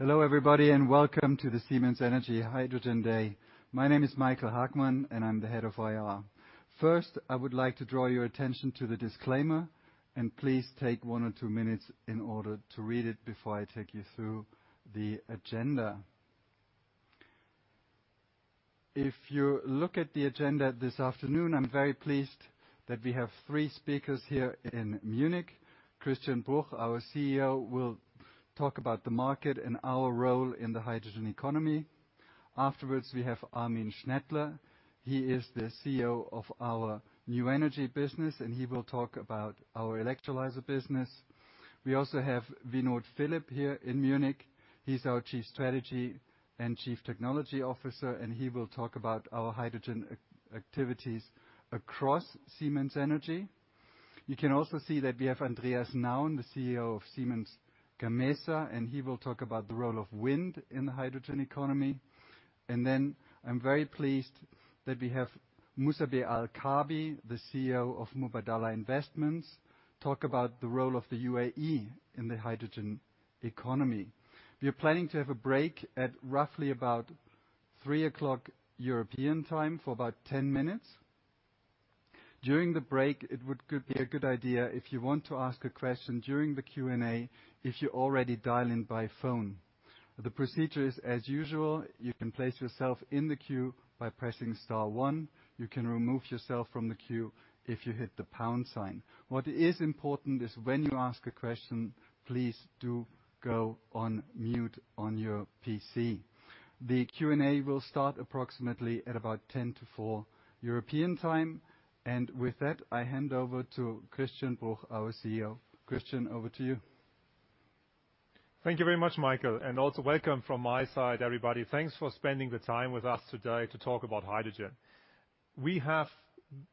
Hello everybody, and welcome to the Siemens Energy Hydrogen Day. My name is Michael Hagmann and I'm the Head of IR. First, I would like to draw your attention to the disclaimer. Please take one or two minutes in order to read it before I take you through the agenda. If you look at the agenda this afternoon, I'm very pleased that we have three speakers here in Munich. Christian Bruch, our CEO, will talk about the market and our role in the hydrogen economy. Afterwards, we have Armin Schnettler. He is the CEO of our New Energy Business. He will talk about our electrolyzer business. We also have Vinod Philip here in Munich. He is our Chief Strategy and Chief Technology Officer. He will talk about our hydrogen activities across Siemens Energy. You can also see that we have Andreas Nauen, the CEO of Siemens Gamesa. He will talk about the role of wind in the hydrogen economy. Then I'm very pleased that we have Musabbeh Al Kaabi, the CEO of Mubadala Investments, talk about the role of the UAE in the hydrogen economy. We are planning to have a break at roughly about 3:00 European time for about 10 minutes. During the break, it would be a good idea if you want to ask a question during the Q&A, if you already dial in by phone. The procedure is as usual. You can place yourself in the queue by pressing star one. You can remove yourself from the queue if you hit the pound sign. What is important is when you ask a question, please do go on mute on your PC. The Q&A will start approximately at about 10:00 to 4:00 European time. With that, I hand over to Christian Bruch, our CEO. Christian, over to you. Thank you very much, Michael, and also welcome from my side, everybody. Thanks for spending the time with us today to talk about hydrogen. We have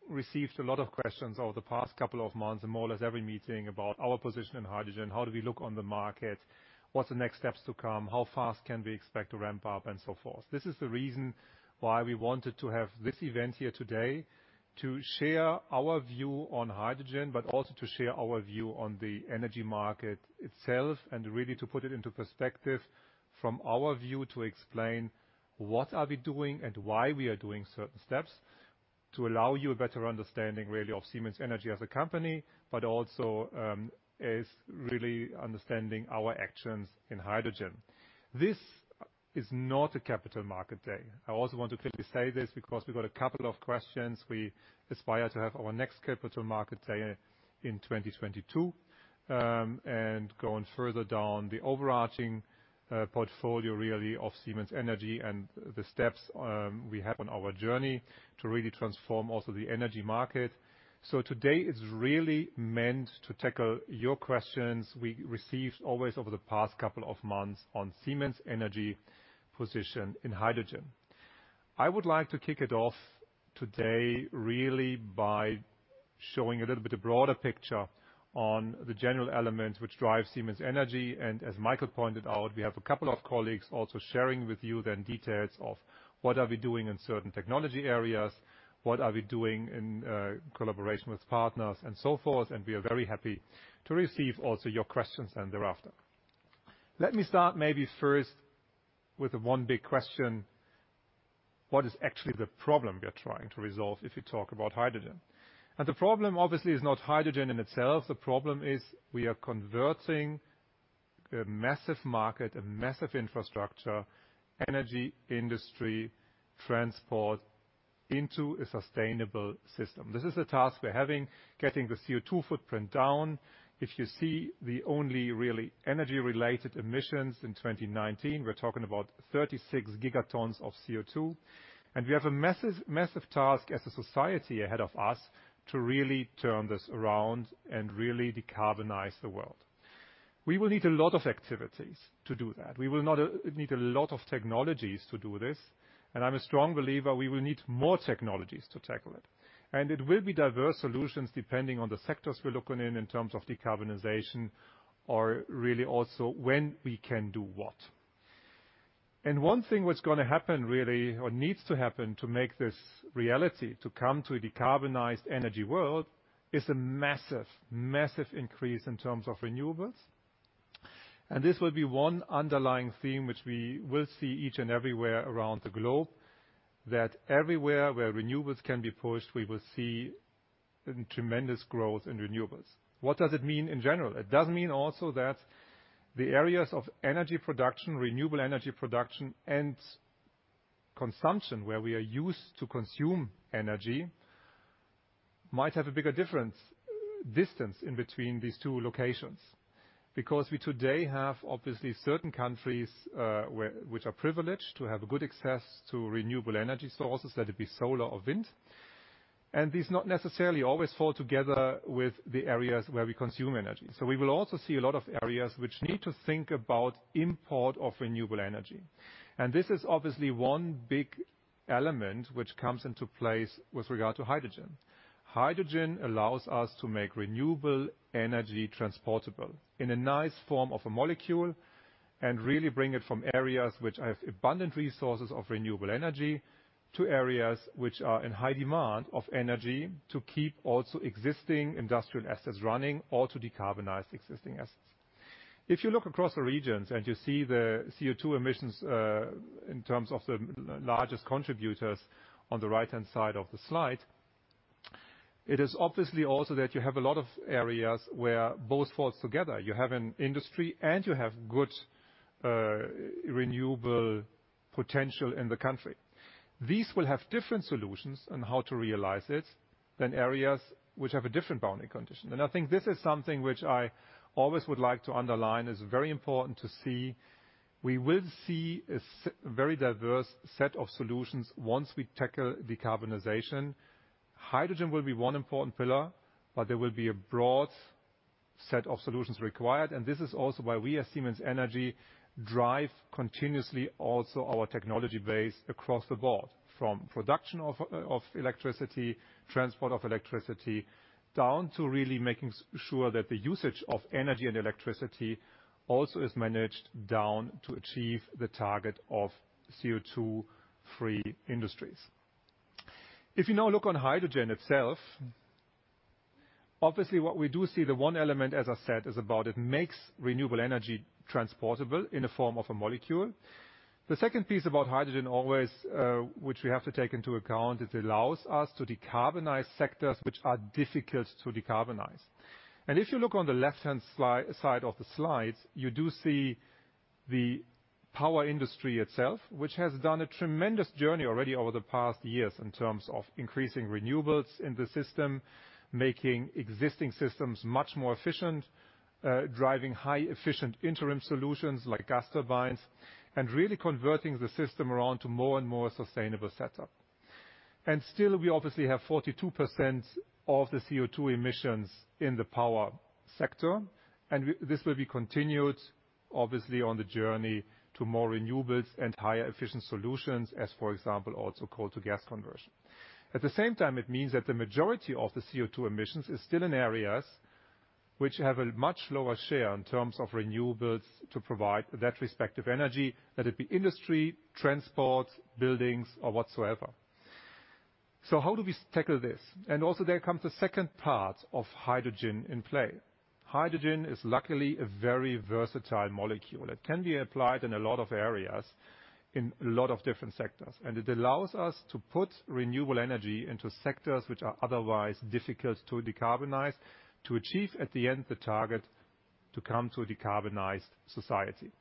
received a lot of questions over the past couple of months and more or less every meeting about our position in hydrogen. How do we look on the market? What's the next steps to come? How fast can we expect to ramp up and so forth. This is the reason why we wanted to have this event here today to share our view on hydrogen, but also to share our view on the energy market itself and really to put it into perspective from our view to explain what are we doing and why we are doing certain steps to allow you a better understanding really of Siemens Energy as a company, but also is really understanding our actions in hydrogen. This is not a Capital Markets Day. I also want to quickly say this because we got a couple of questions. We aspire to have our next Capital Markets Day in 2022. Going further down the overarching portfolio really of Siemens Energy and the steps we have on our journey to really transform also the energy market. Today is really meant to tackle your questions we received always over the past couple of months on Siemens Energy position in hydrogen. I would like to kick it off today really by showing a little bit of broader picture on the general elements which drive Siemens Energy. As Michael pointed out, we have a couple of colleagues also sharing with you then details of what are we doing in certain technology areas, what are we doing in collaboration with partners and so forth. We are very happy to receive also your questions and thereafter. Let me start maybe first with one big question. What is actually the problem we are trying to resolve if we talk about hydrogen? The problem obviously is not hydrogen in itself. The problem is we are converting a massive market, a massive infrastructure, energy industry transport into a sustainable system. This is a task we're having, getting the CO2 footprint down. If you see the only really energy-related emissions in 2019, we're talking about 36 gigatons of CO2, and we have a massive task as a society ahead of us to really turn this around and really decarbonize the world. We will need a lot of activities to do that. We will need a lot of technologies to do this, and I'm a strong believer we will need more technologies to tackle it. It will be diverse solutions depending on the sectors we're looking in terms of decarbonization or really also when we can do what. One thing what's going to happen really or needs to happen to make this reality, to come to a decarbonized energy world, is a massive increase in terms of renewables. This will be one underlying theme which we will see each and everywhere around the globe, that everywhere where renewables can be pushed, we will see a tremendous growth in renewables. What does it mean in general? It does mean also that the areas of energy production, renewable energy production and consumption, where we are used to consume energy, might have a bigger difference, distance in between these two locations. We today have obviously certain countries which are privileged to have good access to renewable energy sources, let it be solar or wind. These not necessarily always fall together with the areas where we consume energy. We will also see a lot of areas which need to think about import of renewable energy. This is obviously one big element which comes into place with regard to hydrogen. Hydrogen allows us to make renewable energy transportable in a nice form of a molecule and really bring it from areas which have abundant resources of renewable energy to areas which are in high demand of energy to keep also existing industrial assets running or to decarbonize existing assets. If you look across the regions and you see the CO2 emissions in terms of the largest contributors on the right-hand side of the slide, it is obviously also that you have a lot of areas where both falls together. You have an industry and you have good renewable potential in the country. These will have different solutions on how to realize it than areas which have a different boundary condition. I think this is something which I always would like to underline, is very important to see. We will see a very diverse set of solutions once we tackle decarbonization. Hydrogen will be one important pillar, but there will be a broad set of solutions required. This is also why we, as Siemens Energy, drive continuously also our technology base across the board, from production of electricity, transport of electricity, down to really making sure that the usage of energy and electricity also is managed down to achieve the target of CO2-free industries. If you now look on hydrogen itself, obviously what we do see, the one element, as I said, is about it makes renewable energy transportable in the form of a molecule. The second piece about hydrogen, always, which we have to take into account, it allows us to decarbonize sectors which are difficult to decarbonize. If you look on the left-hand side of the slide, you do see the power industry itself, which has done a tremendous journey already over the past years in terms of increasing renewables in the system, making existing systems much more efficient, driving high efficient interim solutions like gas turbines, and really converting the system around to more and more sustainable setup. Still, we obviously have 42% of the CO2 emissions in the power sector, and this will be continued, obviously, on the journey to more renewables and higher efficient solutions as, for example, also coal to gas conversion. At the same time, it means that the majority of the CO2 emissions is still in areas which have a much lower share in terms of renewables to provide that respective energy, let it be industry, transport, buildings or whatsoever. How do we tackle this? Also there comes the second part of hydrogen in play. Hydrogen is luckily a very versatile molecule. It can be applied in a lot of areas, in a lot of different sectors, and it allows us to put renewable energy into sectors which are otherwise difficult to decarbonize, to achieve at the end the target to come to a decarbonized society.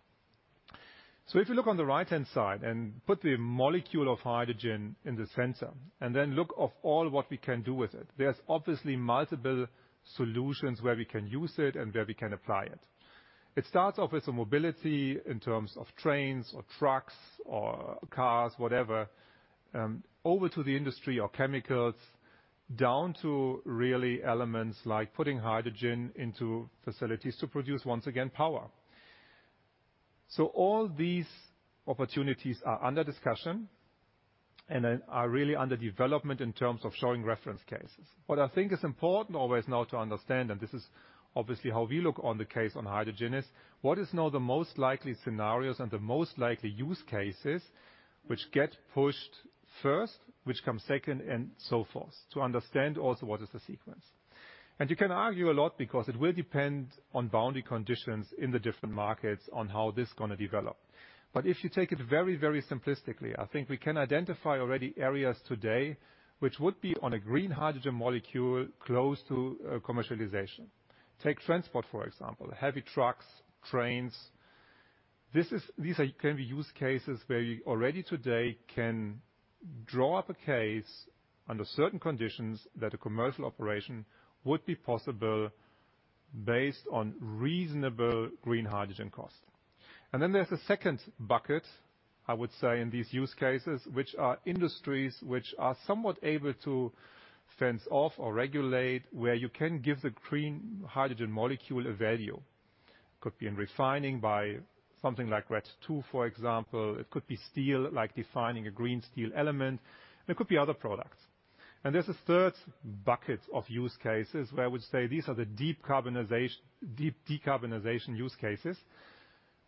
If you look on the right-hand side and put the molecule of hydrogen in the center and then look of all what we can do with it, there's obviously multiple solutions where we can use it and where we can apply it. It starts off with mobility in terms of trains or trucks or cars, whatever, over to the industry or chemicals, down to really elements like putting hydrogen into facilities to produce, once again, power. All these opportunities are under discussion and are really under development in terms of showing reference cases. What I think is important always now to understand, and this is obviously how we look on the case on hydrogen, is what is now the most likely scenarios and the most likely use cases which get pushed first, which come second, and so forth, to understand also what is the sequence. You can argue a lot because it will depend on boundary conditions in the different markets on how this is going to develop. If you take it very simplistically, I think we can identify already areas today which would be on a green hydrogen molecule close to commercialization. Take transport, for example. Heavy trucks, trains. These can be use cases where you already today can draw up a case under certain conditions that a commercial operation would be possible based on reasonable green hydrogen cost. Then there's a second bucket, I would say, in these use cases, which are industries which are somewhat able to fence off or regulate, where you can give the green hydrogen molecule a value. Could be in refining by something like RED II, for example. It could be steel, like defining a green steel element. It could be other products. There's a third bucket of use cases where I would say these are the deep decarbonization use cases,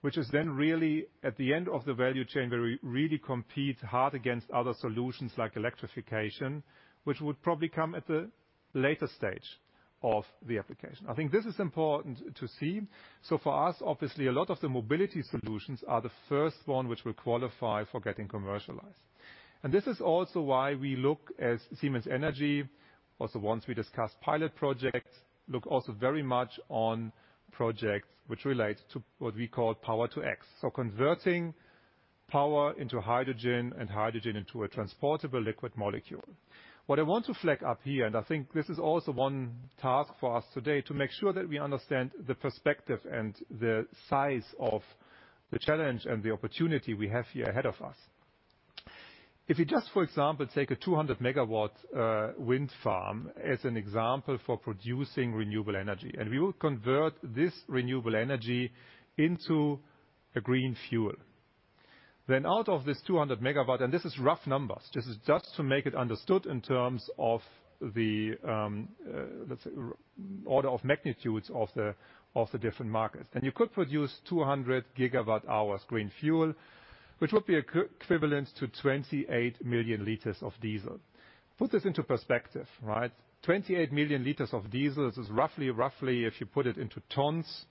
which is then really at the end of the value chain, where we really compete hard against other solutions like electrification, which would probably come at the later stage of the application. I think this is important to see. For us, obviously, a lot of the mobility solutions are the first one which will qualify for getting commercialized. This is also why we look, as Siemens Energy, also once we discuss pilot projects, look also very much on projects which relate to what we call Power-to-X. Converting power into hydrogen and hydrogen into a transportable liquid molecule. I want to flag up here, and I think this is also one task for us today, to make sure that we understand the perspective and the size of the challenge and the opportunity we have here ahead of us. If you just, for example, take a 200 MW wind farm as an example for producing renewable energy, and we will convert this renewable energy into a green fuel. Out of this 200 MW, and this is rough numbers, this is just to make it understood in terms of the order of magnitudes of the different markets. You could produce 200 GWh green fuel, which would be equivalent to 28 million liters of diesel. Put this into perspective, right? 28 million liters of diesel is roughly, if you put it into tons,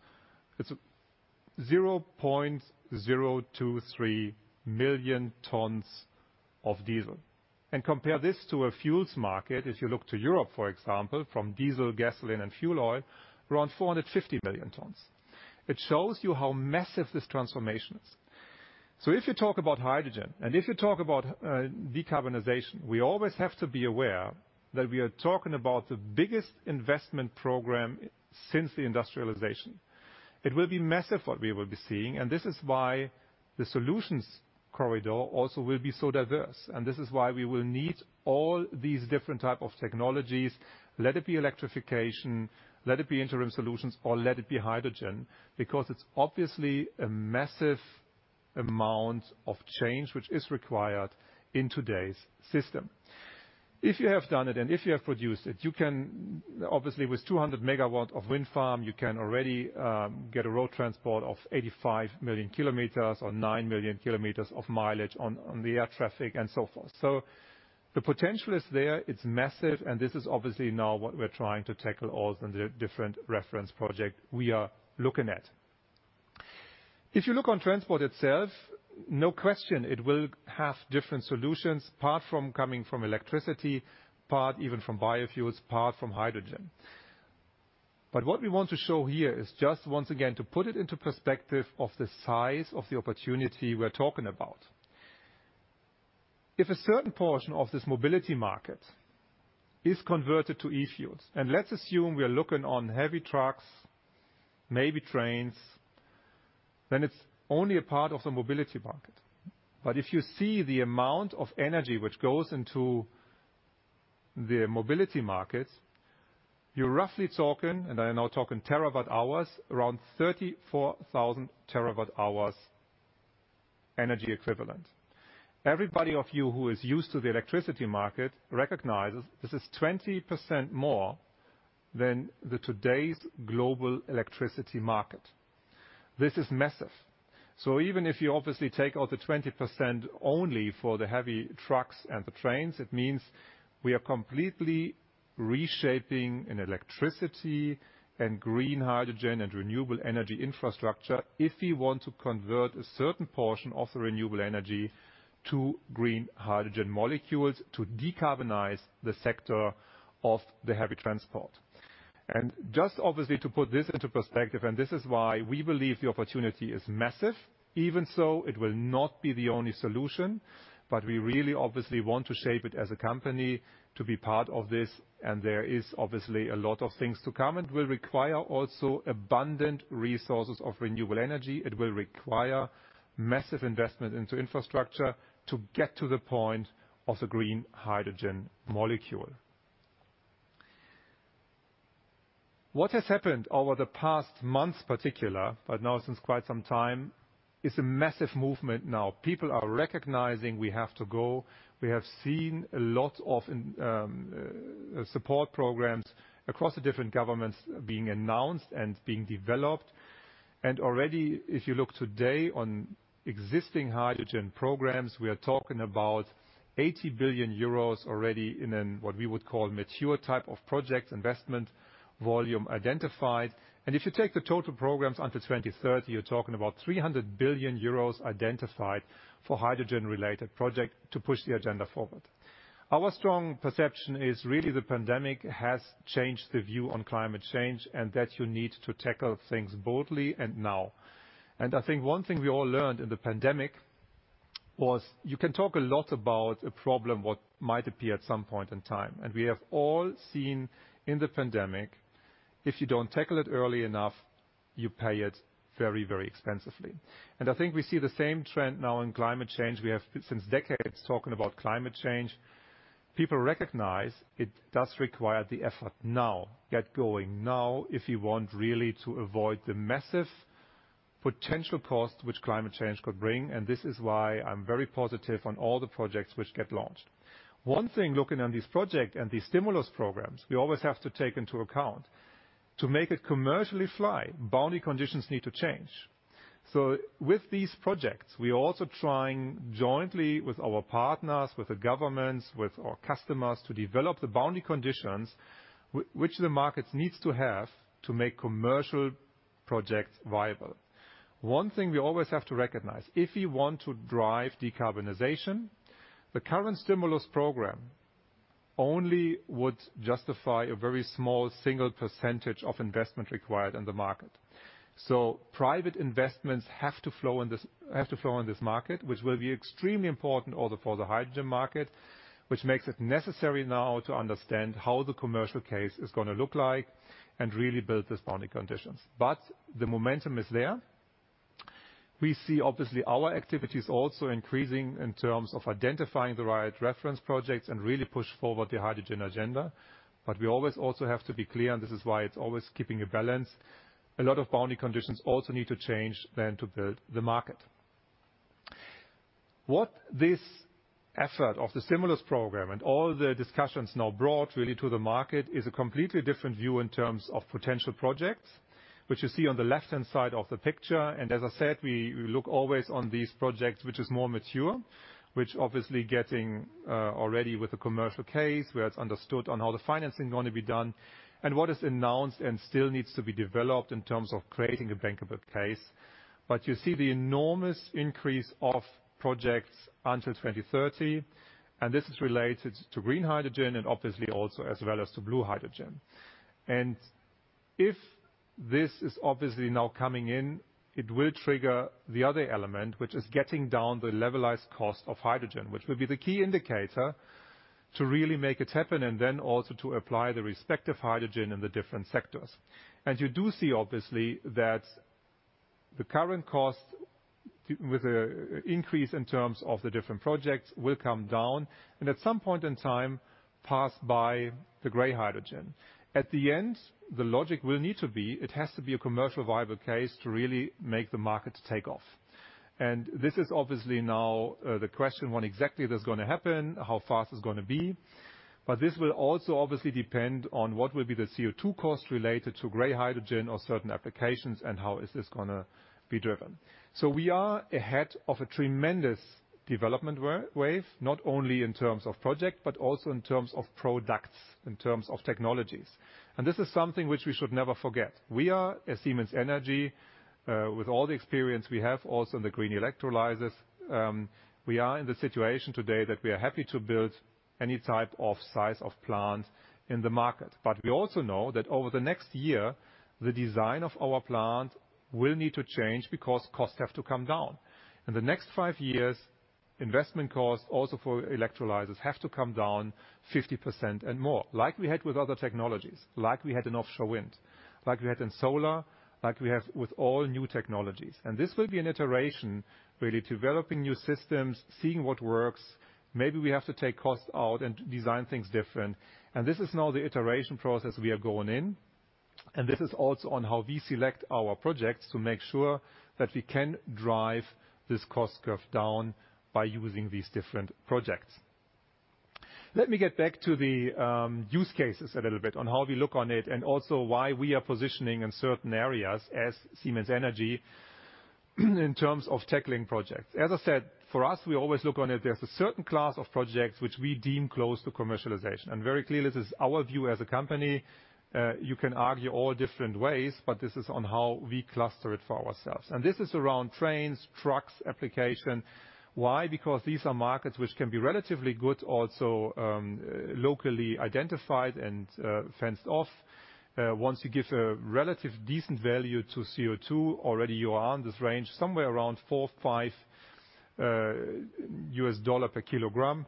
it's 0.023 million tons of diesel. Compare this to a fuels market, if you look to Europe, for example, from diesel, gasoline, and fuel oil, around 450 million tons. It shows you how massive this transformation is. If you talk about hydrogen, and if you talk about decarbonization, we always have to be aware that we are talking about the biggest investment program since the industrialization. It will be massive what we will be seeing. This is why the solutions corridor also will be so diverse. This is why we will need all these different type of technologies, let it be electrification, let it be interim solutions, or let it be hydrogen, because it's obviously a massive amount of change which is required in today's system. If you have done it, and if you have produced it, you can obviously, with 200 MW of wind farm, you can already get a road transport of 85 million km or 9 million km of mileage on the air traffic and so forth. The potential is there, it's massive. This is obviously now what we're trying to tackle all the different reference project we are looking at. If you look on transport itself, no question it will have different solutions, part from coming from electricity, part even from biofuels, part from hydrogen. What we want to show here is just once again, to put it into perspective of the size of the opportunity we're talking about. If a certain portion of this mobility market is converted to eFuel, and let's assume we are looking on heavy trucks, maybe trains, then it's only a part of the mobility market. If you see the amount of energy which goes into the mobility market, you're roughly talking, and I am now talking terawatt-hours, around 34,000 TWh energy equivalent. Everybody of you who is used to the electricity market recognizes this is 20% more than the today's global electricity market. This is massive. Even if you obviously take out the 20% only for the heavy trucks and the trains, it means we are completely reshaping an electricity and green hydrogen and renewable energy infrastructure if we want to convert a certain portion of the renewable energy to green hydrogen molecules to decarbonize the sector of the heavy transport. Just obviously to put this into perspective, and this is why we believe the opportunity is massive, even so it will not be the only solution, but we really obviously want to shape it as a company to be part of this, and there is obviously a lot of things to come. It will require also abundant resources of renewable energy. It will require massive investment into infrastructure to get to the point of the green hydrogen molecule. What has happened over the past months particular, but now since quite some time, is a massive movement now. People are recognizing we have to go. We have seen a lot of support programs across the different governments being announced and being developed. Already, if you look today on existing hydrogen programs, we are talking about 80 billion euros already in an what we would call mature type of project investment volume identified. If you take the total programs until 2030, you're talking about 300 billion euros identified for hydrogen-related project to push the agenda forward. Our strong perception is really the pandemic has changed the view on climate change, and that you need to tackle things boldly and now. I think one thing we all learned in the pandemic was you can talk a lot about a problem what might appear at some point in time. We have all seen in the pandemic, if you don't tackle it early enough, you pay it very, very expensively. I think we see the same trend now in climate change. We have since decades talking about climate change. People recognize it does require the effort now, get going now, if we want really to avoid the massive potential cost which climate change could bring. This is why I'm very positive on all the projects which get launched. One thing looking on this project and these stimulus programs, we always have to take into account, to make it commercially fly, boundary conditions need to change. With these projects, we are also trying jointly with our partners, with the governments, with our customers, to develop the boundary conditions which the markets needs to have to make commercial projects viable. One thing we always have to recognize, if we want to drive decarbonization, the current stimulus program only would justify a very small single percentage of investment required in the market. Private investments have to flow in this market, which will be extremely important also for the hydrogen market, which makes it necessary now to understand how the commercial case is gonna look like and really build the boundary conditions. The momentum is there. We see obviously our activities also increasing in terms of identifying the right reference projects and really push forward the hydrogen agenda. We always also have to be clear, and this is why it's always keeping a balance. A lot of boundary conditions also need to change then to build the market. What this effort of the stimulus program and all the discussions now brought really to the market is a completely different view in terms of potential projects, which you see on the left-hand side of the picture. As I said, we look always on these projects which is more mature, which obviously getting already with a commercial case, where it's understood on how the financing going to be done, and what is announced and still needs to be developed in terms of creating a bankable case. You see the enormous increase of projects until 2030, and this is related to green hydrogen and obviously also as well as to blue hydrogen. If this is obviously now coming in, it will trigger the other element, which is getting down the levelized cost of hydrogen, which will be the key indicator to really make it happen, and then also to apply the respective hydrogen in the different sectors. You do see, obviously, that the current cost, with the increase in terms of the different projects, will come down and at some point in time, pass by the gray hydrogen. At the end, the logic will need to be, it has to be a commercial viable case to really make the market take off. This is obviously now the question, when exactly that's going to happen, how fast it's going to be. This will also obviously depend on what will be the CO2 cost related to gray hydrogen or certain applications and how is this going to be driven. We are ahead of a tremendous development wave, not only in terms of project, but also in terms of products, in terms of technologies. This is something which we should never forget. We are, as Siemens Energy, with all the experience we have also in the green electrolyzers, we are in the situation today that we are happy to build any type of size of plant in the market. We also know that over the next year, the design of our plant will need to change because costs have to come down. In the next five years, investment costs, also for electrolyzers, have to come down 50% and more, like we had with other technologies, like we had in offshore wind, like we had in solar, like we have with all new technologies. This will be an iteration, really, developing new systems, seeing what works. Maybe we have to take costs out and design things different. This is now the iteration process we are going in, and this is also on how we select our projects to make sure that we can drive this cost curve down by using these different projects. Let me get back to the use cases a little bit on how we look on it, and also why we are positioning in certain areas as Siemens Energy in terms of tackling projects. As I said, for us, we always look on it, there's a certain class of projects which we deem close to commercialization. Very clearly, this is our view as a company. You can argue all different ways, but this is on how we cluster it for ourselves. This is around trains, trucks application. Why? These are markets which can be relatively good, also locally identified and fenced off. Once you give a relatively decent value to CO2, already you are in this range, somewhere around $4, $5 per kg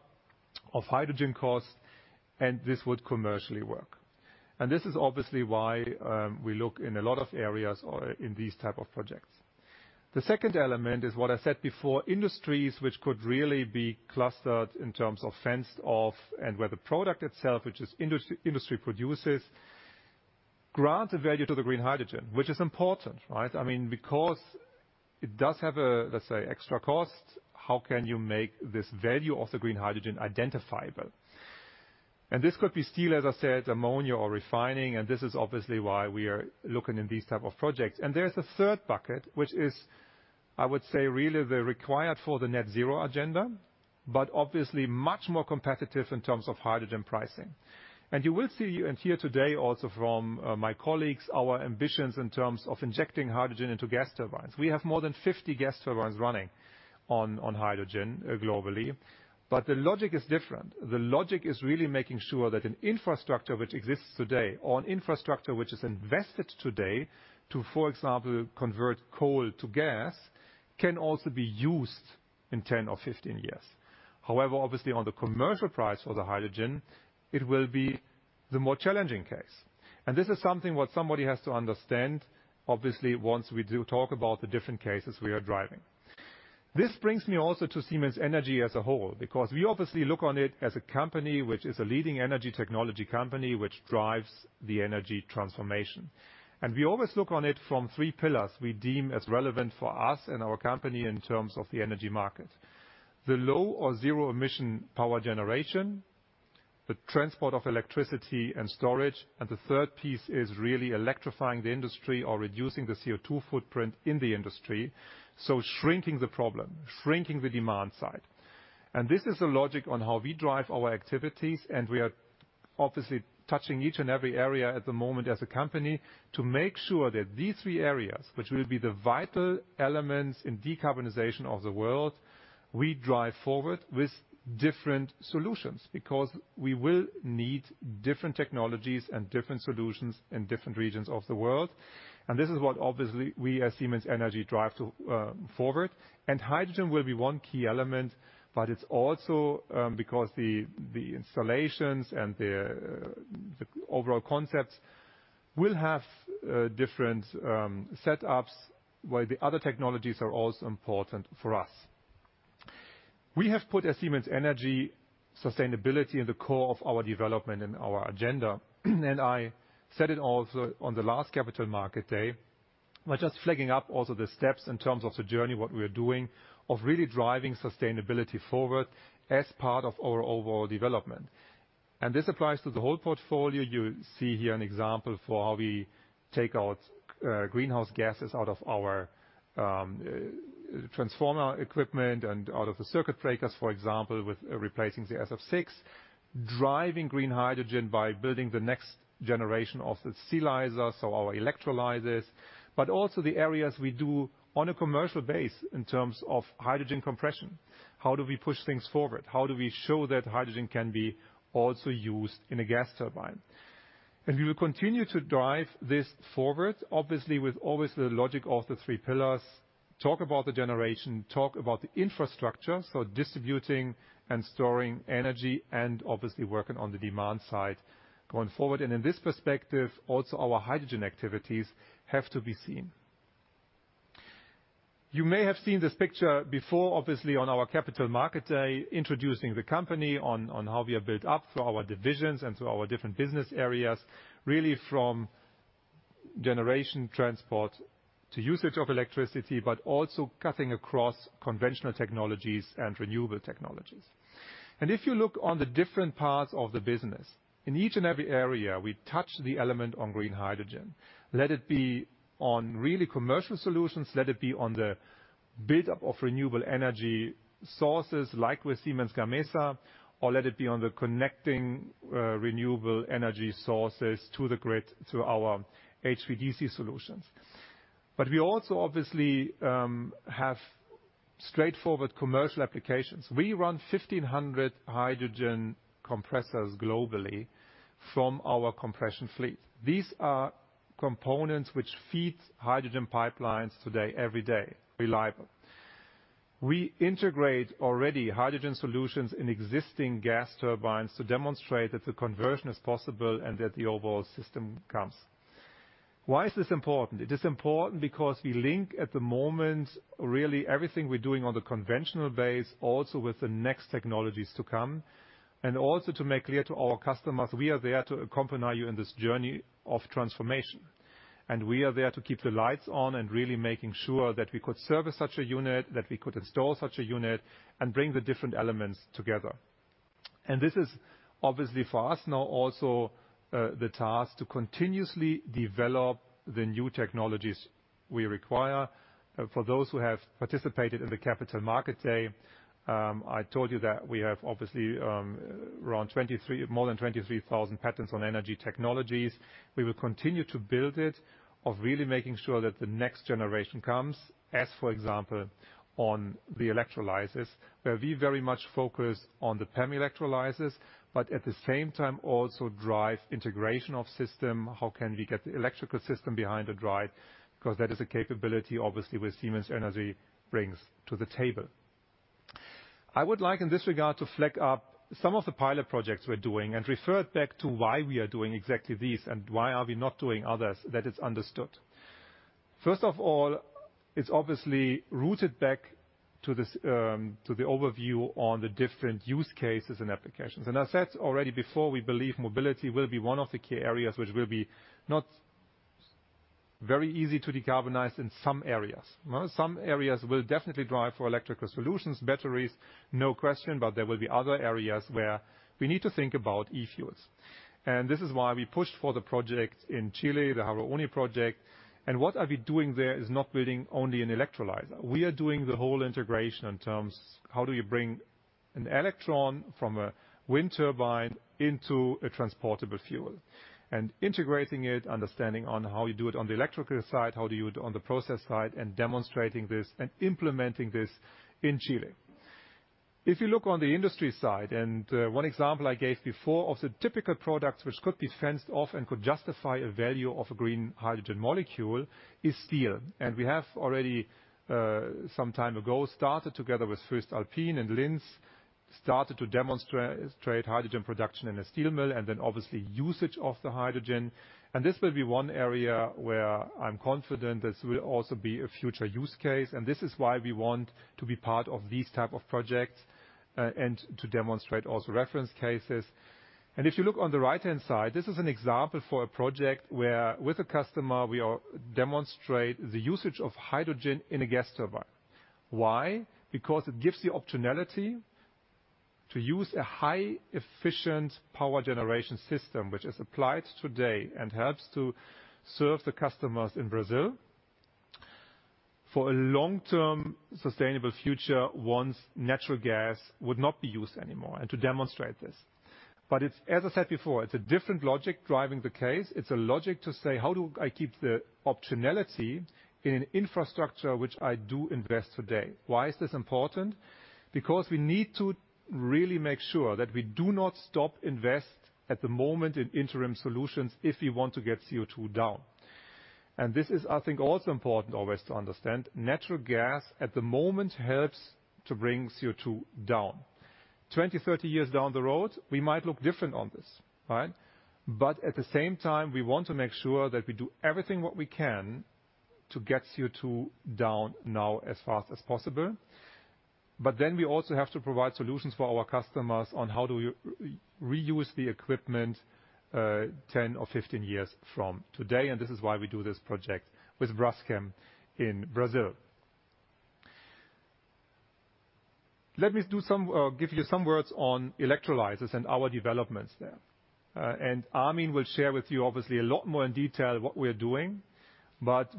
of hydrogen cost. This would commercially work. This is obviously why we look in a lot of areas or in these type of projects. The second element is what I said before, industries which could really be clustered in terms of fenced off, and where the product itself, which is industry producers, grant a value to the green hydrogen, which is important, right? It does have, let's say, extra cost. How can you make this value of the green hydrogen identifiable? This could be steel, as I said, ammonia or refining. This is obviously why we are looking in these type of projects. There's a third bucket, which is, I would say, really the required for the net zero agenda, but obviously much more competitive in terms of hydrogen pricing. You will see and hear today also from my colleagues, our ambitions in terms of injecting hydrogen into gas turbines. We have more than 50 gas turbines running on hydrogen globally, but the logic is different. The logic is really making sure that an infrastructure which exists today or an infrastructure which is invested today to, for example, convert coal to gas, can also be used in 10 or 15 years. However, obviously on the commercial price for the hydrogen, it will be the more challenging case. This is something what somebody has to understand, obviously, once we do talk about the different cases we are driving. This brings me also to Siemens Energy as a whole, because we obviously look on it as a company which is a leading energy technology company which drives the energy transformation. We always look on it from three pillars we deem as relevant for us and our company in terms of the energy market. The low or zero emission power generation, the transport of electricity and storage, and the third piece is really electrifying the industry or reducing the CO2 footprint in the industry, so shrinking the problem, shrinking the demand side. This is the logic on how we drive our activities, and we are obviously touching each and every area at the moment as a company to make sure that these three areas, which will be the vital elements in decarbonization of the world, we drive forward with different solutions. Because we will need different technologies and different solutions in different regions of the world. This is what obviously we as Siemens Energy drive forward. Hydrogen will be one key element, but it's also because the installations and the overall concepts will have different setups, while the other technologies are also important for us. We have put as Siemens Energy, sustainability in the core of our development and our agenda. I said it also on the last Capital Markets Day. We're just flagging up also the steps in terms of the journey, what we are doing of really driving sustainability forward as part of our overall development. This applies to the whole portfolio. You see here an example for how we take out greenhouse gases out of our transformer equipment and out of the circuit breakers, for example, with replacing the SF6. Driving green hydrogen by building the next generation of the Silyzer, so our electrolyzers, but also the areas we do on a commercial base in terms of hydrogen compression. How do we push things forward? How do we show that hydrogen can be also used in a gas turbine? We will continue to drive this forward, obviously with always the logic of the three pillars. Talk about the generation, talk about the infrastructure, so distributing and storing energy, and obviously working on the demand side going forward. In this perspective, also our hydrogen activities have to be seen. You may have seen this picture before, obviously on our Capital Markets Day, introducing the company on how we are built up through our divisions and through our different business areas, really from generation transport to usage of electricity, but also cutting across conventional technologies and renewable technologies. If you look on the different parts of the business, in each and every area, we touch the element on green hydrogen, let it be on really commercial solutions, let it be on the build-up of renewable energy sources, like with Siemens Gamesa, or let it be on the connecting renewable energy sources to the grid, to our HVDC solutions. We also obviously have straightforward commercial applications. We run 1,500 hydrogen compressors globally from our compression fleet. These are components which feed hydrogen pipelines today, every day, reliably. We integrate already hydrogen solutions in existing gas turbines to demonstrate that the conversion is possible and that the overall system comes. Why is this important? It is important because we link at the moment really everything we're doing on the conventional base also with the next technologies to come, and also to make clear to our customers we are there to accompany you in this journey of transformation. We are there to keep the lights on and really making sure that we could service such a unit, that we could install such a unit, and bring the different elements together. This is obviously for us now also the task to continuously develop the new technologies we require. For those who have participated in the Capital Markets Day, I told you that we have obviously more than 23,000 patents on energy technologies. We will continue to build it of really making sure that the next generation comes, as, for example, on the electrolysis, where we very much focus on the PEM electrolysis, but at the same time also drive integration of system. How can we get the electrical system behind the drive? That is a capability, obviously, which Siemens Energy brings to the table. I would like, in this regard, to flag up some of the pilot projects we're doing and refer back to why we are doing exactly these and why are we not doing others, that it's understood. First of all, it's obviously rooted back to the overview on the different use cases and applications. I said already before, we believe mobility will be one of the key areas which will be not very easy to decarbonize in some areas. Some areas will definitely drive for electrical solutions, batteries, no question, but there will be other areas where we need to think about eFuel. This is why we pushed for the project in Chile, the Haru Oni project. What are we doing there is not building only an electrolyzer. We are doing the whole integration in terms how do you bring an electron from a wind turbine into a transportable fuel, and integrating it, understanding on how you do it on the electrical side, how do you do it on the process side, and demonstrating this and implementing this in Chile. If you look on the industry side, and one example I gave before of the typical products which could be fenced off and could justify a value of a green hydrogen molecule is steel. We have already, some time ago, started together with voestalpine in Linz, started to demonstrate hydrogen production in a steel mill and then obviously usage of the hydrogen. This will be one area where I'm confident this will also be a future use case, and this is why we want to be part of these type of projects, and to demonstrate also reference cases. If you look on the right-hand side, this is an example for a project where with a customer, we demonstrate the usage of hydrogen in a gas turbine. Why? Because it gives the optionality to use a high efficient power generation system which is applied today and helps to serve the customers in Brazil for a long-term sustainable future once natural gas would not be used anymore, and to demonstrate this. As I said before, it's a different logic driving the case. It's a logic to say, how do I keep the optionality in an infrastructure which I do invest today? Why is this important? We need to really make sure that we do not stop investing at the moment in interim solutions if we want to get CO2 down. This is, I think, also important always to understand. Natural gas at the moment helps to bring CO2 down. 20, 30 years down the road, we might look different on this, right? At the same time, we want to make sure that we do everything what we can to get CO2 down now as fast as possible. We also have to provide solutions for our customers on how do we reuse the equipment 10 or 15 years from today, and this is why we do this project with Braskem in Brazil. Let me give you some words on electrolyzers and our developments there. Armin will share with you, obviously, a lot more in detail what we're doing.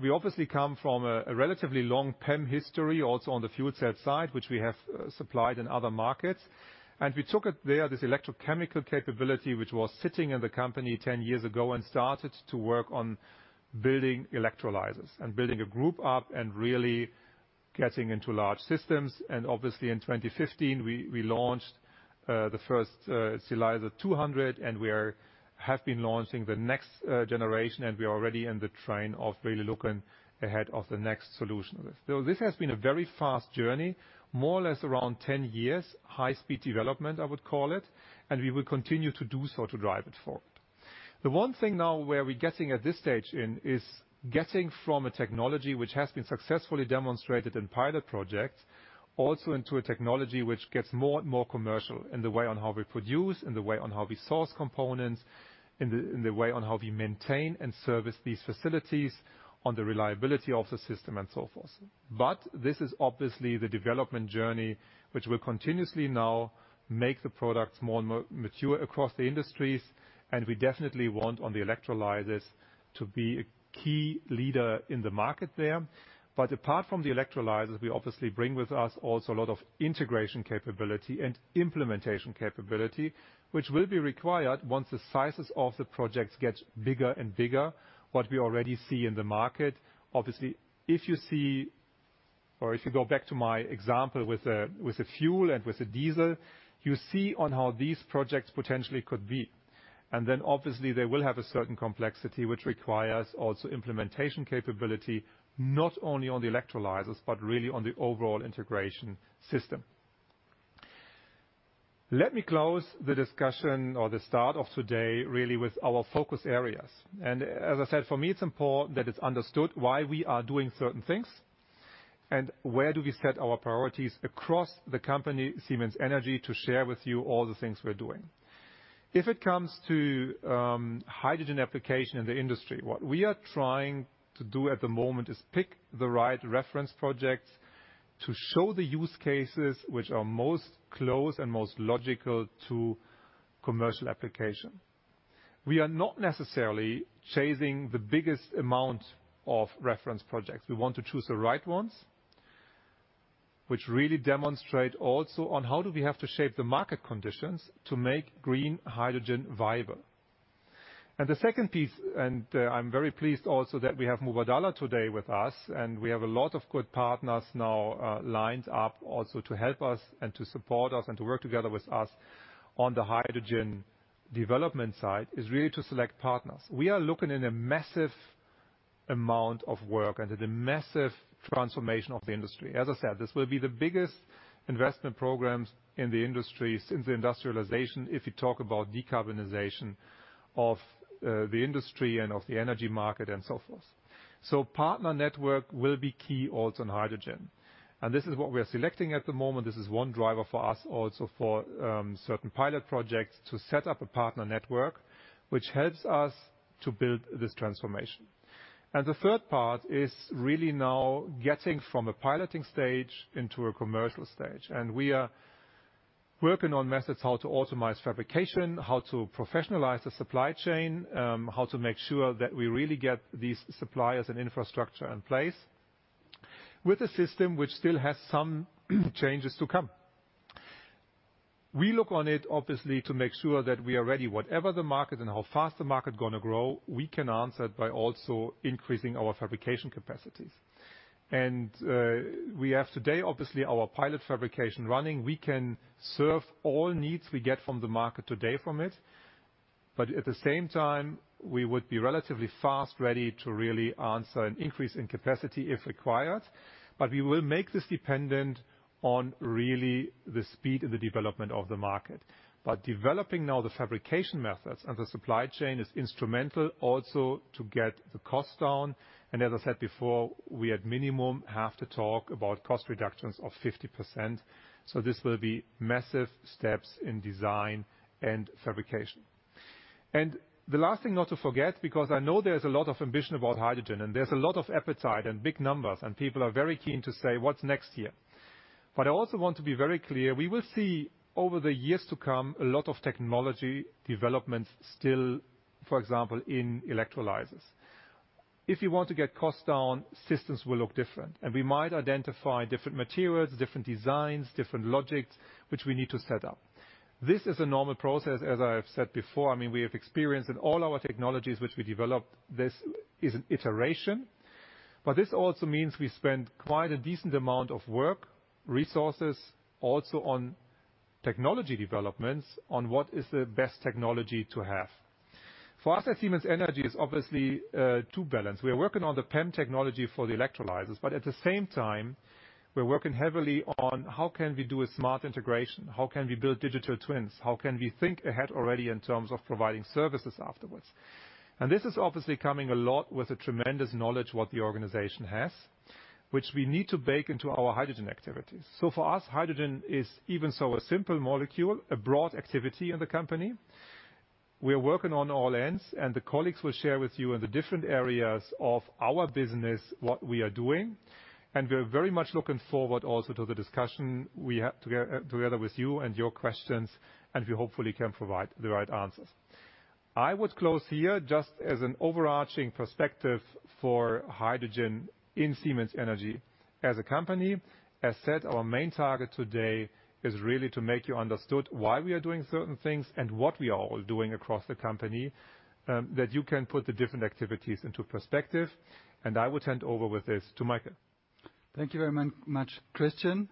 We obviously come from a relatively long PEM history also on the fuel cell side, which we have supplied in other markets. We took it there, this electrochemical capability which was sitting in the company 10 years ago and started to work on building electrolyzers and building a group up and really getting into large systems. Obviously in 2015, we launched the first Silyzer 200, and we have been launching the next generation, and we are already in the train of really looking ahead of the next solution. This has been a very fast journey, more or less around 10 years. High speed development, I would call it, and we will continue to do so to drive it forward. The one thing now where we're getting at this stage in is getting from a technology which has been successfully demonstrated in pilot projects, also into a technology which gets more and more commercial in the way on how we produce, in the way on how we source components, in the way on how we maintain and service these facilities, on the reliability of the system and so forth. This is obviously the development journey, which will continuously now make the products more mature across the industries, and we definitely want on the electrolyzers to be a key leader in the market there. Apart from the electrolyzers, we obviously bring with us also a lot of integration capability and implementation capability, which will be required once the sizes of the projects get bigger and bigger. What we already see in the market, obviously, if you see, or if you go back to my example with the fuel and with the diesel, you see on how these projects potentially could be. Then obviously they will have a certain complexity which requires also implementation capability, not only on the electrolyzers, but really on the overall integration system. Let me close the discussion or the start of today, really with our focus areas. As I said, for me, it's important that it's understood why we are doing certain things and where do we set our priorities across the company, Siemens Energy, to share with you all the things we're doing. If it comes to hydrogen application in the industry, what we are trying to do at the moment is pick the right reference projects to show the use cases which are most close and most logical to commercial application. We are not necessarily chasing the biggest amount of reference projects. We want to choose the right ones, which really demonstrate also on how do we have to shape the market conditions to make green hydrogen viable. The second piece, and I'm very pleased also that we have Mubadala today with us, and we have a lot of good partners now lined up also to help us and to support us and to work together with us on the hydrogen development side, is really to select partners. We are looking in a massive amount of work and at a massive transformation of the industry. As I said, this will be the biggest investment programs in the industry since the industrialization if you talk about decarbonization of the industry and of the energy market and so forth. Partner network will be key also on hydrogen. This is what we are selecting at the moment. This is one driver for us also for certain pilot projects to set up a partner network which helps us to build this transformation. The third part is really now getting from a piloting stage into a commercial stage. We are working on methods how to automize fabrication, how to professionalize the supply chain, how to make sure that we really get these suppliers and infrastructure in place with a system which still has some changes to come. We look on it obviously to make sure that we are ready. Whatever the market and how fast the market going to grow, we can answer it by also increasing our fabrication capacities. We have today, obviously, our pilot fabrication running. We can serve all needs we get from the market today from it. At the same time, we would be relatively fast ready to really answer an increase in capacity if required. We will make this dependent on really the speed of the development of the market. Developing now the fabrication methods and the supply chain is instrumental also to get the cost down. As I said before, we at minimum have to talk about cost reductions of 50%. This will be massive steps in design and fabrication. The last thing not to forget, because I know there's a lot of ambition about hydrogen, and there's a lot of appetite and big numbers, and people are very keen to say, "What's next here?" I also want to be very clear, we will see over the years to come, a lot of technology developments still, for example, in electrolyzers. If you want to get costs down, systems will look different, and we might identify different materials, different designs, different logics, which we need to set up. This is a normal process, as I have said before. I mean, we have experience in all our technologies which we developed. This is an iteration. This also means we spend quite a decent amount of work, resources also on technology developments on what is the best technology to have. For us at Siemens Energy is obviously to balance. We are working on the PEM technology for the electrolyzers, at the same time, we're working heavily on how can we do a smart integration? How can we build digital twins? How can we think ahead already in terms of providing services afterwards? This is obviously coming a lot with a tremendous knowledge what the organization has, which we need to bake into our hydrogen activities. For us, hydrogen is even so a simple molecule, a broad activity in the company. We are working on all ends. The colleagues will share with you in the different areas of our business what we are doing. We are very much looking forward also to the discussion we have together with you and your questions, and we hopefully can provide the right answers. I would close here just as an overarching perspective for hydrogen in Siemens Energy as a company. As said, our main target today is really to make you understood why we are doing certain things and what we are all doing across the company, that you can put the different activities into perspective. I would hand over with this to Michael. Thank you very much, Christian.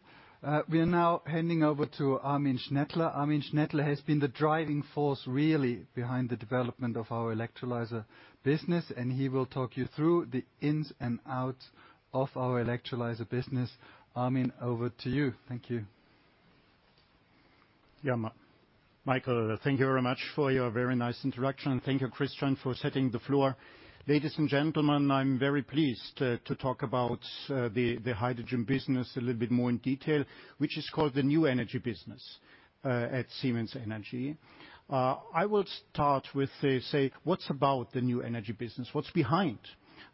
We are now handing over to Armin Schnettler. Armin Schnettler has been the driving force really behind the development of our electrolyzer business, and he will talk you through the ins and outs of our electrolyzer business. Armin, over to you. Thank you. Michael, thank you very much for your very nice introduction. Thank you, Christian, for setting the floor. Ladies and gentlemen, I'm very pleased to talk about the hydrogen business a little bit more in detail, which is called the New Energy Business at Siemens Energy. I will start with, say, what's about the New Energy Business? What's behind,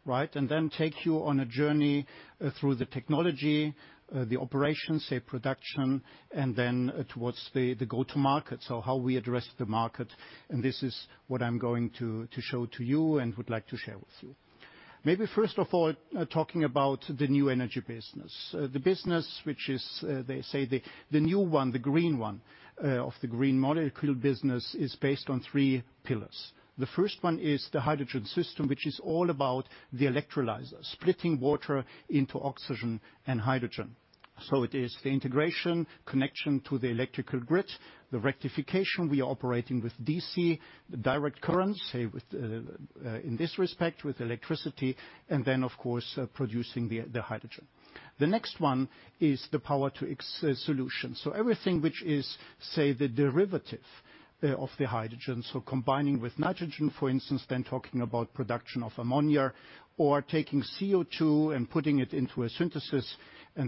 right? Then take you on a journey through the technology, the operations, say, production, and then towards the go-to market. So how we address the market, and this is what I'm going to show to you and would like to share with you. Maybe first of all, talking about the New Energy Business. The business, which is, they say, the new one, the green one of the green molecule business is based on three pillars. The first one is the hydrogen system, which is all about the electrolyzer, splitting water into oxygen and hydrogen. It is the integration, connection to the electrical grid, the rectification. We are operating with DC, direct current, say, in this respect, with electricity, then of course, producing the hydrogen. The next one is the Power-to-X solution. Everything which is, say, the derivative of the hydrogen. Combining with nitrogen, for instance, then talking about production of ammonia, or taking CO2 and putting it into a synthesis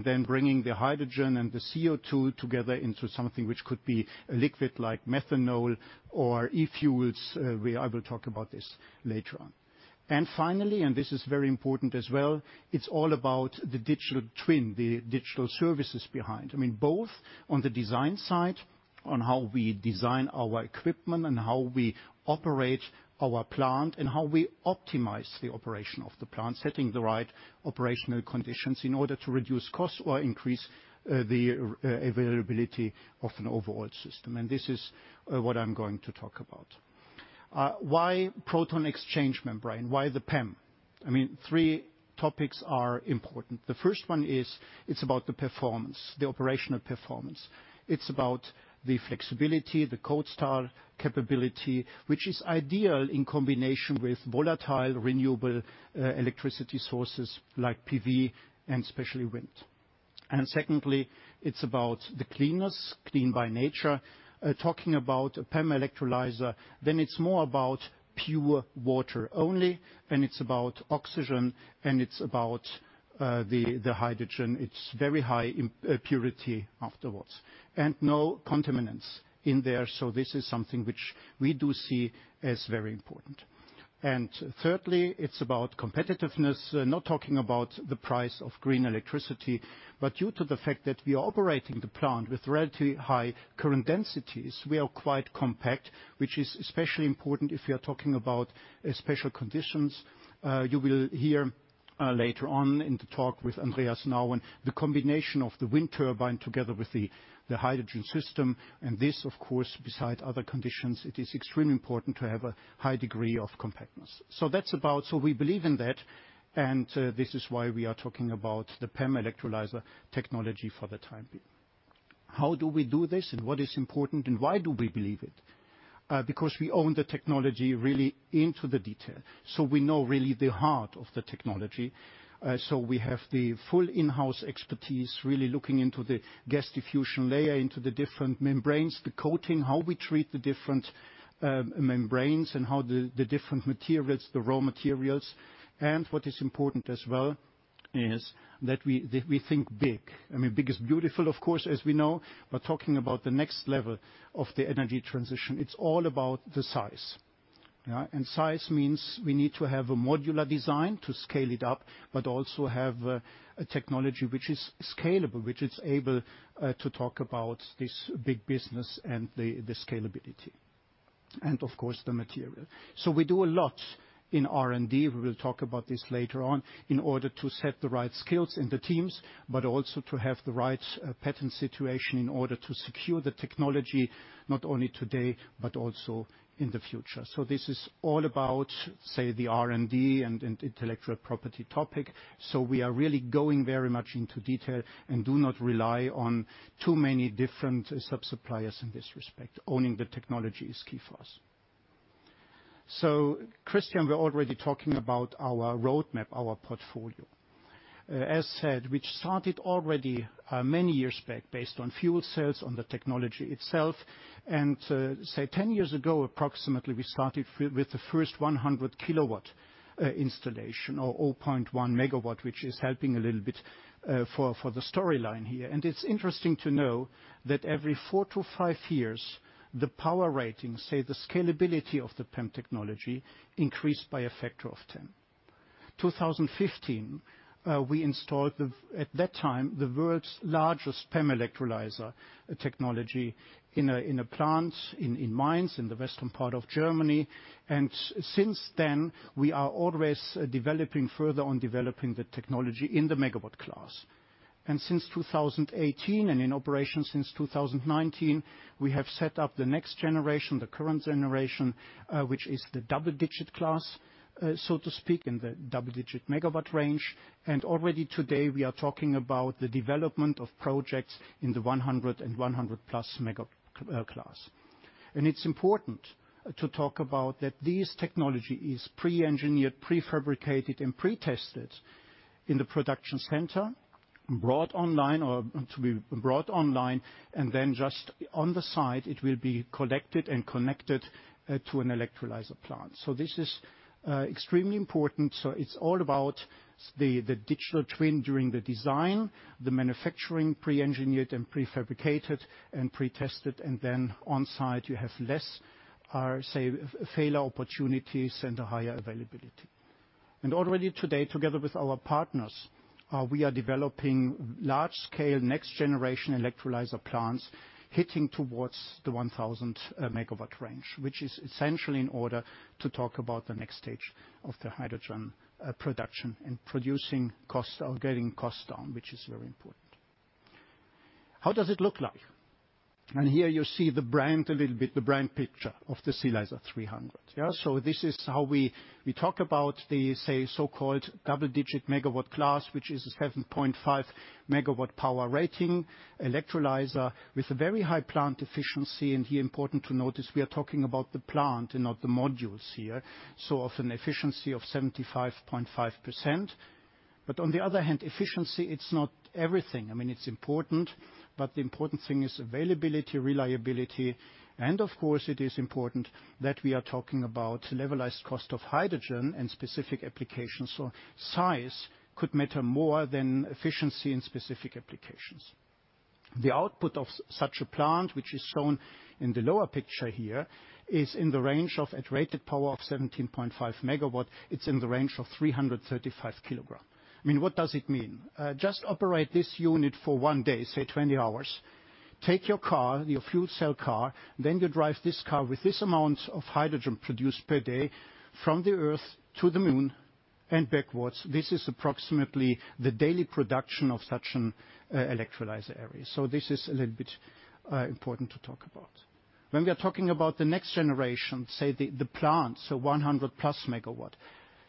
then bringing the hydrogen and the CO2 together into something which could be a liquid like methanol or eFuel. I will talk about this later on. Finally, and this is very important as well, it is all about the digital twin, the digital services behind. Both on the design side, on how we design our equipment and how we operate our plant and how we optimize the operation of the plant, setting the right operational conditions in order to reduce costs or increase the availability of an overall system. This is what I'm going to talk about. Why proton exchange membrane? Why the PEM? Three topics are important. The first one is, it's about the performance, the operational performance. It's about the flexibility, the cold start capability, which is ideal in combination with volatile, renewable electricity sources like PV and especially wind. Secondly, it's about the cleanness, clean by nature. Talking about a PEM electrolyzer, it's more about pure water only, it's about oxygen, it's about the hydrogen. It's very high in purity afterwards. No contaminants in there. This is something which we do see as very important. Thirdly, it's about competitiveness. Not talking about the price of green electricity, but due to the fact that we are operating the plant with relatively high current densities, we are quite compact, which is especially important if you are talking about special conditions. You will hear later on in the talk with Andreas Nauen, the combination of the wind turbine together with the hydrogen system and this, of course, beside other conditions, it is extremely important to have a high degree of compactness. We believe in that, and this is why we are talking about the PEM electrolyzer technology for the time being. How do we do this and what is important and why do we believe it? Because we own the technology really into the detail. We know really the heart of the technology. We have the full in-house expertise, really looking into the gas diffusion layer, into the different membranes, the coating, how we treat the different membranes and how the different materials, the raw materials. What is important as well is that we think big. Big is beautiful, of course, as we know, but talking about the next level of the energy transition, it's all about the size. Size means we need to have a modular design to scale it up, but also have a technology which is scalable, which is able to talk about this big business and the scalability. Of course, the material. We do a lot in R&D, we will talk about this later on, in order to set the right skills in the teams, but also to have the right patent situation in order to secure the technology not only today but also in the future. This is all about, say, the R&D and intellectual property topic. We are really going very much into detail and do not rely on too many different sub-suppliers in this respect. Owning the technology is key for us. Christian, we're already talking about our roadmap, our portfolio. As said, which started already many years back based on fuel cells, on the technology itself. Say, 10 years ago, approximately, we started with the first 100 kW installation or 0.1 MW, which is helping a little bit for the storyline here. It's interesting to know that every four to five years, the power rating, say, the scalability of the PEM technology increased by a factor of 10. 2015, we installed, at that time, the world's largest PEM electrolyzer technology in a plant in Mainz in the western part of Germany. Since then, we are always developing further on developing the technology in the megawatt class. Since 2018, and in operation since 2019, we have set up the next generation, the current generation, which is the double-digit class, so to speak, in the double-digit megawatt range. Already today, we are talking about the development of projects in the 100 MW and 100+ MW class. It's important to talk about that this technology is pre-engineered, prefabricated, and pre-tested in the production center, brought online or to be brought online, then just on the site, it will be collected and connected to an electrolyzer plant. This is extremely important. It's all about the digital twin during the design, the manufacturing, pre-engineered and prefabricated and pre-tested, then on-site you have less, say, failure opportunities and a higher availability. Already today, together with our partners, we are developing large scale next generation electrolyzer plants hitting towards the 1,000 MW range, which is essential in order to talk about the next stage of the hydrogen production and producing costs or getting costs down, which is very important. How does it look like? Here you see the brand a little bit, the brand picture of the Silyzer 300. This is how we talk about the so-called double-digit megawatt class, which is a 17.5 MW power rating electrolyzer with a very high plant efficiency. Here important to notice, we are talking about the plant and not the modules here. Often efficiency of 75.5%. On the other hand, efficiency, it's not everything. I mean, it's important, but the important thing is availability, reliability, and of course, it is important that we are talking about levelized cost of hydrogen and specific applications. Size could matter more than efficiency in specific applications. The output of such a plant, which is shown in the lower picture here, is in the range of at rated power of 17.5 MW, it's in the range of 335 kg. What does it mean? Just operate this unit for one day, say 20 hours. Take your car, your fuel cell car, then you drive this car with this amount of hydrogen produced per day from the Earth to the Moon and backwards. This is approximately the daily production of such an electrolyzer array. This is a little bit important to talk about. When we are talking about the next generation, say the plant, so 100+ MW.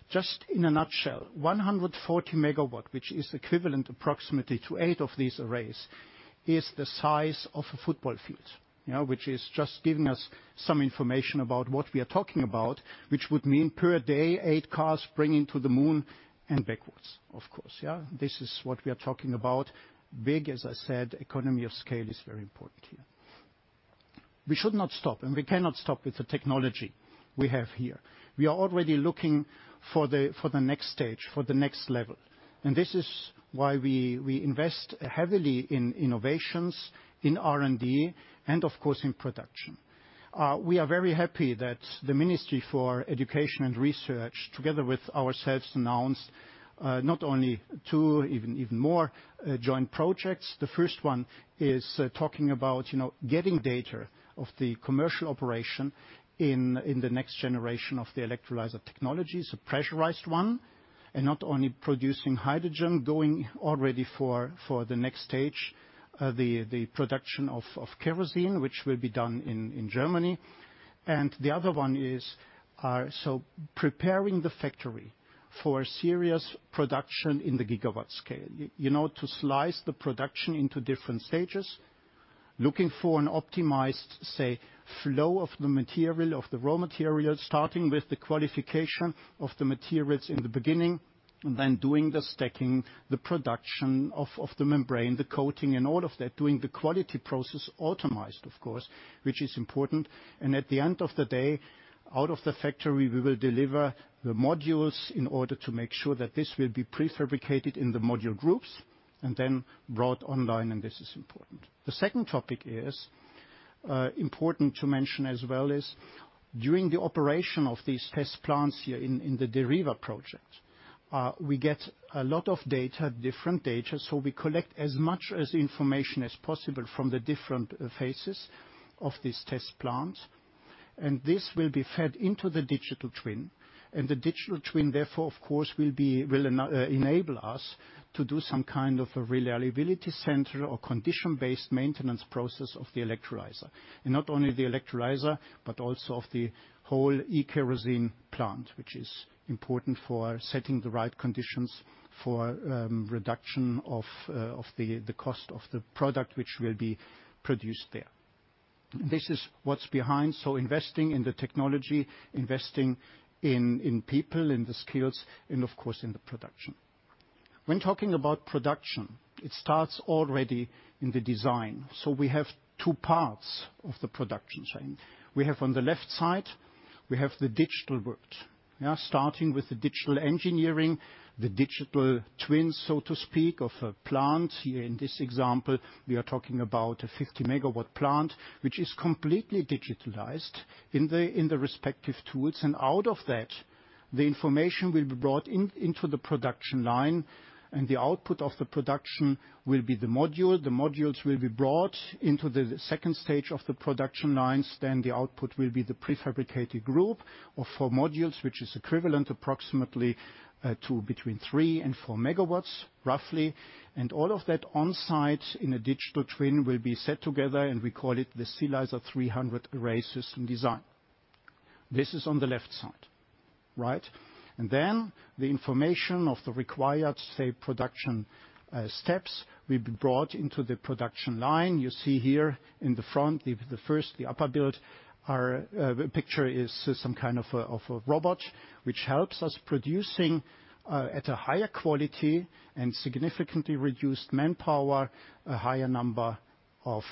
Just in a nutshell, 140 MW, which is equivalent approximately to eight of these arrays, is the size of a football field. Which is just giving us some information about what we are talking about, which would mean per day, eight cars bringing to the Moon and backwards, of course. This is what we are talking about. Big, as I said, economy of scale is very important here. We should not stop, and we cannot stop with the technology we have here. We are already looking for the next stage, for the next level. This is why we invest heavily in innovations, in R&D, and of course, in production. We are very happy that the Federal Ministry of Education and Research, together with ourselves, announced not only two, even more joint projects. The first one is talking about getting data of the commercial operation in the next generation of the electrolyzer technology. It's a pressurized one, and not only producing hydrogen, going already for the next stage, the production of kerosene, which will be done in Germany. The other one is, so preparing the factory for serious production in the gigawatt scale. To slice the production into different stages, looking for an optimized, say, flow of the material, of the raw material, starting with the qualification of the materials in the beginning, then doing the stacking, the production of the membrane, the coating and all of that, doing the quality process automized, of course, which is important. At the end of the day, out of the factory, we will deliver the modules in order to make sure that this will be prefabricated in the module groups and then brought online, and this is important. The second topic is, important to mention as well is, during the operation of these test plants here in the Deriva project, we get a lot of data, different data. We collect as much as information as possible from the different phases of this test plant, and this will be fed into the digital twin. The digital twin, therefore, of course, will enable us to do some kind of a reliability center or condition-based maintenance process of the electrolyzer. Not only the electrolyzer, but also of the whole e-kerosene plant, which is important for setting the right conditions for reduction of the cost of the product which will be produced there. This is what's behind, so investing in the technology, investing in people, in the skills, and of course in the production. When talking about production, it starts already in the design. We have two parts of the production chain. We have on the left side, we have the digital world. Starting with the digital engineering, the digital twin, so to speak, of a plant. Here in this example, we are talking about a 50 MW plant, which is completely digitalized in the respective tools. Out of that, the information will be brought into the production line, and the output of the production will be the module. The modules will be brought into the second stage of the production lines. The output will be the prefabricated group of four modules, which is equivalent approximately to between 3 MW and 4 MW, roughly. All of that on-site in a digital twin will be set together, and we call it the Silyzer 300 array system design. This is on the left side. The information of the required production steps will be brought into the production line. You see here in the front, the first, the upper build. Our picture is some kind of a robot, which helps us producing at a higher quality and significantly reduced manpower, a higher number of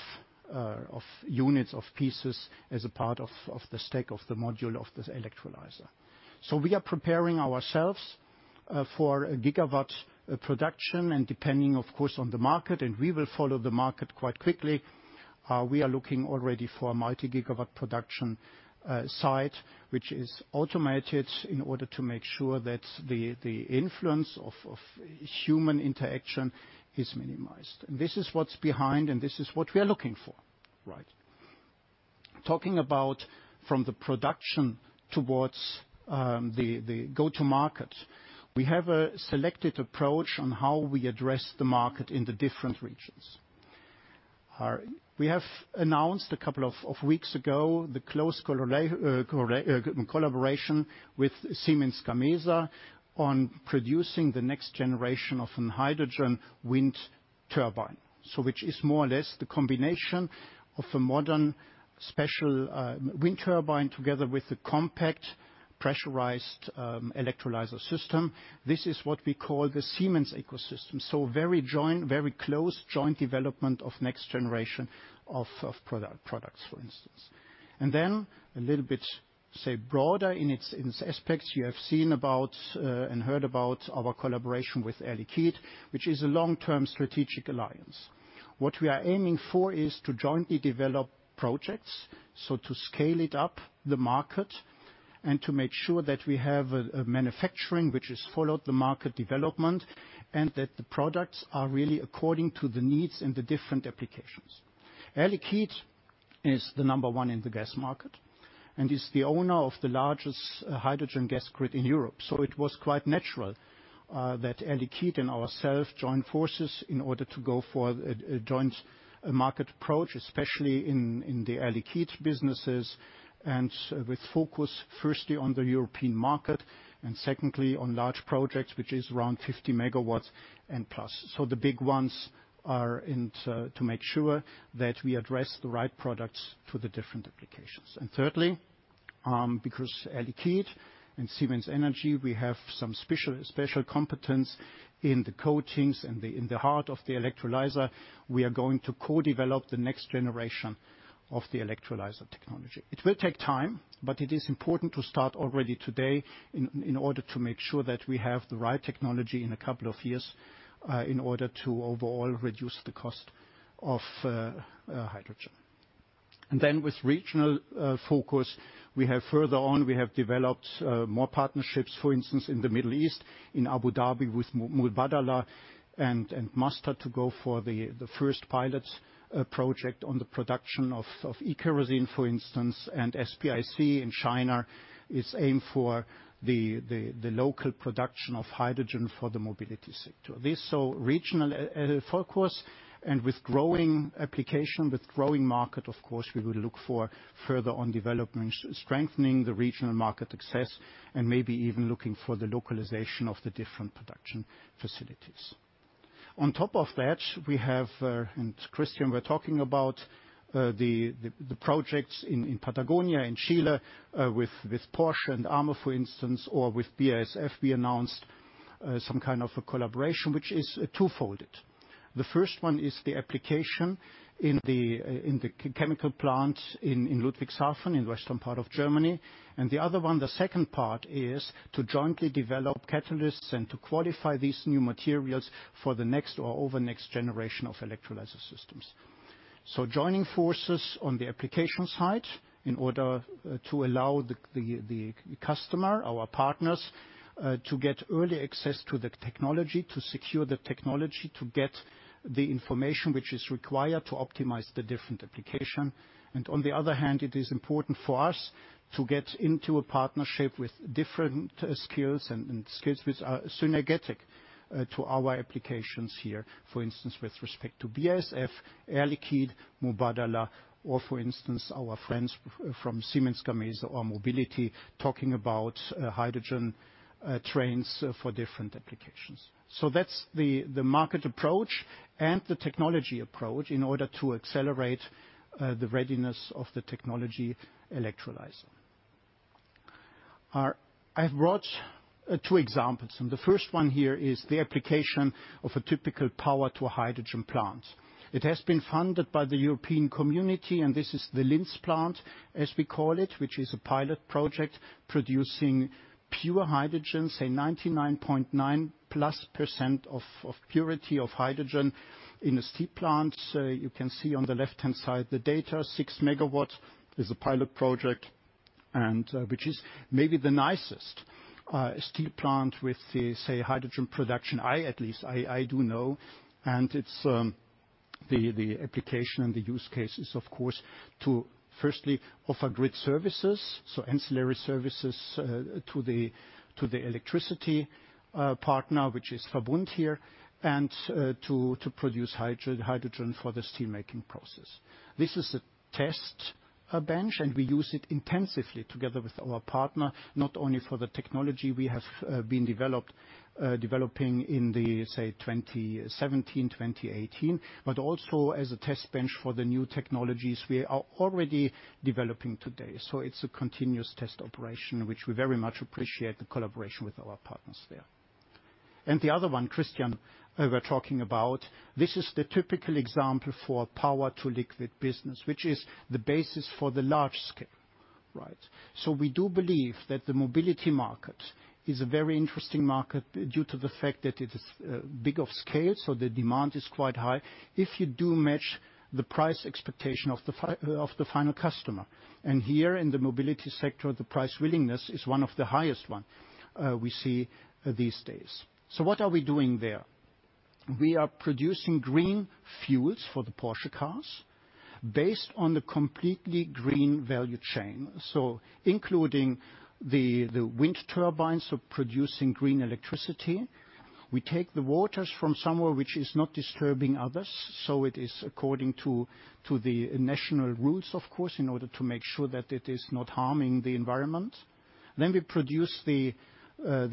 units, of pieces, as a part of the stack of the module of this electrolyzer. We are preparing ourselves for a gigawatt production and depending, of course, on the market, and we will follow the market quite quickly. We are looking already for a multi-gigawatt production site, which is automated in order to make sure that the influence of human interaction is minimized. This is what's behind, and this is what we are looking for. Talking about from the production towards the go-to market. We have a selected approach on how we address the market in the different regions. We have announced a couple of weeks ago the close collaboration with Siemens Gamesa on producing the next generation of an hydrogen wind turbine. Which is more or less the combination of a modern special wind turbine together with the compact pressurized electrolyzer system. This is what we call the Siemens ecosystem. Very close joint development of next generation of products, for instance. And then a little bit broader in its aspects, you have seen about and heard about our collaboration with Air Liquide, which is a long-term strategic alliance. What we are aiming for is to jointly develop projects, so to scale it up the market and to make sure that we have a manufacturing which has followed the market development, and that the products are really according to the needs and the different applications. Air Liquide is the number one in the gas market and is the owner of the largest hydrogen gas grid in Europe. It was quite natural that Air Liquide and ourselves join forces in order to go for a joint market approach, especially in the Air Liquide businesses and with focus firstly on the European market and secondly on large projects, which is around 50 MW and plus. The big ones are to make sure that we address the right products to the different applications. Thirdly, because Air Liquide and Siemens Energy, we have some special competence in the coatings and in the heart of the electrolyzer. We are going to co-develop the next generation of the electrolyzer technology. It will take time, but it is important to start already today in order to make sure that we have the right technology in a couple of years, in order to overall reduce the cost of hydrogen. With regional focus, we have developed more partnerships, for instance, in the Middle East, in Abu Dhabi with Mubadala and Masdar to go for the first pilot project on the production of e-kerosene, for instance. SPIC in China is aimed for the local production of hydrogen for the mobility sector. This regional focus and with growing application, with growing market, of course, we will look for further development, strengthening the regional market success and maybe even looking for the localization of the different production facilities. On top of that, Christian were talking about the projects in Patagonia and Chile with Porsche and AME, for instance, or with BASF, we announced some kind of a collaboration which is two-fold. The first one is the application in the chemical plant in Ludwigshafen, in western part of Germany. The other one, the second part, is to jointly develop catalysts and to qualify these new materials for the next or over next generation of electrolyzer systems. Joining forces on the application side in order to allow the customer, our partners, to get early access to the technology, to secure the technology, to get the information which is required to optimize the different application. On the other hand, it is important for us to get into a partnership with different skills and skills which are synergetic to our applications here. For instance, with respect to BASF, Air Liquide, Mubadala or for instance, our friends from Siemens Gamesa or Mobility talking about hydrogen trains for different applications. That's the market approach and the technology approach in order to accelerate the readiness of the technology electrolyzer. I've brought two examples. The first one here is the application of a typical power to hydrogen plant. It has been funded by the European Community. This is the Linz plant as we call it, which is a pilot project producing pure hydrogen, say 99.9%+ of purity of hydrogen in a steel plant. You can see on the left-hand side the data, 6 MW is a pilot project and which is maybe the nicest steel plant with the hydrogen production I at least, I do know. The application and the use case is, of course, to firstly offer grid services, so ancillary services to the electricity partner, which is VERBUND here, and to produce hydrogen for the steel making process. This is a test bench, and we use it intensively together with our partner, not only for the technology we have been developing in, say, 2017, 2018, but also as a test bench for the new technologies we are already developing today. It's a continuous test operation, which we very much appreciate the collaboration with our partners there. The other one, Christian, we're talking about, this is the typical example for power-to-liquid business, which is the basis for the large scale. We do believe that the mobility market is a very interesting market due to the fact that it is big of scale, so the demand is quite high if you do match the price expectation of the final customer. Here in the mobility sector, the price willingness is one of the highest ones we see these days. What are we doing there? We are producing green fuels for the Porsche cars based on the completely green value chain. Including the wind turbines producing green electricity. We take the waters from somewhere which is not disturbing others, so it is according to the national rules, of course, in order to make sure that it is not harming the environment. We produce the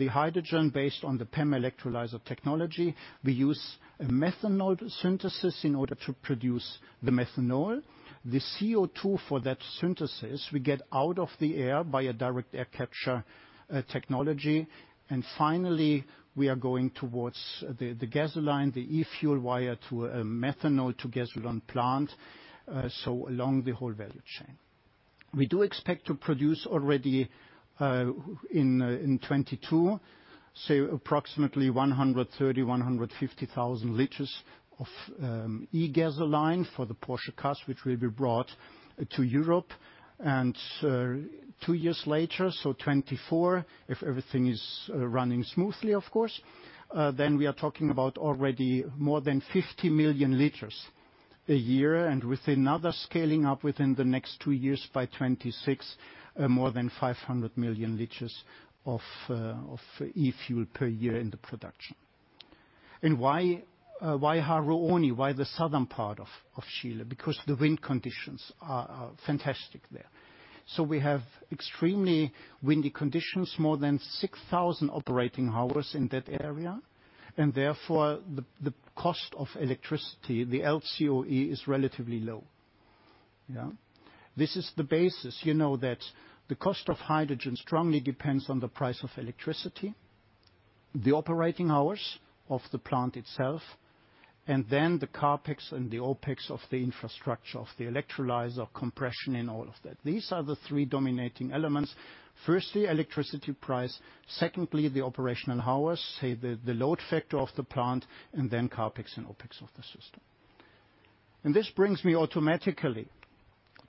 hydrogen based on the PEM electrolyzer technology. We use methanol synthesis in order to produce the methanol. The CO2 for that synthesis, we get out of the air by a direct air capture technology. Finally, we are going towards the gasoline, the eFuel via a methanol to gasoline plant, along the whole value chain. We do expect to produce already in 2022, say approximately 130,000, 150,000 liters of eGasoline for the Porsche cars, which will be brought to Europe. Two years later, so 2024, if everything is running smoothly, of course, then we are talking about already more than 50 million liters a year, and with another scaling up within the next two years, by 2026, more than 500 million liters of eFuel per year in the production. Why Haru Oni? Why the southern part of Chile? Because the wind conditions are fantastic there. We have extremely windy conditions, more than 6,000 operating hours in that area, and therefore, the cost of electricity, the LCOE, is relatively low. This is the basis. You know that the cost of hydrogen strongly depends on the price of electricity, the operating hours of the plant itself, and then the CapEx and the OpEx of the infrastructure, of the electrolyzer, compression, and all of that. These are the three dominating elements. Firstly, electricity price. Secondly, the operational hours, say, the load factor of the plant, then CapEx and OpEx of the system. This brings me automatically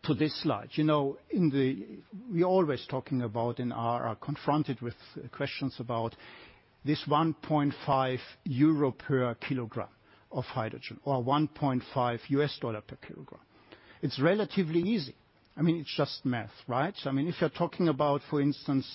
to this slide. We're always talking about and are confronted with questions about this 1.5 euro per kg of hydrogen, or $1.5 per kg. It's relatively easy. It's just math, right? If you're talking about, for instance,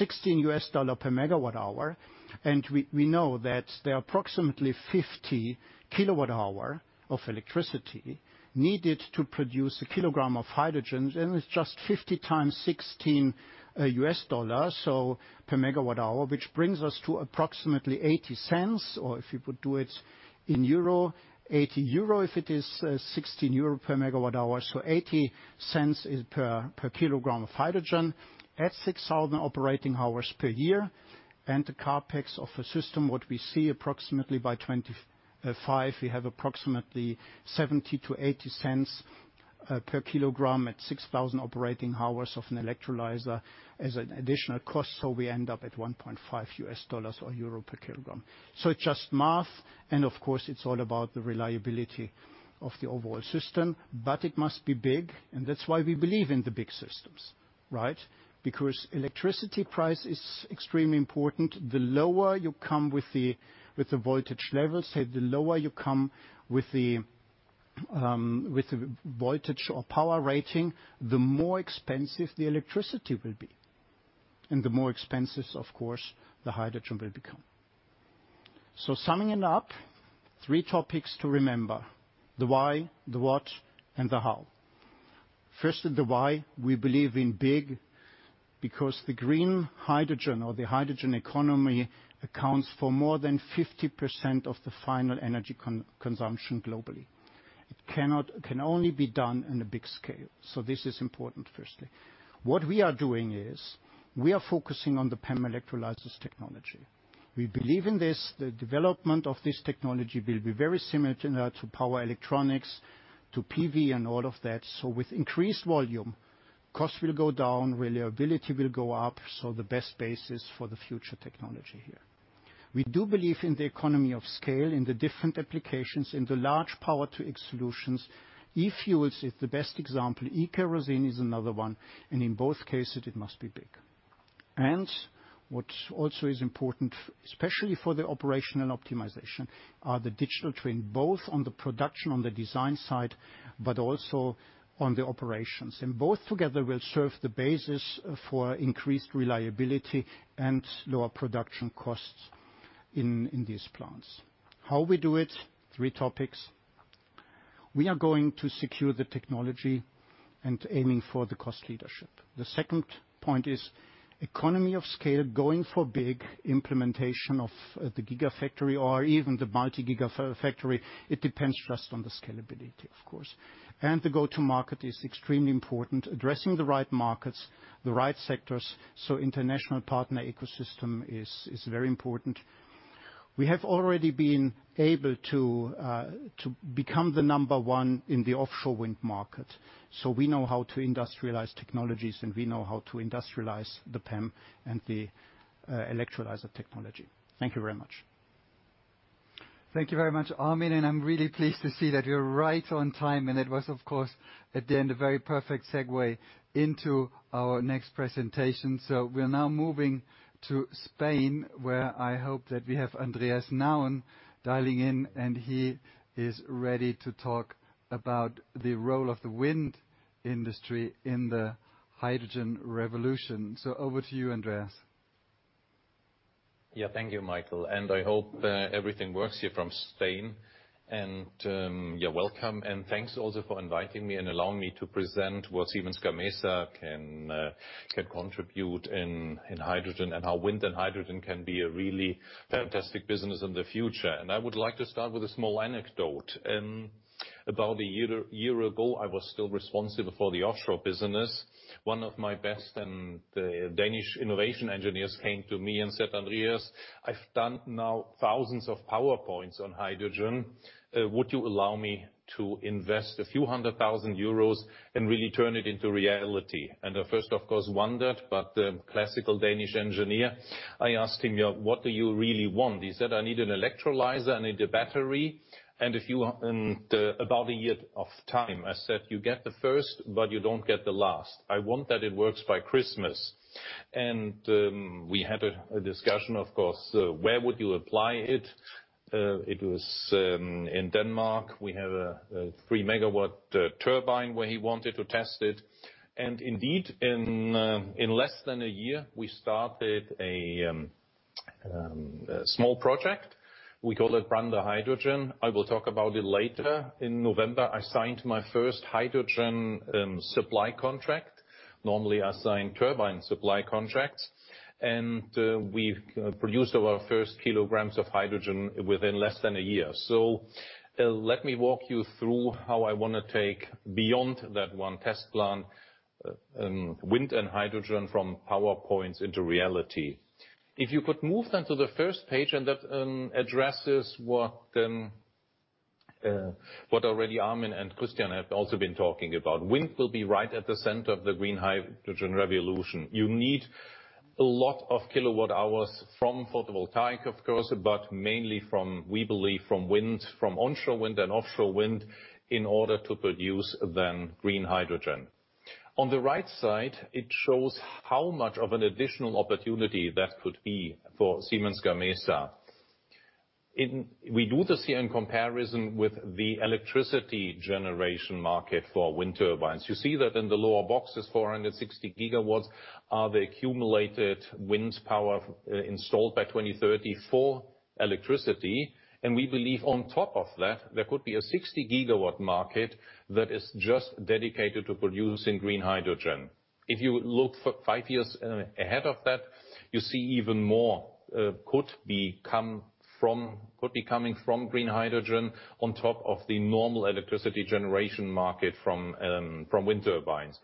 $16 per MWh, and we know that there are approximately 50 kWh of electricity needed to produce a kg of hydrogen, then it's just 50 kWh x $16, so per MWh, which brings us to approximately $0.80, or if you would do it in euro, 80 euro if it is 16 euro per MWh. $0.80 per kg of hydrogen at 6,000 operating hours per year. The CapEx of a system, what we see approximately by 2025, we have approximately 0.70-0.80 per kg at 6,000 operating hours of an electrolyzer as an additional cost, we end up at $1.50 or EUR 1.50 per kg. It's just math, and of course, it's all about the reliability of the overall system, but it must be big, and that's why we believe in the big systems. Electricity price is extremely important. The lower you come with the voltage levels, say the lower you come with the voltage or power rating, the more expensive the electricity will be, and the more expensive, of course, the hydrogen will become. Summing it up, three topics to remember, the why, the what, and the how. First, the why. We believe in big because the green hydrogen or the hydrogen economy accounts for more than 50% of the final energy consumption globally. It can only be done in a big scale. This is important, firstly. What we are doing is we are focusing on the PEM electrolysis technology. We believe in this. The development of this technology will be very similar to power electronics, to PV and all of that. With increased volume, cost will go down, reliability will go up, so the best basis for the future technology here. We do believe in the economy of scale, in the different applications, in the large Power-to-X solutions. eFuel is the best example. e-kerosene is another one. In both cases, it must be big. What also is important, especially for the operational optimization, are the digital twin, both on the production on the design side, but also on the operations. Both together will serve the basis for increased reliability and lower production costs in these plants. How we do it, three topics. We are going to secure the technology and aiming for the cost leadership. The second point is economy of scale, going for big implementation of the gigafactory or even the multi-gigafactory. It depends just on the scalability, of course. The go-to market is extremely important, addressing the right markets, the right sectors. International partner ecosystem is very important. We have already been able to become the number one in the offshore wind market. We know how to industrialize technologies, and we know how to industrialize the PEM and the electrolyzer technology. Thank you very much. Thank you very much, Armin. I'm really pleased to see that we are right on time. It was, of course, at the end, a very perfect segue into our next presentation. We're now moving to Spain, where I hope that we have Andreas Nauen dialing in, and he is ready to talk about the role of the wind industry in the hydrogen revolution. Over to you, Andreas. Thank you, Michael. I hope everything works here from Spain. Welcome, and thanks also for inviting me and allowing me to present what Siemens Gamesa can contribute in hydrogen and how wind and hydrogen can be a really fantastic business in the future. I would like to start with a small anecdote. About a year ago, I was still responsible for the offshore business. One of my best and the Danish innovation engineers came to me and said, "Andreas, I've done now thousands of PowerPoints on hydrogen. Would you allow me to invest a few hundred thousand euros and really turn it into reality?" I first, of course, wondered, but classical Danish engineer. I asked him, "What do you really want?" He said, "I need an electrolyzer, I need a battery, and about a year of time." I said, "You get the first, but you don't get the last. I want that it works by Christmas." We had a discussion, of course, where would you apply it? It was in Denmark. We have a 3 MW turbine where he wanted to test it. Indeed, in less than a year, we started a small project. We call it Brande Hydrogen. I will talk about it later. In November, I signed my first hydrogen supply contract. Normally, I sign turbine supply contracts. We've produced our first kgs of hydrogen within less than a year. Let me walk you through how I want to take beyond that one test plan, wind and hydrogen from PowerPoints into reality. If you could move then to the first page and that addresses what already Armin and Christian have also been talking about. Wind will be right at the center of the green hydrogen revolution. You need a lot of kilowatt-hours from photovoltaic, of course, but mainly from, we believe, from wind, from onshore wind and offshore wind in order to produce then green hydrogen. On the right side, it shows how much of an additional opportunity that could be for Siemens Gamesa. We do this here in comparison with the electricity generation market for wind turbines. You see that in the lower box is 460 GW are the accumulated wind power installed by 2030 for electricity. We believe on top of that, there could be a 60 GW market that is just dedicated to producing green hydrogen. If you look five years ahead of that, you see even more could be coming from green hydrogen on top of the normal electricity generation market from wind turbines.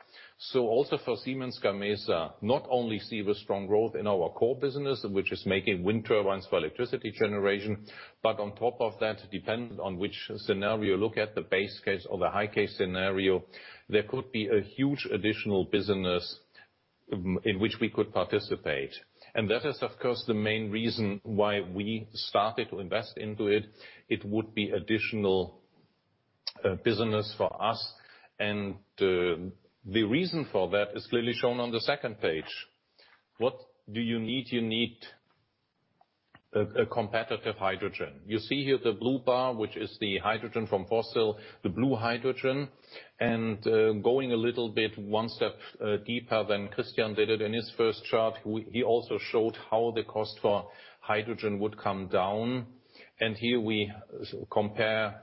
Also for Siemens Gamesa, not only see the strong growth in our core business, which is making wind turbines for electricity generation. On top of that, depending on which scenario you look at, the base case or the high case scenario, there could be a huge additional business in which we could participate. That is, of course, the main reason why we started to invest into it. It would be additional business for us. The reason for that is clearly shown on the second page. What do you need? You need a competitive hydrogen. You see here the blue bar, which is the hydrogen from fossil, the blue hydrogen. Going a little bit one step deeper than Christian did it in his first chart, he also showed how the cost for hydrogen would come down. Here we compare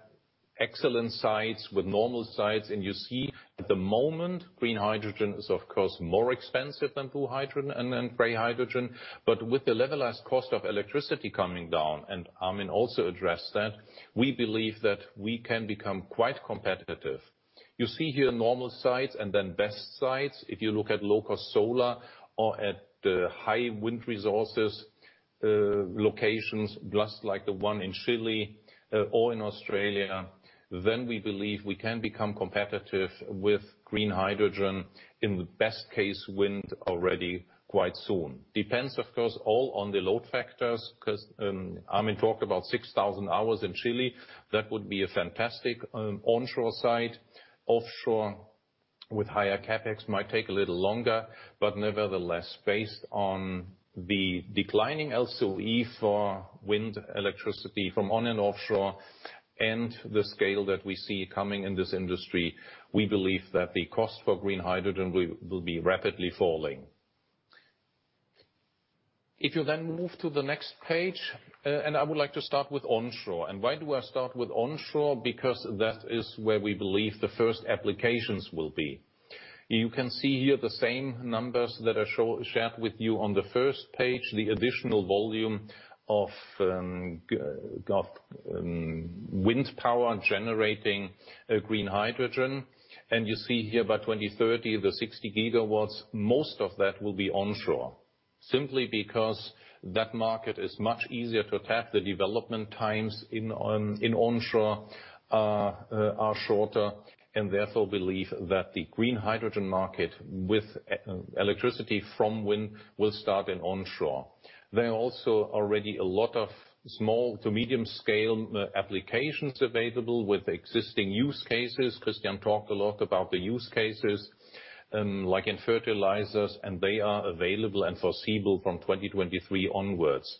excellent sites with normal sites. You see at the moment, green hydrogen is, of course, more expensive than blue hydrogen and than gray hydrogen. With the levelized cost of electricity coming down, and Armin also addressed that, we believe that we can become quite competitive. You see here normal sites and then best sites. If you look at low-cost solar or at high wind resources locations, just like the one in Chile or in Australia, then we believe we can become competitive with green hydrogen in the best-case wind already quite soon. Depends, of course, all on the load factors. Armin talked about 6,000 hours in Chile. That would be a fantastic onshore site. Offshore with higher CapEx might take a little longer. Nevertheless, based on the declining LCOE for wind electricity from on and offshore. The scale that we see coming in this industry, we believe that the cost for green hydrogen will be rapidly falling. You then move to the next page. I would like to start with onshore. Why do I start with onshore? Because that is where we believe the first applications will be. You can see here the same numbers that I shared with you on the first page, the additional volume of wind power generating green hydrogen. You see here by 2030, the 60 GW, most of that will be onshore, simply because that market is much easier to attack. The development times in onshore are shorter. Therefore, believe that the green hydrogen market with electricity from wind will start in onshore. There are also already a lot of small to medium scale applications available with existing use cases. Christian talked a lot about the use cases, like in fertilizers, and they are available and foreseeable from 2023 onwards.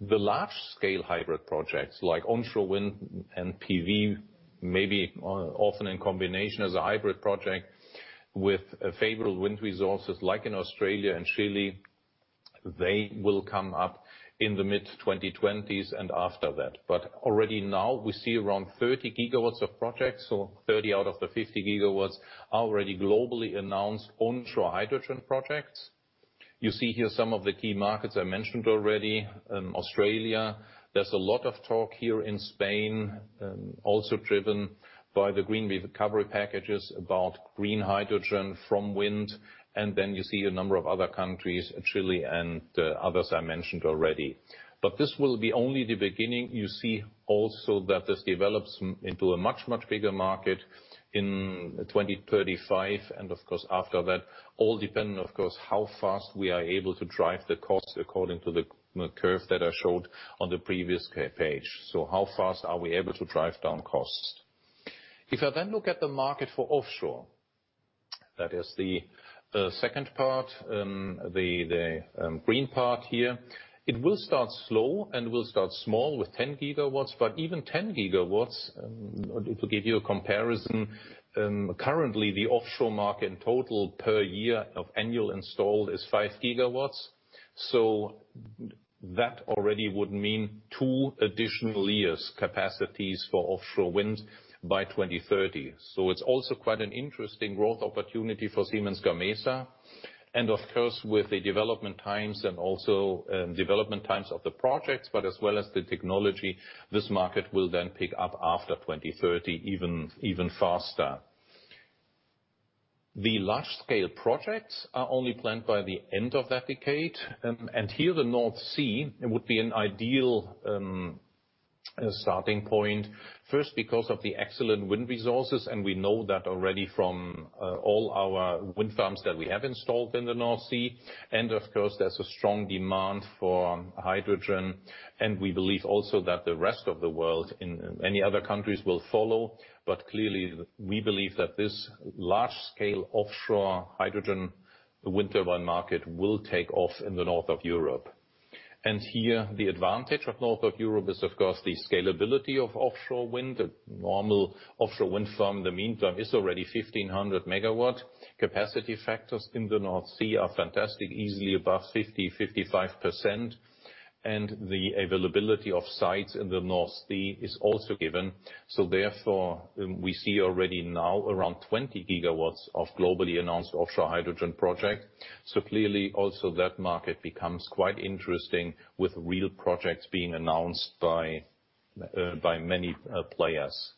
The large-scale hybrid projects like onshore wind and PV, maybe often in combination as a hybrid project with favorable wind resources like in Australia and Chile, they will come up in the mid-2020s and after that. Already now we see around 30 GW of projects. 30 out of the 50 GW already globally announced onshore hydrogen projects. You see here some of the key markets I mentioned already. Australia. There's a lot of talk here in Spain, also driven by the green recovery packages about green hydrogen from wind. Then you see a number of other countries, Chile and others I mentioned already. This will be only the beginning. You see also that this develops into a much, much bigger market in 2035. Of course, after that, all dependent, of course, how fast we are able to drive the cost according to the curve that I showed on the previous page. How fast are we able to drive down costs? If I then look at the market for offshore, that is the second part, the green part here. It will start slow and will start small with 10 GW, but even 10 GW, to give you a comparison, currently the offshore market in total per year of annual installed is 5 GW. That already would mean two additional years capacities for offshore wind by 2030. It's also quite an interesting growth opportunity for Siemens Gamesa. With the development times and also development times of the projects, but as well as the technology, this market will then pick up after 2030 even faster. The large-scale projects are only planned by the end of that decade. Here, the North Sea would be an ideal starting point, first because of the excellent wind resources, and we know that already from all our wind farms that we have installed in the North Sea. There's a strong demand for hydrogen. We believe also that the rest of the world, many other countries will follow. Clearly, we believe that this large-scale offshore hydrogen wind turbine market will take off in the north of Europe. Here, the advantage of north of Europe is, of course, the scalability of offshore wind. The normal offshore wind farm, in the meantime, is already 1,500 MW. Capacity factors in the North Sea are fantastic, easily above 50%, 55%. The availability of sites in the North Sea is also given. Therefore, we see already now around 20 GW of globally announced offshore hydrogen project, clearly also that market becomes quite interesting with real projects being announced by many players.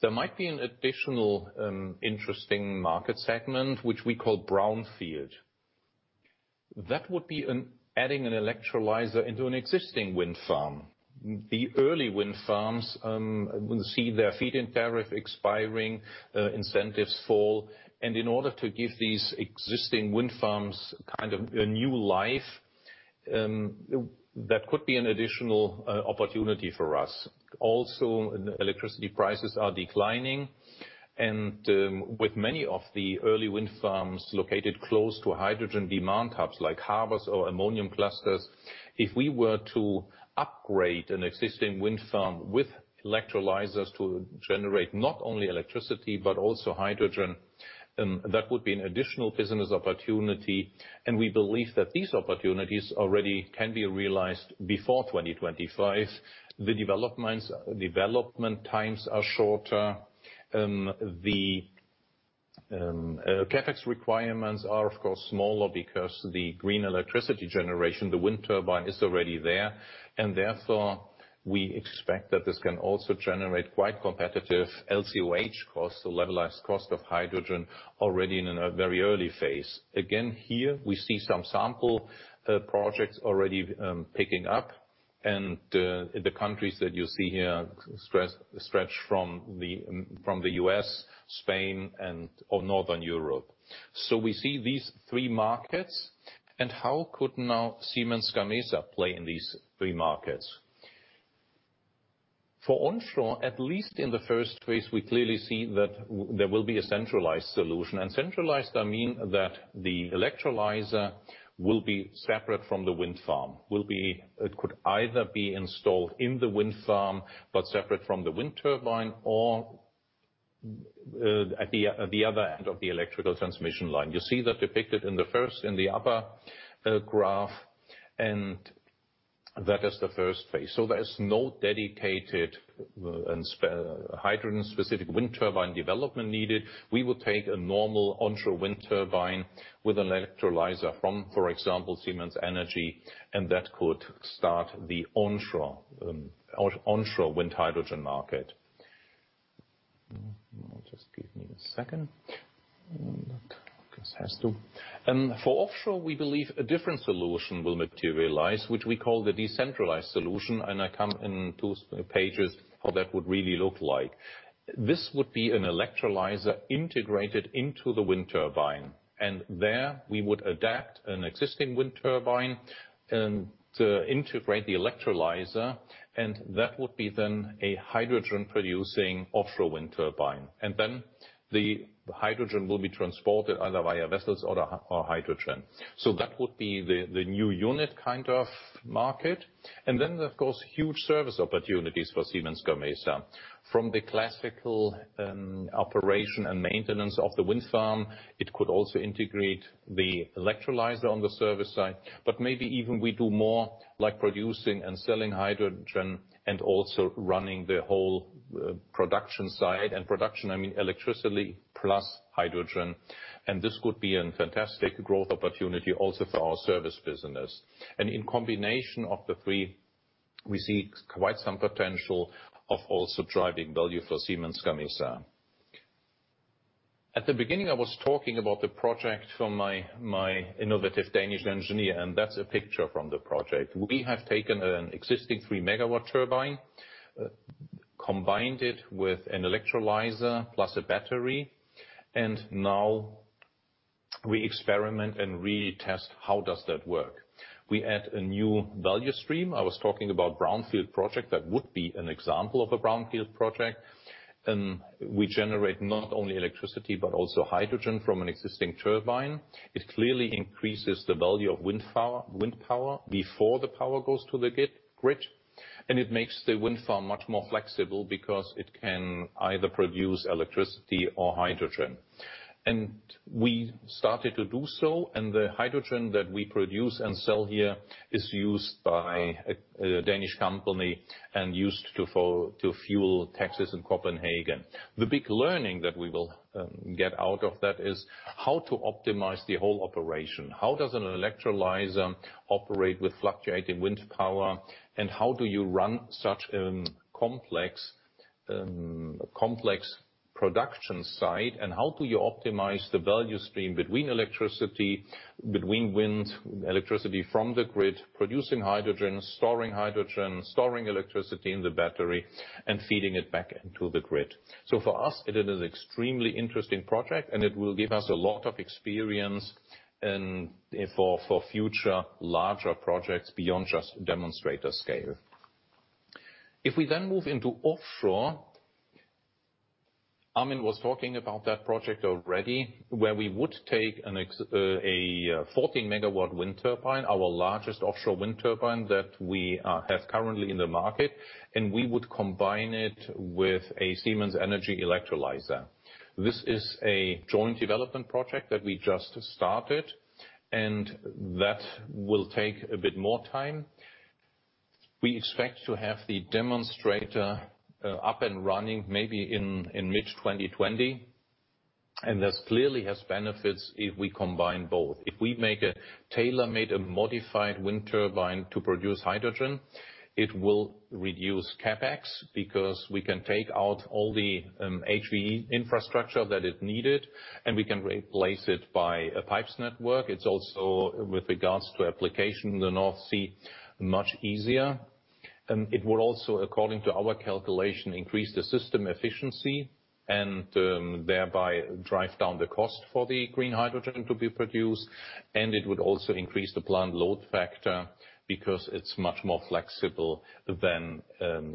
There might be an additional interesting market segment, which we call brownfield. That would be adding an electrolyzer into an existing wind farm. The early wind farms see their feed-in tariff expiring, incentives fall. In order to give these existing wind farms kind of a new life, that could be an additional opportunity for us. Also, electricity prices are declining. With many of the early wind farms located close to hydrogen demand hubs like harbors or ammonia clusters, if we were to upgrade an existing wind farm with electrolyzers to generate not only electricity but also hydrogen, that would be an additional business opportunity. We believe that these opportunities already can be realized before 2025. The development times are shorter. The CapEx requirements are, of course, smaller because the green electricity generation, the wind turbine is already there. Therefore, we expect that this can also generate quite competitive LCOH costs, the levelized cost of hydrogen, already in a very early phase. Again, here we see some sample projects already picking up, and the countries that you see here stretch from the U.S., Spain, and Northern Europe. We see these three markets. How could now Siemens Gamesa play in these three markets? For onshore, at least in the first phase, we clearly see that there will be a centralized solution. Centralized, I mean that the electrolyzer will be separate from the wind farm. It could either be installed in the wind farm but separate from the wind turbine, or at the other end of the electrical transmission line. You see that depicted in the first, in the upper graph, that is the first phase. There is no dedicated and hydrogen-specific wind turbine development needed. We would take a normal onshore wind turbine with an electrolyzer from, for example, Siemens Energy, that could start the onshore wind hydrogen market. For offshore, we believe a different solution will materialize, which we call the decentralized solution, I come in two pages how that would really look like. This would be an electrolyzer integrated into the wind turbine. There we would adapt an existing wind turbine and integrate the electrolyzer, and that would be then a hydrogen-producing offshore wind turbine. The hydrogen will be transported either via vessels or hydrogen. That would be the new unit kind of market. Of course, huge service opportunities for Siemens Gamesa. From the classical operation and maintenance of the wind farm, it could also integrate the electrolyzer on the service side. Maybe even we do more like producing and selling hydrogen and also running the whole production side. Production, I mean electricity plus hydrogen. This could be a fantastic growth opportunity also for our service business. In combination of the three, we see quite some potential of also driving value for Siemens Gamesa. At the beginning, I was talking about the project from my innovative Danish engineer, that's a picture from the project. We have taken an existing 3 MW turbine, combined it with an electrolyzer plus a battery, now we experiment and really test how does that work. We add a new value stream. I was talking about brownfield project, that would be an example of a brownfield project. We generate not only electricity, but also hydrogen from an existing turbine. It clearly increases the value of wind power before the power goes to the grid, and it makes the wind farm much more flexible because it can either produce electricity or hydrogen. We started to do so, and the hydrogen that we produce and sell here is used by a Danish company and used to fuel taxis in Copenhagen. The big learning that we will get out of that is, how to optimize the whole operation? How does an electrolyzer operate with fluctuating wind power? How do you run such a complex production site? How do you optimize the value stream between electricity, between wind electricity from the grid, producing hydrogen, storing hydrogen, storing electricity in the battery, and feeding it back into the grid. For us, it is extremely interesting project, and it will give us a lot of experience for future larger projects beyond just demonstrator scale. If we then move into offshore, Armin was talking about that project already, where we would take a 14 MW wind turbine, our largest offshore wind turbine that we have currently in the market, and we would combine it with a Siemens Energy electrolyzer. This is a joint development project that we just started, and that will take a bit more time. We expect to have the demonstrator up and running maybe in mid-2020. This clearly has benefits if we combine both. If we make a tailor-made, a modified wind turbine to produce hydrogen, it will reduce CapEx because we can take out all the HVDC infrastructure that is needed, and we can replace it by a pipes network. It's also, with regards to application in the North Sea, much easier. It would also, according to our calculation, increase the system efficiency and thereby drive down the cost for the green hydrogen to be produced. It would also increase the plant load factor because it's much more flexible than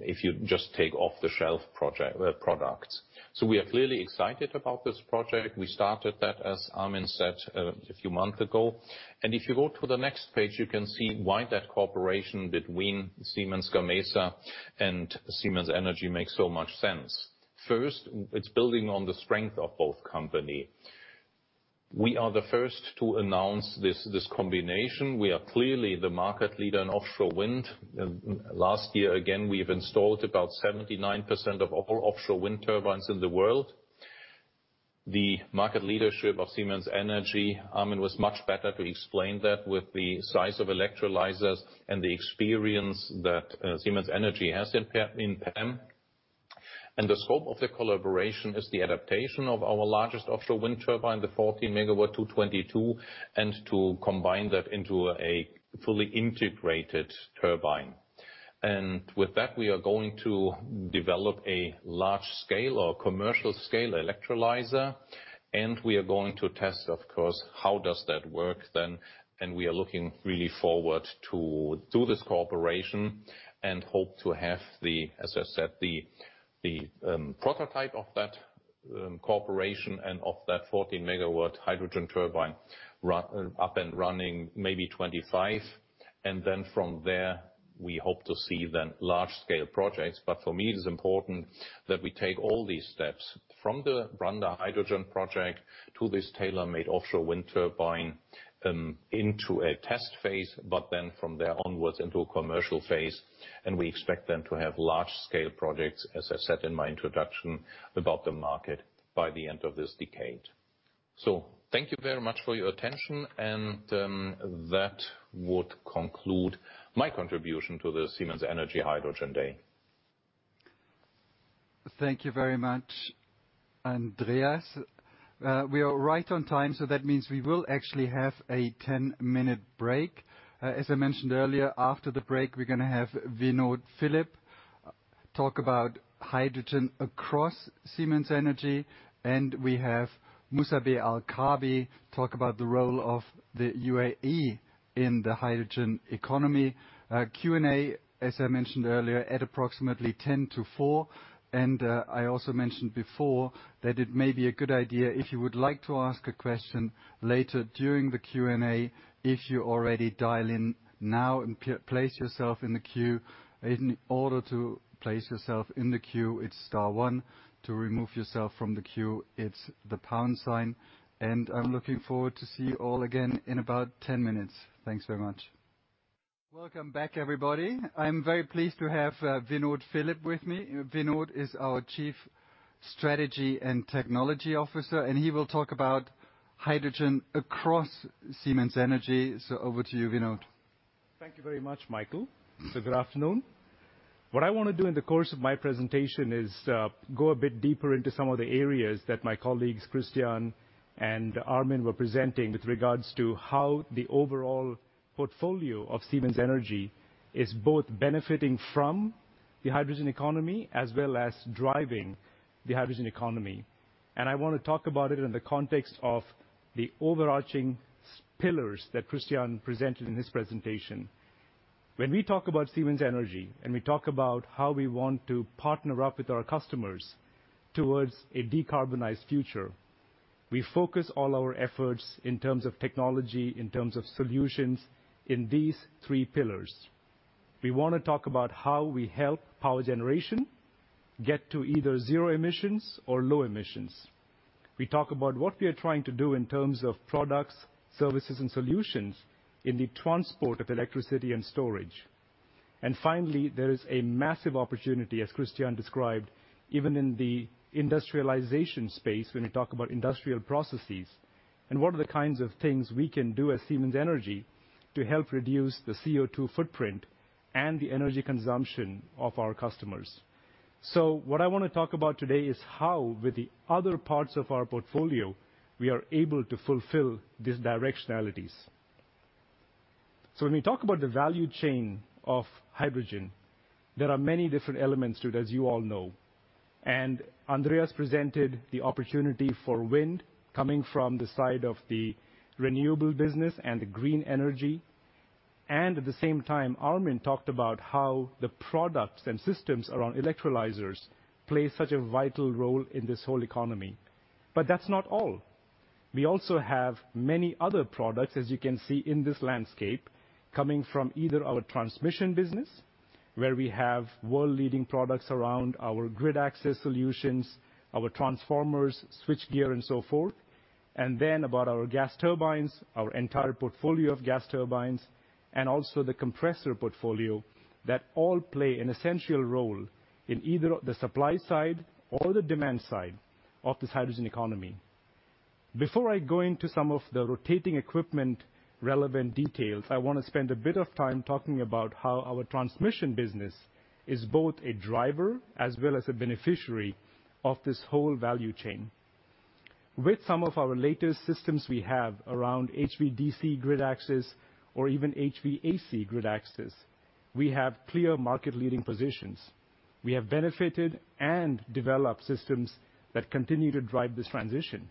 if you just take off-the-shelf products. We are clearly excited about this project. We started that, as Armin said, a few months ago. If you go to the next page, you can see why that cooperation between Siemens Gamesa and Siemens Energy makes so much sense. First, it's building on the strength of both company. We are the first to announce this combination. We are clearly the market leader in offshore wind. Last year, again, we've installed about 79% of all offshore wind turbines in the world. The market leadership of Siemens Energy, Armin was much better to explain that with the size of electrolyzers and the experience that Siemens Energy has in PEM. The scope of the collaboration is the adaptation of our largest offshore wind turbine, the SG 14-222 DD, and to combine that into a fully integrated turbine. With that, we are going to develop a large scale or commercial scale electrolyzer, and we are going to test, of course, how does that work then. We are looking really forward to do this cooperation and hope to have the, as I said, the prototype of that cooperation and of that 14-MW hydrogen turbine up and running maybe 2025. From there, we hope to see then large scale projects. For me, it is important that we take all these steps from the Brande Hydrogen project to this tailor-made offshore wind turbine into a test phase. From there onwards into a commercial phase. We expect then to have large scale projects, as I said in my introduction about the market, by the end of this decade. Thank you very much for your attention and that would conclude my contribution to the Siemens Energy Hydrogen Day. Thank you very much, Andreas. We are right on time, that means we will actually have a 10-minute break. As I mentioned earlier, after the break, we're going to have Vinod Philip talk about hydrogen across Siemens Energy, and we have Musabbeh Al Kaabi talk about the role of the UAE in the hydrogen economy. Q&A, as I mentioned earlier, at approximately 10:00 to 4:00. I also mentioned before that it may be a good idea if you would like to ask a question later during the Q&A, if you already dial in now and place yourself in the queue. In order to place yourself in the queue, it's star one. To remove yourself from the queue, it's the pound sign. I'm looking forward to see you all again in about 10 minutes. Thanks very much. Welcome back, everybody. I'm very pleased to have Vinod Philip with me. Vinod is our Chief Strategy and Technology Officer. He will talk about hydrogen across Siemens Energy. Over to you, Vinod. Thank you very much, Michael. Good afternoon. What I want to do in the course of my presentation is go a bit deeper into some of the areas that my colleagues Christian and Armin were presenting with regards to how the overall portfolio of Siemens Energy is both benefiting from the hydrogen economy as well as driving the hydrogen economy. I want to talk about it in the context of the overarching pillars that Christian presented in his presentation. When we talk about Siemens Energy, and we talk about how we want to partner up with our customers towards a decarbonized future, we focus all our efforts in terms of technology, in terms of solutions in these three pillars. We want to talk about how we help power generation get to either zero emissions or low emissions. We talk about what we are trying to do in terms of products, services, and solutions in the transport of electricity and storage. Finally, there is a massive opportunity, as Christian described, even in the industrialization space when we talk about industrial processes and what are the kinds of things we can do as Siemens Energy to help reduce the CO2 footprint and the energy consumption of our customers. What I want to talk about today is how, with the other parts of our portfolio, we are able to fulfill these directionalities. When we talk about the value chain of hydrogen, there are many different elements to it, as you all know. Andreas presented the opportunity for wind coming from the side of the renewable business and the green energy. At the same time, Armin talked about how the products and systems around electrolyzers play such a vital role in this whole economy. That's not all. We also have many other products, as you can see in this landscape, coming from either our transmission business, where we have world-leading products around our grid access solutions, our transformers, switchgear, and so forth. Then about our gas turbines, our entire portfolio of gas turbines, and also the compressor portfolio that all play an essential role in either the supply side or the demand side of this hydrogen economy. Before I go into some of the rotating equipment relevant details, I want to spend a bit of time talking about how our transmission business is both a driver as well as a beneficiary of this whole value chain. With some of our latest systems we have around HVDC grid access or even HVAC grid access, we have clear market leading positions. We have benefited and developed systems that continue to drive this transition.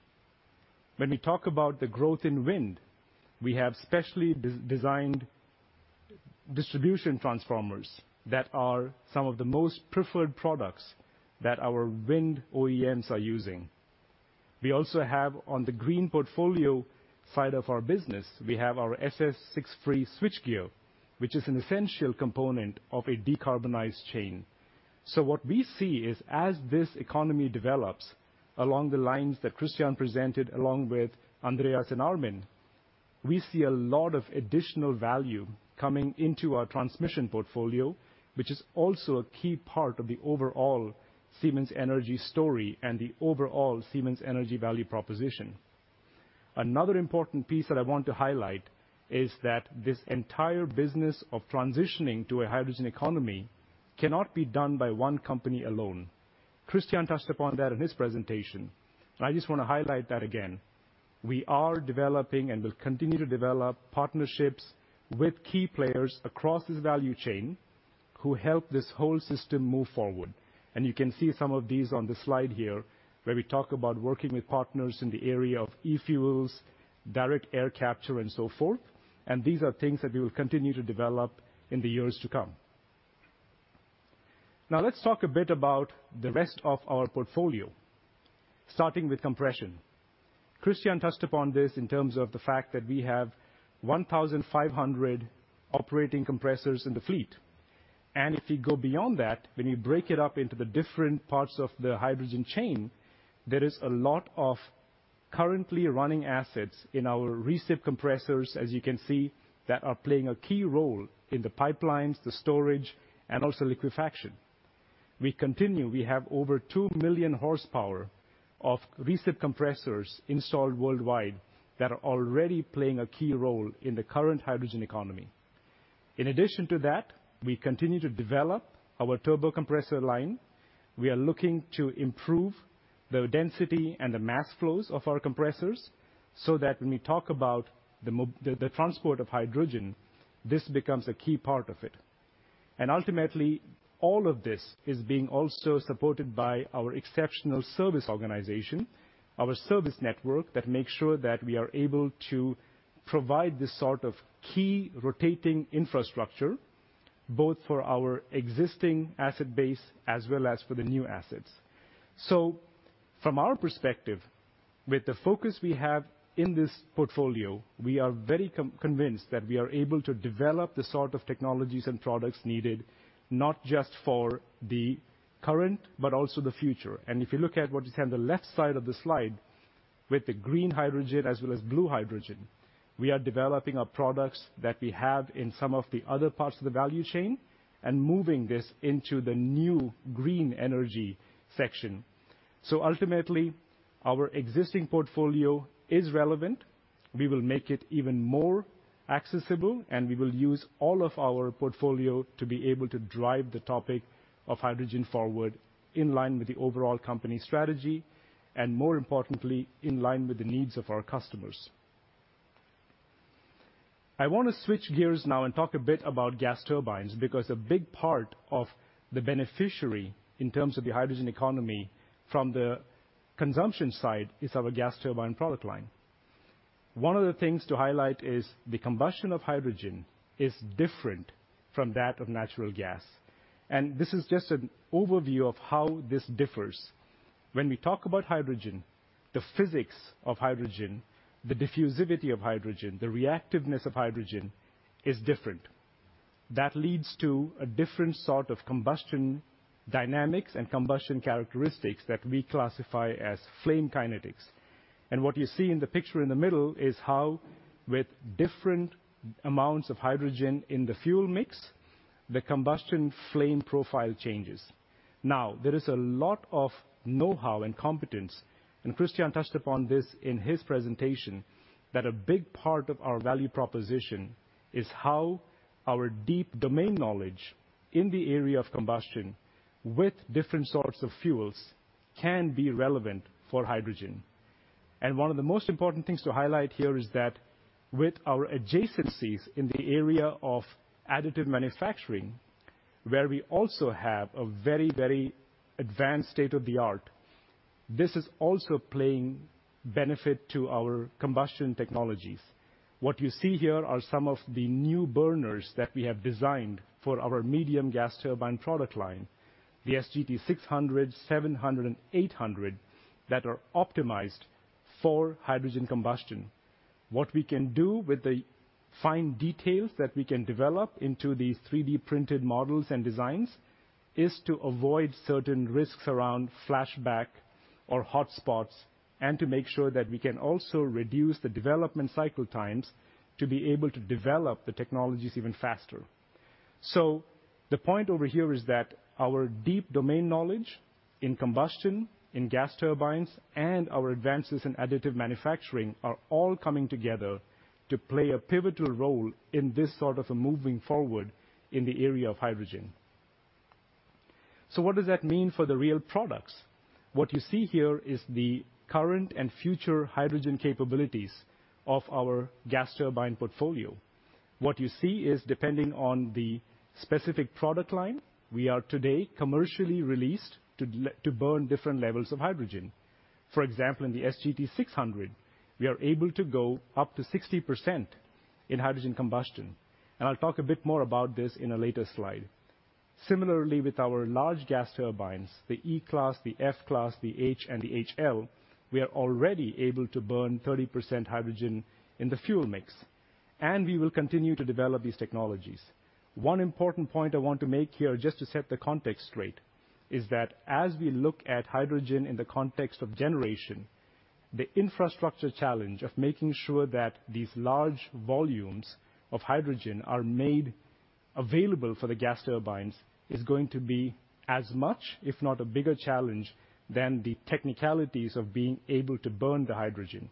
When we talk about the growth in wind, we have specially designed distribution transformers that are some of the most preferred products that our wind OEMs are using. We also have on the green portfolio side of our business, we have our SF6 free switchgear, which is an essential component of a decarbonized chain. What we see is, as this economy develops along the lines that Christian presented along with Andreas and Armin, we see a lot of additional value coming into our transmission portfolio, which is also a key part of the overall Siemens Energy story and the overall Siemens Energy value proposition. Another important piece that I want to highlight is that this entire business of transitioning to a hydrogen economy cannot be done by one company alone. Christian touched upon that in his presentation. I just want to highlight that again. We are developing and will continue to develop partnerships with key players across this value chain who help this whole system move forward. You can see some of these on the slide here, where we talk about working with partners in the area of eFuel, direct air capture, and so forth. These are things that we will continue to develop in the years to come. Now, let's talk a bit about the rest of our portfolio, starting with compression. Christian touched upon this in terms of the fact that we have 1,500 operating compressors in the fleet. If you go beyond that, when you break it up into the different parts of the hydrogen chain, there is a lot of currently running assets in our recip compressors, as you can see, that are playing a key role in the pipelines, the storage, and also liquefaction. We have over 2 million horsepower of recip compressors installed worldwide that are already playing a key role in the current hydrogen economy. In addition to that, we continue to develop our turbo compressor line. We are looking to improve the density and the mass flows of our compressors so that when we talk about the transport of hydrogen, this becomes a key part of it. Ultimately, all of this is being also supported by our exceptional service organization, our service network, that makes sure that we are able to provide this sort of key rotating infrastructure, both for our existing asset base as well as for the new assets. From our perspective, with the focus we have in this portfolio, we are very convinced that we are able to develop the sort of technologies and products needed, not just for the current, but also the future. If you look at what is on the left side of the slide, with the green hydrogen as well as blue hydrogen, we are developing our products that we have in some of the other parts of the value chain and moving this into the new green energy section. Ultimately, our existing portfolio is relevant. We will make it even more accessible, and we will use all of our portfolio to be able to drive the topic of hydrogen forward in line with the overall company strategy, and more importantly, in line with the needs of our customers. I want to switch gears now and talk a bit about gas turbines, because a big part of the beneficiary in terms of the hydrogen economy from the consumption side is our gas turbine product line. One of the things to highlight is the combustion of hydrogen is different from that of natural gas. This is just an overview of how this differs. When we talk about hydrogen, the physics of hydrogen, the diffusivity of hydrogen, the reactiveness of hydrogen is different. That leads to a different sort of combustion dynamics and combustion characteristics that we classify as flame kinetics. What you see in the picture in the middle is how with different amounts of hydrogen in the fuel mix, the combustion flame profile changes. There is a lot of know-how and competence, and Christian touched upon this in his presentation, that a big part of our value proposition is how our deep domain knowledge in the area of combustion with different sorts of fuels can be relevant for hydrogen. One of the most important things to highlight here is that with our adjacencies in the area of additive manufacturing, where we also have a very advanced state-of-the-art, this is also playing benefit to our combustion technologies. What you see here are some of the new burners that we have designed for our medium gas turbine product line, the SGT-600, SGT-700, and SGT-800, that are optimized for hydrogen combustion. What we can do with the fine details that we can develop into these 3D-printed models and designs is to avoid certain risks around flashback or hotspots and to make sure that we can also reduce the development cycle times to be able to develop the technologies even faster. The point over here is that our deep domain knowledge in combustion, in gas turbines, and our advances in additive manufacturing are all coming together to play a pivotal role in this sort of a moving forward in the area of hydrogen. What does that mean for the real products? What you see here is the current and future hydrogen capabilities of our gas turbine portfolio. What you see is depending on the specific product line, we are today commercially released to burn different levels of hydrogen. For example, in the SGT-600, we are able to go up to 60% in hydrogen combustion. I'll talk a bit more about this in a later slide. Similarly, with our large gas turbines, the E-class, the F-class, the H, and the HL, we are already able to burn 30% hydrogen in the fuel mix, and we will continue to develop these technologies. One important point I want to make here, just to set the context straight, is that as we look at hydrogen in the context of generation, the infrastructure challenge of making sure that these large volumes of hydrogen are made available for the gas turbines is going to be as much, if not a bigger challenge than the technicalities of being able to burn the hydrogen.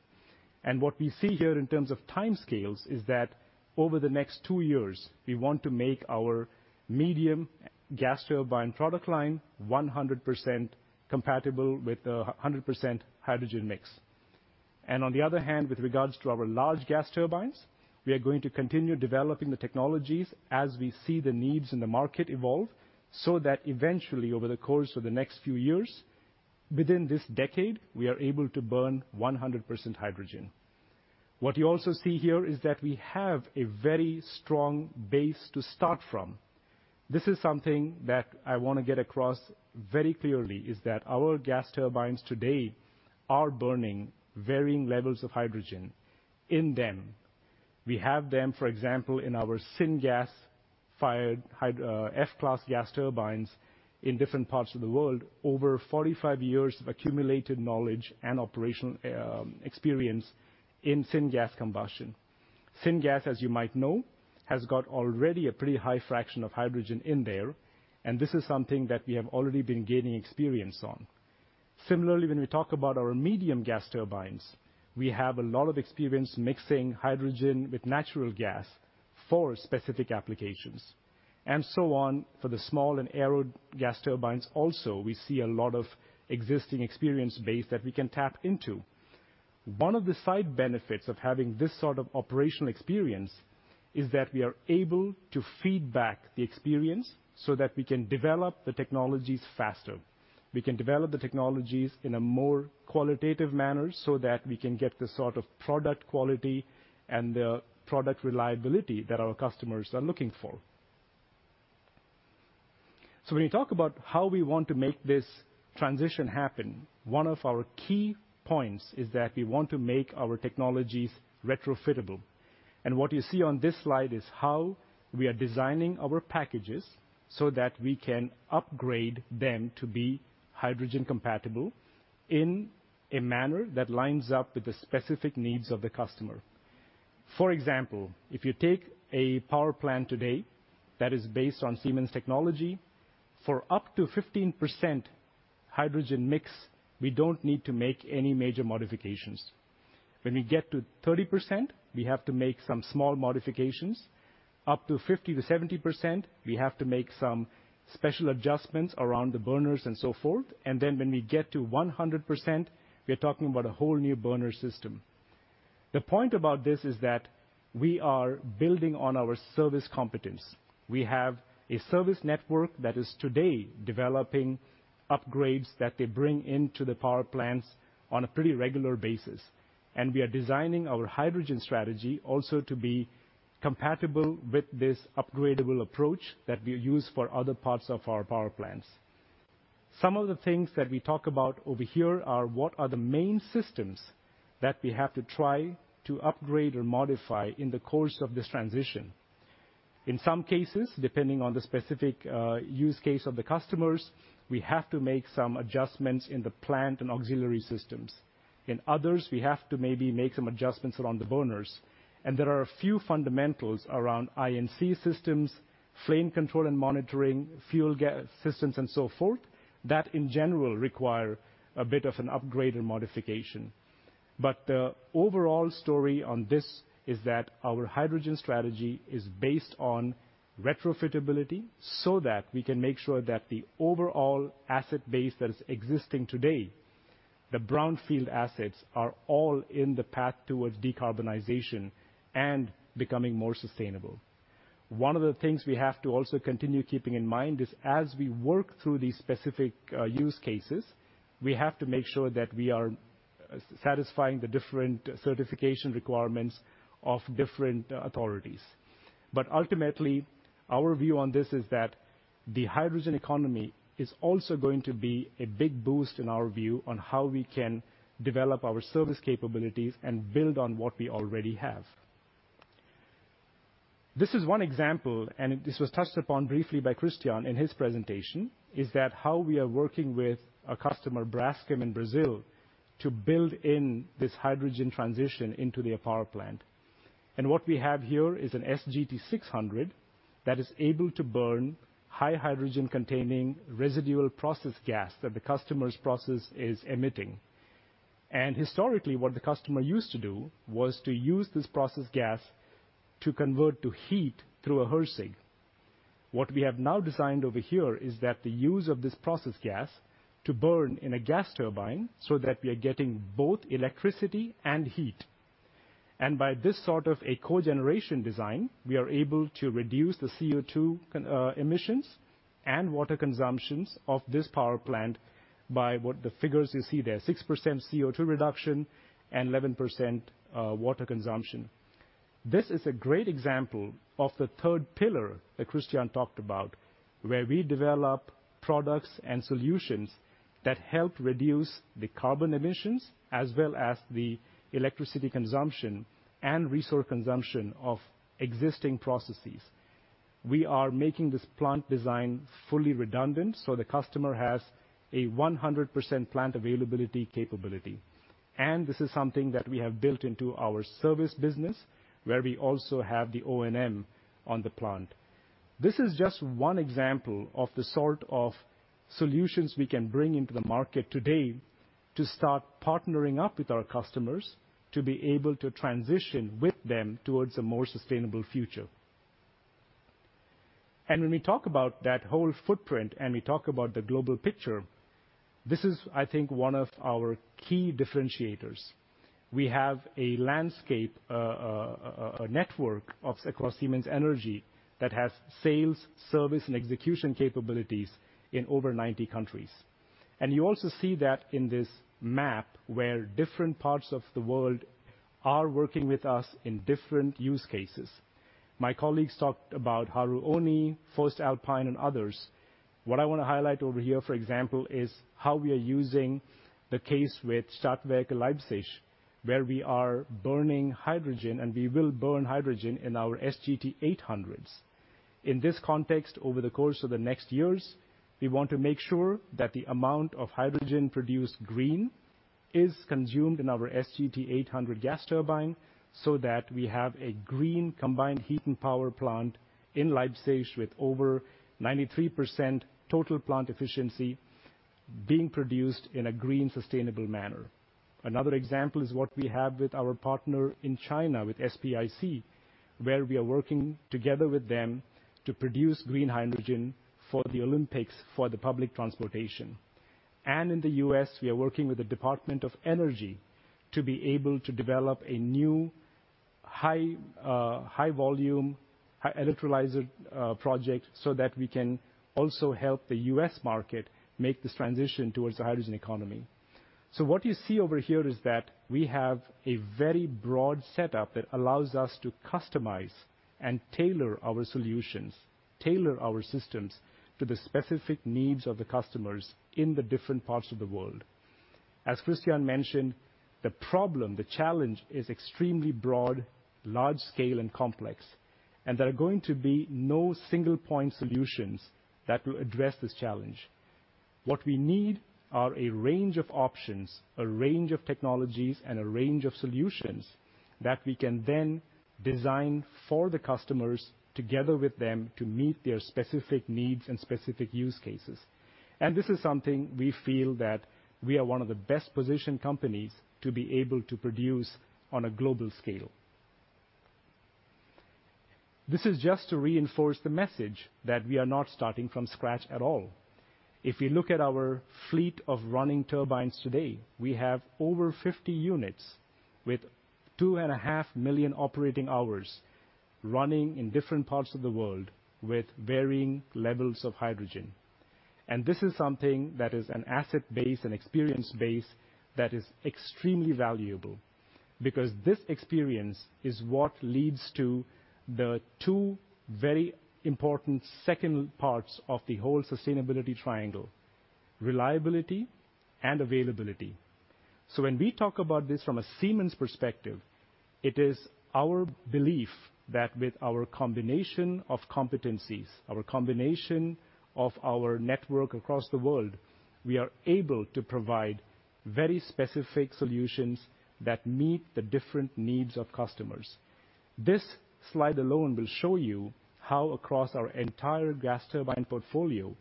What we see here in terms of timescales is that over the next two years, we want to make our medium gas turbine product line 100% compatible with 100% hydrogen mix. On the other hand, with regards to our large gas turbines, we are going to continue developing the technologies as we see the needs in the market evolve, so that eventually over the course of the next few years, within this decade, we are able to burn 100% hydrogen. What you also see here is that we have a very strong base to start from. This is something that I want to get across very clearly, is that our gas turbines today are burning varying levels of hydrogen in them. We have them, for example, in our syngas-fired F-class gas turbines in different parts of the world. Over 45 years of accumulated knowledge and operational experience in syngas combustion. Syngas, as you might know, has got already a pretty high fraction of hydrogen in there, and this is something that we have already been gaining experience on. Similarly, when we talk about our medium gas turbines, we have a lot of experience mixing hydrogen with natural gas for specific applications, and so on. For the small and aero gas turbines also, we see a lot of existing experience base that we can tap into. One of the side benefits of having this sort of operational experience is that we are able to feed back the experience so that we can develop the technologies faster. We can develop the technologies in a more qualitative manner so that we can get the sort of product quality and the product reliability that our customers are looking for. When we talk about how we want to make this transition happen, one of our key points is that we want to make our technologies retrofittable. What you see on this slide is how we are designing our packages so that we can upgrade them to be hydrogen compatible in a manner that lines up with the specific needs of the customer. For example, if you take a power plant today that is based on Siemens technology, for up to 15% hydrogen mix, we don't need to make any major modifications. When we get to 30%, we have to make some small modifications. Up to 50%-70%, we have to make some special adjustments around the burners and so forth. When we get to 100%, we are talking about a whole new burner system. The point about this is that we are building on our service competence. We have a service network that is today developing upgrades that they bring into the power plants on a pretty regular basis. We are designing our hydrogen strategy also to be compatible with this upgradable approach that we use for other parts of our power plants. Some of the things that we talk about over here are what are the main systems that we have to try to upgrade or modify in the course of this transition. In some cases, depending on the specific use case of the customers, we have to make some adjustments in the plant and auxiliary systems. In others, we have to maybe make some adjustments around the burners. There are a few fundamentals around I&C systems, flame control and monitoring, fuel gas systems, and so forth, that in general require a bit of an upgrade or modification. The overall story on this is that our hydrogen strategy is based on retrofitability so that we can make sure that the overall asset base that is existing today, the brownfield assets, are all in the path towards decarbonization and becoming more sustainable. One of the things we have to also continue keeping in mind is as we work through these specific use cases, we have to make sure that we are satisfying the different certification requirements of different authorities. Ultimately, our view on this is that the hydrogen economy is also going to be a big boost in our view on how we can develop our service capabilities and build on what we already have. This is one example, this was touched upon briefly by Christian in his presentation, is that how we are working with a customer, Braskem in Brazil, to build in this hydrogen transition into their power plant. What we have here is an SGT-600 that is able to burn high hydrogen-containing residual process gas that the customer's process is emitting. Historically, what the customer used to do was to use this process gas to convert to heat through a HRSG. What we have now designed over here is that the use of this process gas to burn in a gas turbine so that we are getting both electricity and heat. By this sort of a cogeneration design, we are able to reduce the CO2 emissions and water consumptions of this power plant by what the figures you see there, 6% CO2 reduction and 11% water consumption. This is a great example of the third pillar that Christian talked about, where we develop products and solutions that help reduce the carbon emissions as well as the electricity consumption and resource consumption of existing processes. We are making this plant design fully redundant so the customer has a 100% plant availability capability. This is something that we have built into our service business, where we also have the O&M on the plant. This is just one example of the sort of solutions we can bring into the market today to start partnering up with our customers to be able to transition with them towards a more sustainable future. When we talk about that whole footprint and we talk about the global picture, this is, I think, one of our key differentiators. We have a landscape, a network across Siemens Energy that has sales, service, and execution capabilities in over 90 countries. You also see that in this map where different parts of the world are working with us in different use cases. My colleagues talked about Haru Oni, voestalpine, and others. What I want to highlight over here, for example, is how we are using the case with Stadtwerke Leipzig, where we are burning hydrogen, and we will burn hydrogen in our SGT-800s. In this context, over the course of the next years, we want to make sure that the amount of hydrogen produced green is consumed in our SGT-800 gas turbine so that we have a green combined heat and power plant in Leipzig with over 93% total plant efficiency being produced in a green, sustainable manner. Another example is what we have with our partner in China, with SPIC, where we are working together with them to produce green hydrogen for the Olympics for the public transportation. In the U.S., we are working with the Department of Energy to be able to develop a new high volume electrolyzer project so that we can also help the U.S. market make this transition towards the hydrogen economy. What you see over here is that we have a very broad setup that allows us to customize and tailor our solutions, tailor our systems to the specific needs of the customers in the different parts of the world. As Christian mentioned, the problem, the challenge is extremely broad, large-scale, and complex, and there are going to be no single-point solutions that will address this challenge. What we need are a range of options, a range of technologies, and a range of solutions that we can then design for the customers together with them to meet their specific needs and specific use cases. This is something we feel that we are one of the best-positioned companies to be able to produce on a global scale. This is just to reinforce the message that we are not starting from scratch at all. If you look at our fleet of running turbines today, we have over 50 units with 2.5 million operating hours running in different parts of the world with varying levels of hydrogen. This is something that is an asset base and experience base that is extremely valuable because this experience is what leads to the two very important second parts of the whole sustainability triangle, reliability and availability. When we talk about this from a Siemens perspective, it is our belief that with our combination of competencies, our combination of our network across the world, we are able to provide very specific solutions that meet the different needs of customers. This slide alone will show you how across our entire gas turbine portfolio,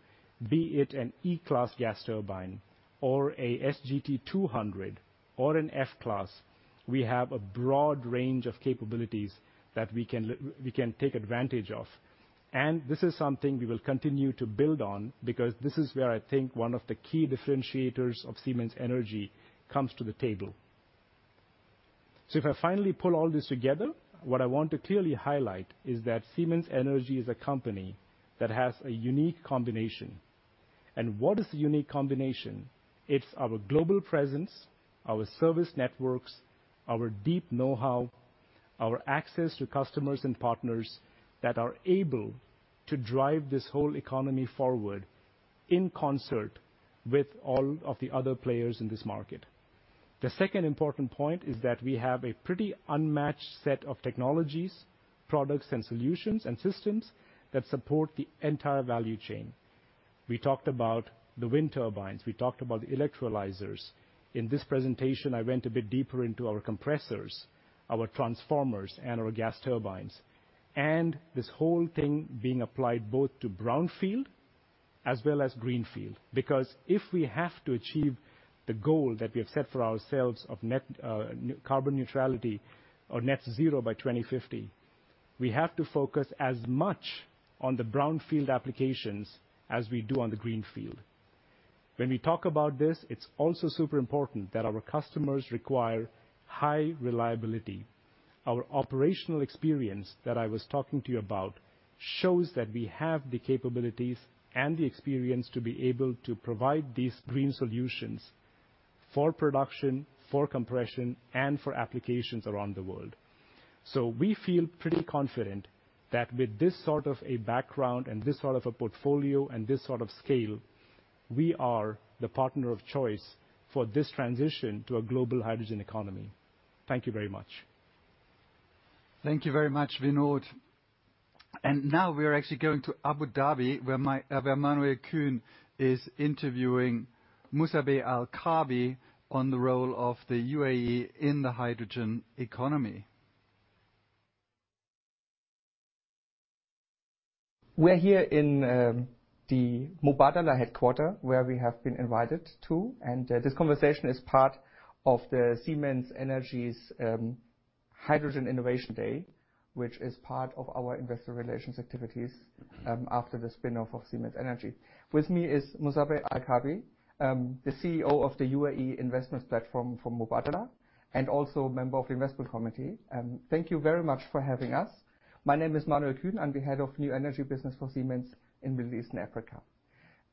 be it an E-class gas turbine or a SGT-200 or an F-class, we have a broad range of capabilities that we can take advantage of. This is something we will continue to build on because this is where I think one of the key differentiators of Siemens Energy comes to the table. If I finally pull all this together, what I want to clearly highlight is that Siemens Energy is a company that has a unique combination. What is a unique combination? It's our global presence, our service networks, our deep know-how, our access to customers and partners that are able to drive this whole economy forward in concert with all of the other players in this market. The second important point is that we have a pretty unmatched set of technologies, products and solutions and systems that support the entire value chain. We talked about the wind turbines. We talked about the electrolyzers. In this presentation, I went a bit deeper into our compressors, our transformers, and our gas turbines, and this whole thing being applied both to brownfield as well as greenfield. If we have to achieve the goal that we have set for ourselves of carbon neutrality or net zero by 2050, we have to focus as much on the brownfield applications as we do on the greenfield. When we talk about this, it is also super important that our customers require high reliability. Our operational experience that I was talking to you about shows that we have the capabilities and the experience to be able to provide these green solutions for production, for compression, and for applications around the world. We feel pretty confident that with this sort of a background and this sort of a portfolio and this sort of scale, we are the partner of choice for this transition to a global hydrogen economy. Thank you very much. Thank you very much, Vinod. Now we are actually going to Abu Dhabi, where Manuel Kuehn is interviewing Musabbeh Al Kaabi on the role of the UAE in the hydrogen economy. We're here in the Mubadala headquarter where we have been invited to, and this conversation is part of the Siemens Energy's Hydrogen Innovation Day, which is part of our investor relations activities after the spin-off of Siemens Energy. With me is Musabbeh Al Kaabi, the CEO of the UAE Investments Platform for Mubadala, and also a member of the investment committee. Thank you very much for having us. My name is Manuel Kuehn. I'm the Head of New Energy Business for Siemens Energy in Middle East and Africa.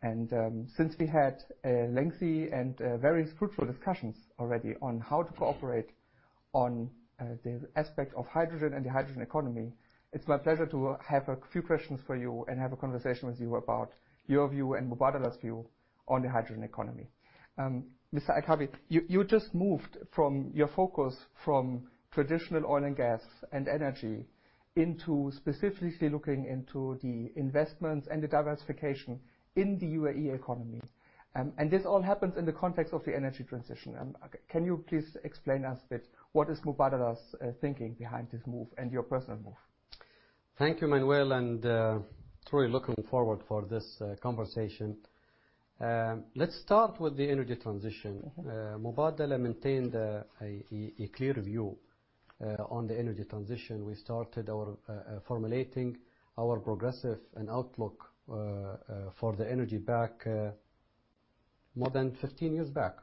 Since we had a lengthy and very fruitful discussions already on how to cooperate on the aspect of hydrogen and the hydrogen economy, it's my pleasure to have a few questions for you and have a conversation with you about your view and Mubadala's view on the hydrogen economy. Mr. Al Kaabi, you just moved your focus from traditional oil and gas and energy into specifically looking into the investments and the diversification in the UAE economy. This all happens in the context of the energy transition. Can you please explain to us a bit what is Mubadala's thinking behind this move and your personal move? Thank you, Manuel, and truly looking forward for this conversation. Let's start with the energy transition. Mubadala maintained a clear view on the energy transition. We started formulating our progressive and outlook for the energy more than 15 years back.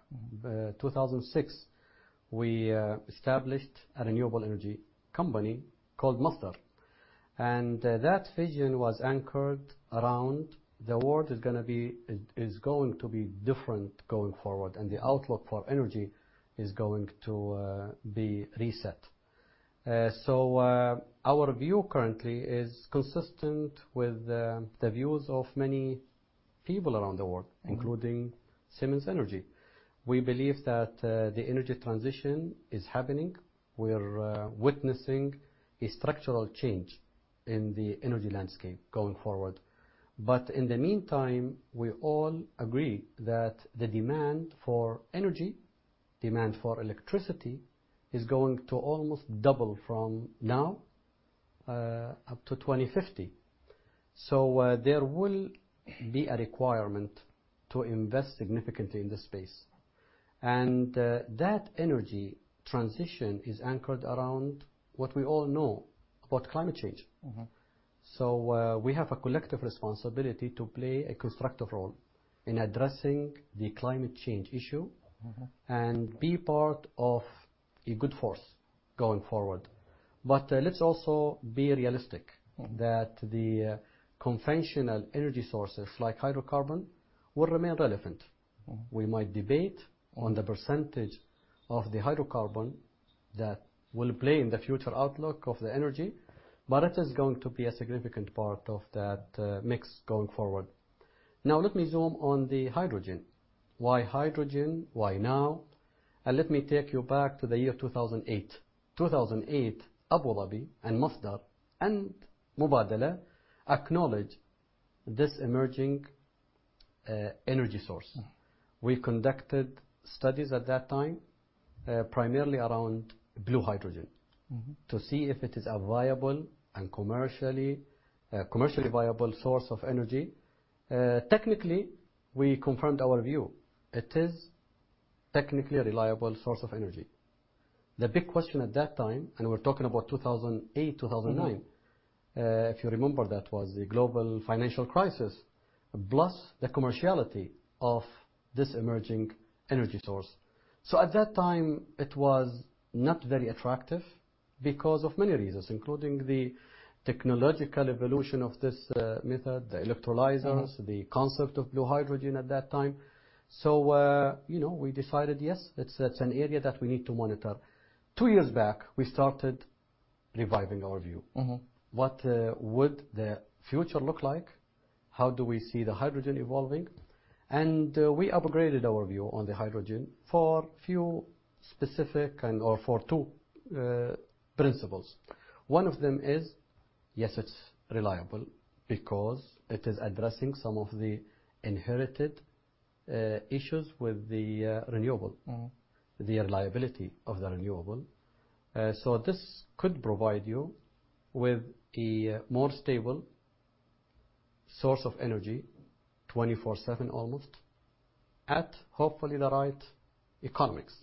2006, we established a renewable energy company called Masdar, and that vision was anchored around the world is going to be different going forward, and the outlook for energy is going to be reset. Our view currently is consistent with the views of many people around the world, including Siemens Energy. We believe that the energy transition is happening. We are witnessing a structural change in the energy landscape going forward. In the meantime, we all agree that the demand for energy, demand for electricity, is going to almost double from now up to 2050. There will be a requirement to invest significantly in this space. That energy transition is anchored around what we all know about climate change. We have a collective responsibility to play a constructive role in addressing the climate change issue. Be part of a good force going forward. Let's also be realistic that the conventional energy sources, like hydrocarbon, will remain relevant. We might debate on the percentage of the hydrocarbon that will play in the future outlook of the energy, but it is going to be a significant part of that mix going forward. Now, let me zoom on the hydrogen. Why hydrogen? Why now? Let me take you back to the year 2008. 2008, Abu Dhabi and Masdar and Mubadala acknowledged this emerging energy source. We conducted studies at that time, primarily around blue hydrogen to see if it is a commercially viable source of energy. Technically, we confirmed our view. It is technically a reliable source of energy. The big question at that time, and we are talking about 2008, 2009. If you remember, that was the global financial crisis, plus the commerciality of this emerging energy source. At that time, it was not very attractive because of many reasons, including the technological evolution of this method, the electrolyzers. The concept of blue hydrogen at that time. We decided, yes, it's an area that we need to monitor. Two years back, we started reviving our view. What would the future look like? How do we see the hydrogen evolving? We upgraded our view on the hydrogen for two principles. One of them is, yes, it's reliable because it is addressing some of the inherited issues with the reliability of the renewable. This could provide you with a more stable source of energy, 24/7 almost, at hopefully the right economics.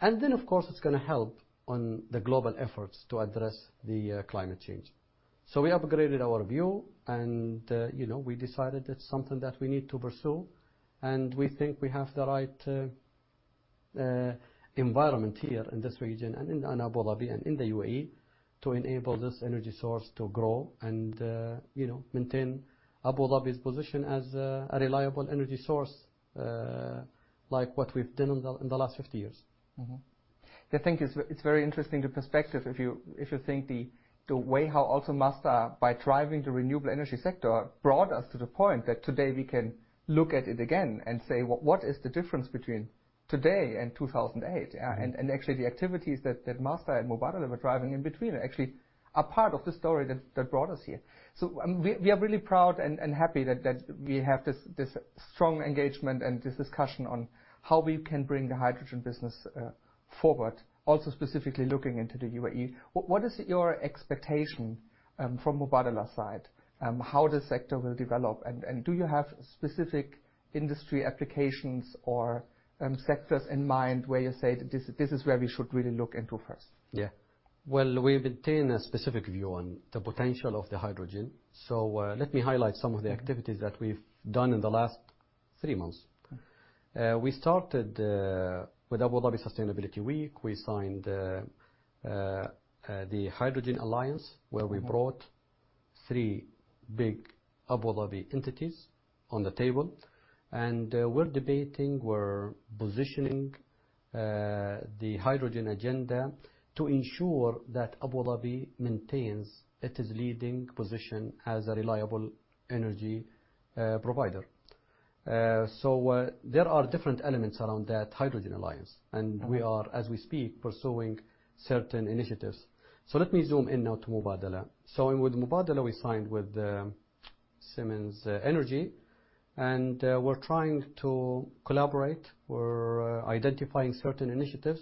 Of course, it is going to help on the global efforts to address the climate change. We upgraded our view and we decided it is something that we need to pursue, and we think we have the right environment here in this region and in Abu Dhabi and in the UAE to enable this energy source to grow and maintain Abu Dhabi's position as a reliable energy source, like what we have done in the last 50 years. I think it's very interesting, the perspective, if you think the way how also Masdar, by driving the renewable energy sector, brought us to the point that today we can look at it again and say, "Well, what is the difference between today and 2008?" Actually, the activities that Masdar and Mubadala were driving in between are actually a part of the story that brought us here. We are really proud and happy that we have this strong engagement and this discussion on how we can bring the hydrogen business forward, also specifically looking into the UAE. What is your expectation from Mubadala's side, how the sector will develop? Do you have specific industry applications or sectors in mind where you say, "This is where we should really look into first"? Well, we've obtained a specific view on the potential of the hydrogen. Let me highlight some of the activities that we've done in the last three months. We started with Abu Dhabi Sustainability Week. We signed the Hydrogen Alliance, where we brought three big Abu Dhabi entities on the table, and we're debating, we're positioning the hydrogen agenda to ensure that Abu Dhabi maintains its leading position as a reliable energy provider. There are different elements around that Hydrogen Alliance, and we are, as we speak, pursuing certain initiatives. Let me zoom in now to Mubadala. With Mubadala, we signed with Siemens Energy, and we're trying to collaborate. We're identifying certain initiatives.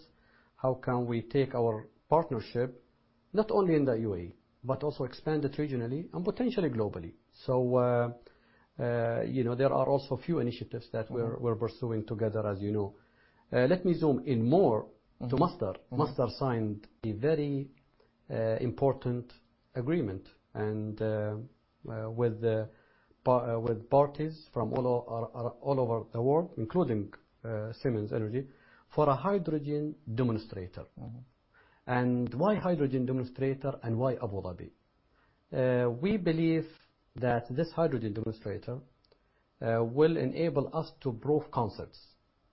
How can we take our partnership not only in the UAE but also expand it regionally and potentially globally? There are also a few initiatives that we're pursuing together, as you know. Let me zoom in more to Masdar. Masdar signed a very important agreement with parties from all over the world, including Siemens Energy, for a hydrogen demonstrator. Why hydrogen demonstrator, and why Abu Dhabi? We believe that this hydrogen demonstrator will enable us to prove concepts,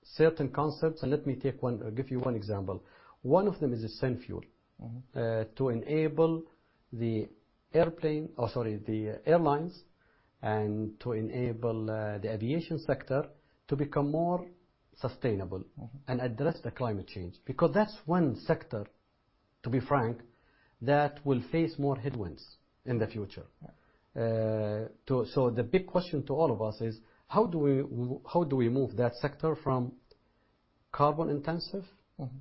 certain concepts, and let me give you one example. One of them is synfuel. To enable the airlines and to enable the aviation sector to become more sustainable and address the climate change. That's one sector, to be frank, that will face more headwinds in the future. Yeah. The big question to all of us is, how do we move that sector from carbon-intensive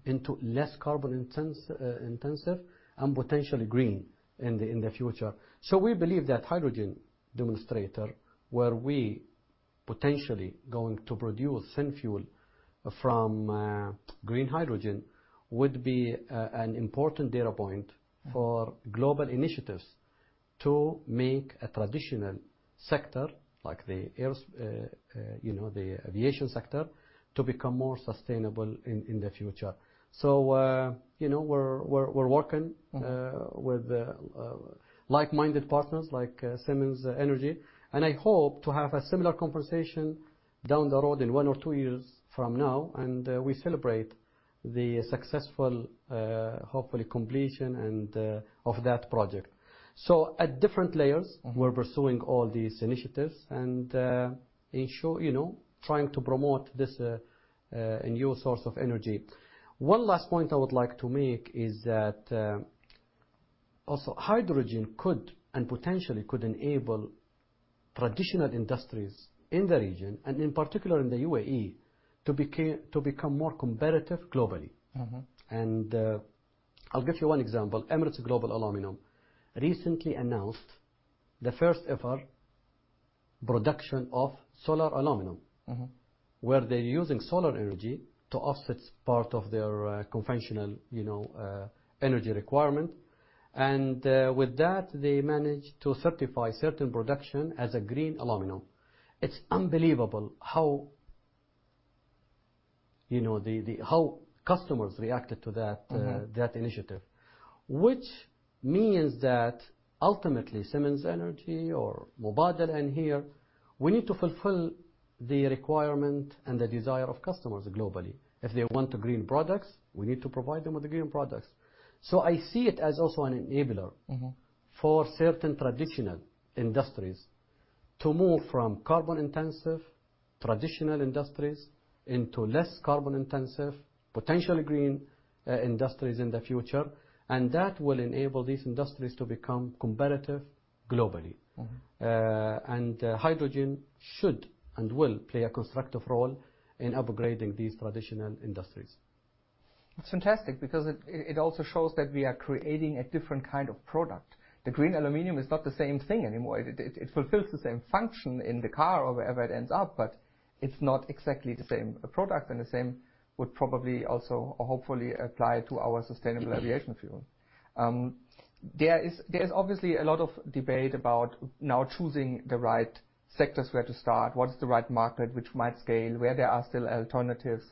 into less carbon-intensive and potentially green in the future? We believe that hydrogen demonstrator, where we potentially going to produce synfuel from green hydrogen, would be an important data point for global initiatives to make a traditional sector like the aviation sector, to become more sustainable in the future. We're working with like-minded partners like Siemens Energy, and I hope to have a similar conversation down the road in one or two years from now, and we celebrate the successful, hopefully completion of that project. At different layers, we're pursuing all these initiatives and ensure, trying to promote this new source of energy. One last point I would like to make is that also hydrogen could, and potentially could enable traditional industries in the region, and in particular in the UAE, to become more competitive globally. I'll give you one example. Emirates Global Aluminium recently announced the first ever production of solar aluminum. Where they're using solar energy to offset part of their conventional energy requirement. With that, they managed to certify certain production as a green aluminum. It's unbelievable how customers reacted to that initiative, which means that ultimately, Siemens Energy or Mubadala, and here, we need to fulfill the requirement and the desire of customers globally. If they want the green products, we need to provide them with the green products. I see it as also an enabler. For certain traditional industries to move from carbon-intensive traditional industries into less carbon intensive, potentially green industries in the future. That will enable these industries to become competitive globally. Hydrogen should and will play a constructive role in upgrading these traditional industries. That's fantastic because it also shows that we are creating a different kind of product. The green aluminum is not the same thing anymore. It fulfills the same function in the car or wherever it ends up, but it's not exactly the same product. The same would probably also, or hopefully apply to our sustainable aviation fuel. There is obviously a lot of debate about now choosing the right sectors where to start, what is the right market, which might scale, where there are still alternatives.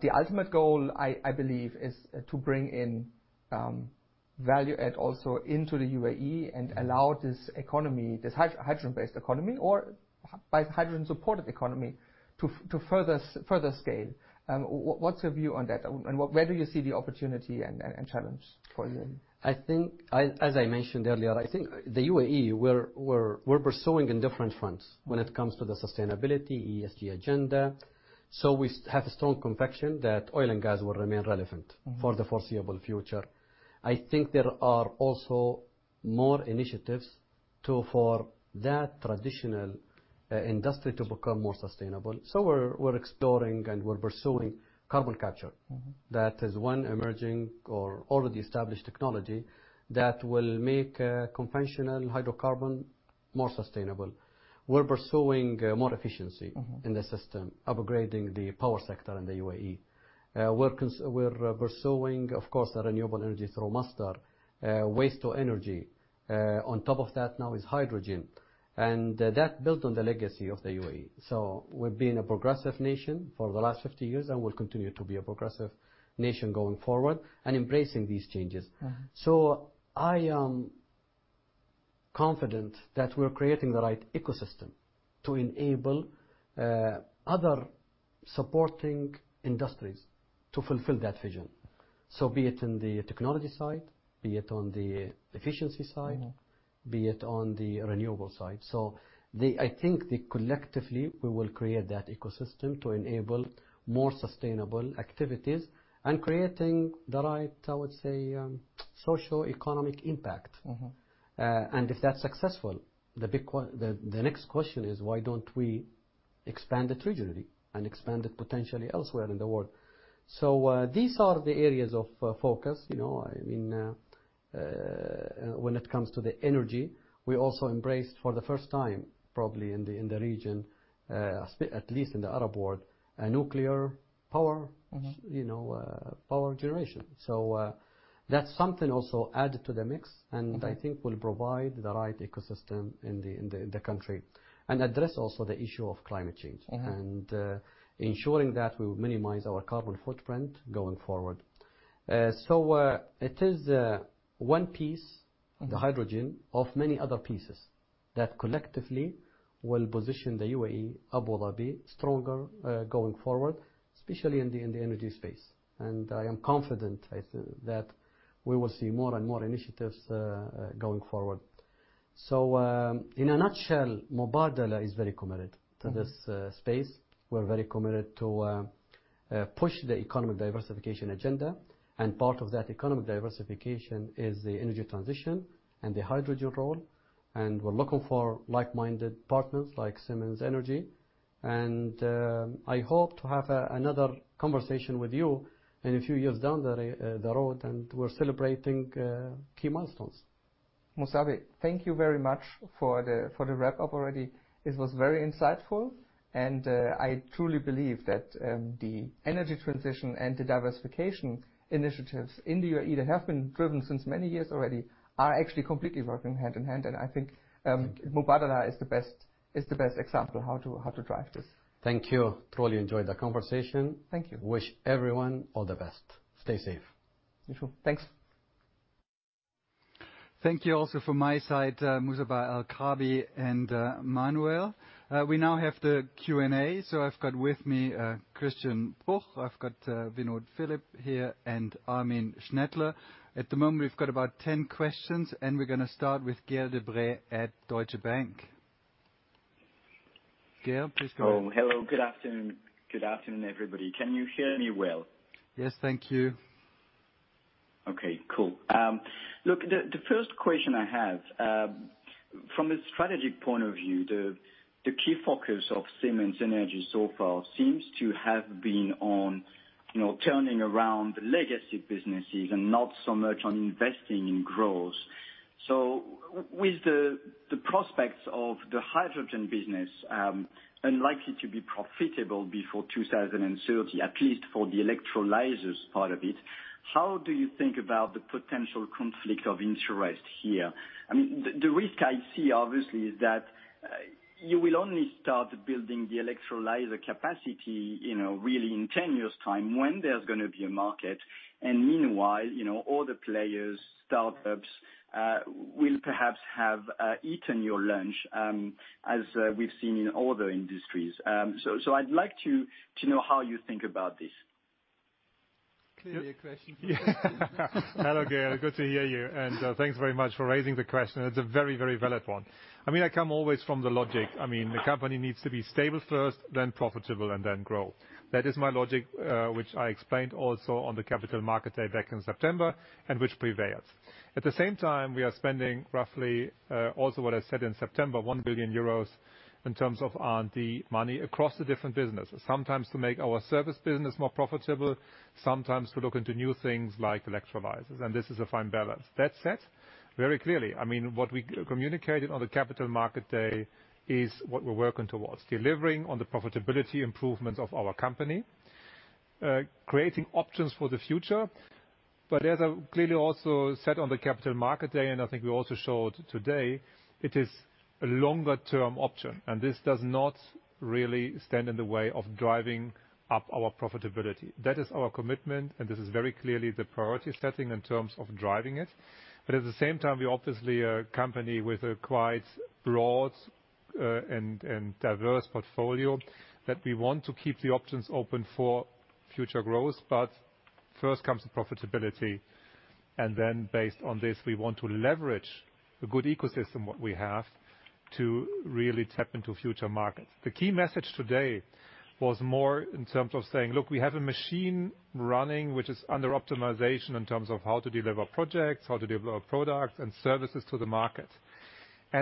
The ultimate goal, I believe, is to bring in value add also into the UAE and allow this economy, this hydrogen-based economy or by hydrogen supported economy, to further scale. What's your view on that, and where do you see the opportunity and challenge for you? As I mentioned earlier, I think the UAE, we're pursuing in different fronts when it comes to the sustainability ESG agenda. We have a strong conviction that oil and gas will remain relevant for the foreseeable future. I think there are also more initiatives for that traditional industry to become more sustainable. We're exploring and we're pursuing carbon capture. That is one emerging or already established technology that will make conventional hydrocarbon more sustainable. We're pursuing more efficiency in the system, upgrading the power sector in the UAE. We're pursuing, of course, the renewable energy through Masdar, waste to energy. On top of that now is hydrogen. That built on the legacy of the UAE. We've been a progressive nation for the last 50 years and will continue to be a progressive nation going forward and embracing these changes. I am confident that we're creating the right ecosystem to enable other supporting industries to fulfill that vision. Be it in the technology side, be it on the efficiency side, be it on the renewable side. I think that collectively, we will create that ecosystem to enable more sustainable activities and creating the right, I would say, socioeconomic impact. If that's successful, the next question is why don't we expand it regionally and expand it potentially elsewhere in the world? These are the areas of focus, when it comes to the energy. We also embraced, for the first time probably in the region, at least in the Arab world, nuclear power. Power generation. That's something also added to the mix. I think will provide the right ecosystem in the country and address also the issue of climate change. Ensuring that we minimize our carbon footprint going forward. It is one piece. The hydrogen, of many other pieces that collectively will position the UAE, Abu Dhabi, stronger going forward, especially in the energy space. I am confident that we will see more and more initiatives going forward. In a nutshell, Mubadala is very committed to this space. We're very committed to push the economic diversification agenda, and part of that economic diversification is the energy transition and the hydrogen role. We're looking for like-minded partners like Siemens Energy, and I hope to have another conversation with you in a few years down the road, and we're celebrating key milestones. Musabbeh, thank you very much for the wrap-up already. It was very insightful, and I truly believe that the energy transition and the diversification initiatives in the UAE that have been driven since many years already are actually completely working hand in hand. I think Mubadala is the best example how to drive this. Thank you, truly enjoyed the conversation. Thank you. Wish everyone all the best. Stay safe. You too. Thanks. Thank you also from my side, Musabbeh Al Kaabi and Manuel. We now have the Q&A. I've got with me Christian Bruch, I've got Vinod Philip here, and Armin Schnettler. At the moment, we've got about 10 questions. We're going to start with Gael De Bray at Deutsche Bank. Gael, please go ahead. Oh, hello. Good afternoon, everybody. Can you hear me well? Yes. Thank you. Okay, cool. Look, the first question I have, from a strategy point of view, the key focus of Siemens Energy so far seems to have been on turning around the legacy businesses and not so much on investing in growth. With the prospects of the hydrogen business unlikely to be profitable before 2030, at least for the electrolyzers part of it, how do you think about the potential conflict of interest here? The risk I see obviously is that you will only start building the electrolyzer capacity really in 10 years' time when there's going to be a market, and meanwhile, all the players, startups, will perhaps have eaten your lunch, as we've seen in other industries. I'd like to know how you think about this. Clearly a question for Christian. Hello, Gael. Good to hear you, and thanks very much for raising the question. It's a very valid one. I come always from the logic. The company needs to be stable first, then profitable, and then grow. That is my logic, which I explained also on the Capital Markets Day back in September, and which prevails. At the same time, we are spending roughly, also what I said in September, 1 billion euros in terms of R&D money across the different businesses, sometimes to make our service business more profitable, sometimes to look into new things like electrolyzers, and this is a fine balance. That said, very clearly, what we communicated on the Capital Markets Day is what we're working towards, delivering on the profitability improvements of our company, creating options for the future. As I clearly also said on the Capital Markets Day, and I think we also showed today, it is a longer-term option, and this does not really stand in the way of driving up our profitability. That is our commitment, and this is very clearly the priority setting in terms of driving it. At the same time, we obviously are a company with a quite broad and diverse portfolio that we want to keep the options open for future growth. First comes profitability, and then based on this, we want to leverage the good ecosystem what we have to really tap into future markets. The key message today was more in terms of saying, look, we have a machine running which is under optimization in terms of how to deliver projects, how to deliver products and services to the market.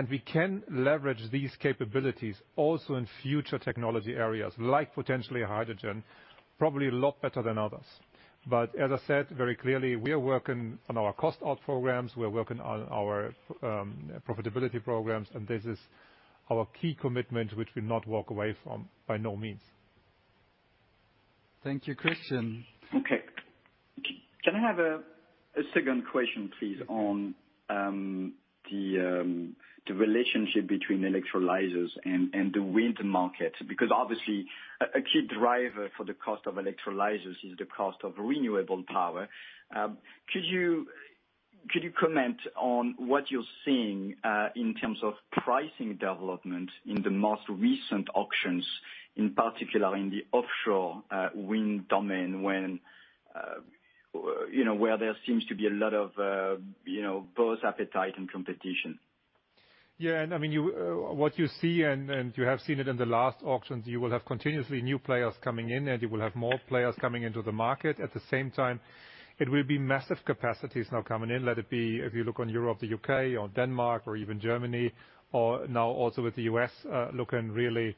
We can leverage these capabilities also in future technology areas like potentially hydrogen, probably a lot better than others. As I said very clearly, we are working on our cost-out programs, we are working on our profitability programs, and this is our key commitment, which we'll not walk away from, by no means. Thank you, Christian. Okay. Can I have a second question, please, on the relationship between electrolyzers and the wind market? Because obviously, a key driver for the cost of electrolyzers is the cost of renewable power. Could you comment on what you're seeing in terms of pricing development in the most recent auctions, in particular in the offshore wind domain, where there seems to be a lot of both appetite and competition? What you see, and you have seen it in the last auctions, you will have continuously new players coming in, and you will have more players coming into the market. At the same time, it will be massive capacities now coming in, let it be, if you look on Europe, the U.K. or Denmark or even Germany, or now also with the U.S. looking really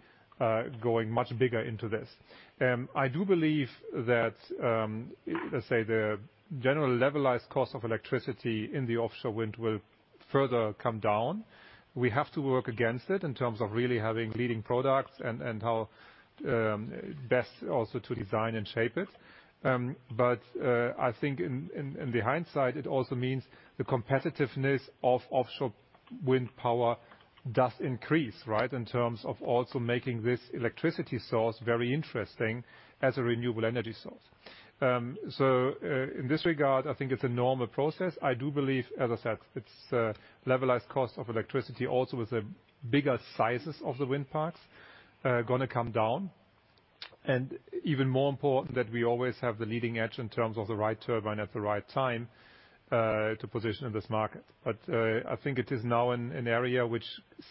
going much bigger into this. I do believe that, let's say, the general levelized cost of electricity in the offshore wind will further come down. We have to work against it in terms of really having leading products and how best also to design and shape it. I think in the hindsight, it also means the competitiveness of offshore wind power does increase, right? In terms of also making this electricity source very interesting as a renewable energy source. In this regard, I think it's a normal process. I do believe, as I said, its levelized cost of electricity also with the bigger sizes of the wind farms are going to come down. Even more important, that we always have the leading edge in terms of the right turbine at the right time to position in this market. I think it is now an area which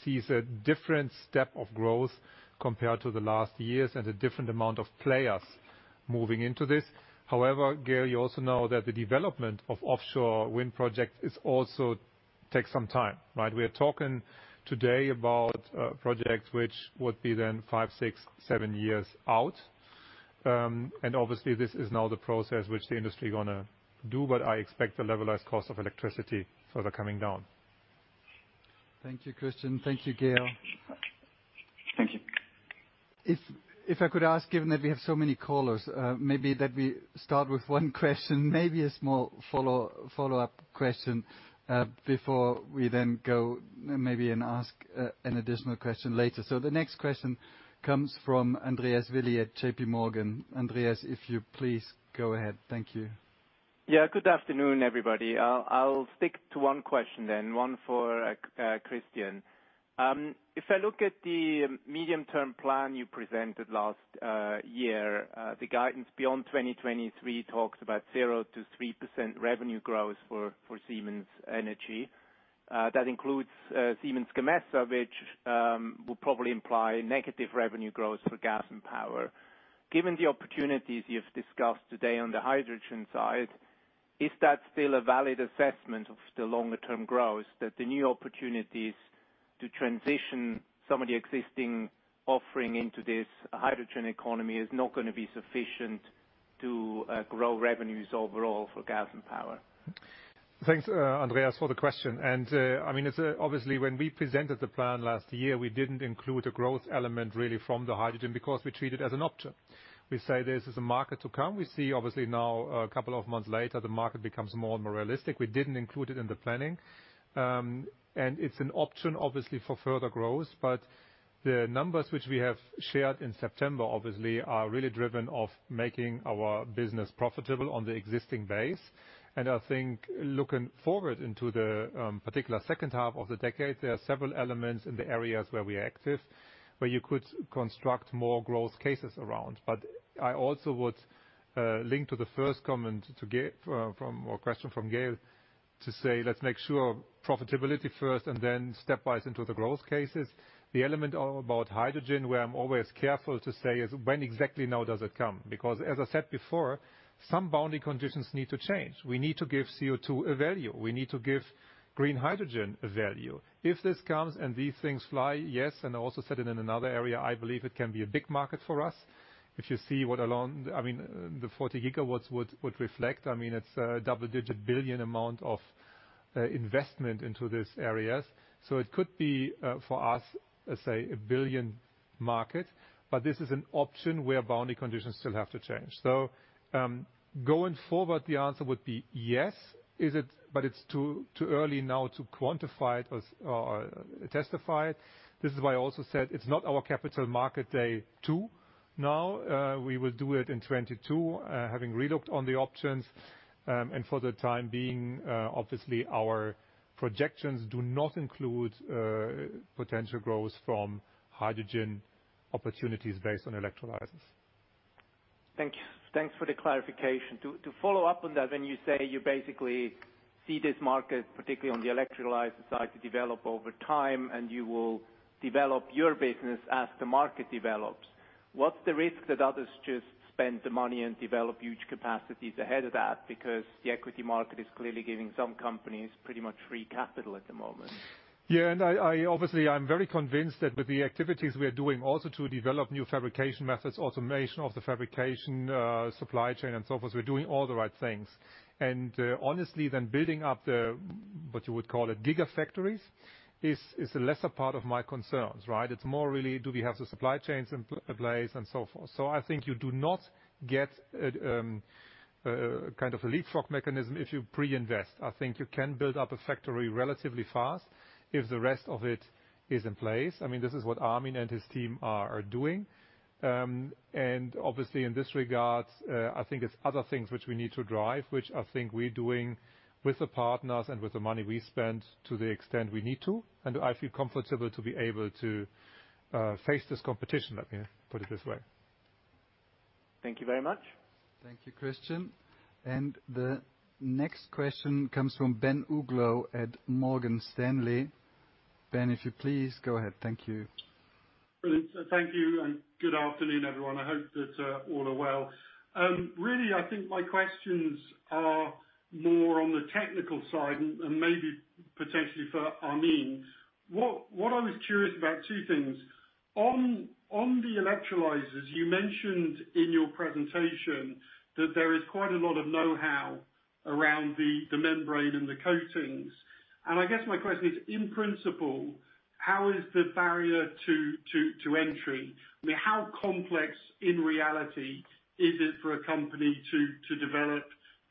sees a different step of growth compared to the last years and a different amount of players moving into this. Gael, you also know that the development of offshore wind projects also takes some time, right? We are talking today about projects which would be then five, six, seven years out. Obviously, this is now the process which the industry's going to do, but I expect the levelized cost of electricity further coming down. Thank you, Christian. Thank you, Gael. Thank you. If I could ask, given that we have so many callers, maybe that we start with one question, maybe a small follow-up question, before we then go maybe and ask an additional question later. The next question comes from Andreas Willi at JPMorgan. Andreas, if you please go ahead. Thank you. Good afternoon, everybody. I'll stick to one question then, one for Christian. If I look at the medium-term plan you presented last year, the guidance beyond 2023 talks about 0%-3% revenue growth for Siemens Energy. That includes Siemens Gamesa, which will probably imply negative revenue growth for gas and power. Given the opportunities you've discussed today on the hydrogen side, is that still a valid assessment of the longer-term growth, that the new opportunities to transition some of the existing offering into this hydrogen economy is not going to be sufficient to grow revenues overall for gas and power? Thanks, Andreas, for the question. Obviously, when we presented the plan last year, we didn't include a growth element really from the hydrogen because we treat it as an option. We say this is a market to come. We see obviously now a couple of months later, the market becomes more and more realistic. We didn't include it in the planning. It's an option, obviously, for further growth. The numbers which we have shared in September obviously are really driven off making our business profitable on the existing base. I think looking forward into the particular second half of the decade, there are several elements in the areas where we're active where you could construct more growth cases around. I also would link to the first comment or question from Gael to say, let's make sure profitability first and then stepwise into the growth cases. The element about hydrogen, where I am always careful to say is, when exactly now does it come? As I said before, some boundary conditions need to change. We need to give CO2 a value. We need to give green hydrogen a value. If this comes and these things fly, yes, and I also said it in another area, I believe it can be a big market for us. If you see what along the 40 GW would reflect, it is a double-digit billion amount of investment into these areas. It could be for us, let's say, a billion market. This is an option where boundary conditions still have to change. Going forward, the answer would be yes. It is too early now to quantify it or testify it. This is why I also said it is not our Capital Markets Day 2 now. We will do it in 2022, having re-looked on the options. For the time being, obviously, our projections do not include potential growth from hydrogen opportunities based on electrolyzers. Thank you. Thanks for the clarification. To follow up on that, when you say you basically see this market, particularly on the electrolyzer side, to develop over time, and you will develop your business as the market develops. What's the risk that others just spend the money and develop huge capacities ahead of that? The equity market is clearly giving some companies pretty much free capital at the moment. Yeah, obviously, I'm very convinced that with the activities we are doing also to develop new fabrication methods, automation of the fabrication, supply chain and so forth, we're doing all the right things. Honestly, building up the, what you would call it, gigafactories, is a lesser part of my concerns, right? It's more really do we have the supply chains in place and so forth. I think you do not get a kind of a leapfrog mechanism if you pre-invest. I think you can build up a factory relatively fast if the rest of it is in place. This is what Armin and his team are doing. Obviously in this regard, I think it's other things which we need to drive, which I think we're doing with the partners and with the money we spend to the extent we need to. I feel comfortable to be able to face this competition, let me put it this way. Thank you very much. Thank you, Christian. The next question comes from Ben Uglow at Morgan Stanley. Ben, if you please go ahead. Thank you. Brilliant, thank you. Good afternoon, everyone. I hope that all are well. Really, I think my questions are more on the technical side and maybe potentially for Armin. What I was curious about, two things. On the electrolyzers, you mentioned in your presentation that there is quite a lot of knowhow around the membrane and the coatings. I guess my question is, in principle, how is the barrier to entry? How complex in reality is it for a company to develop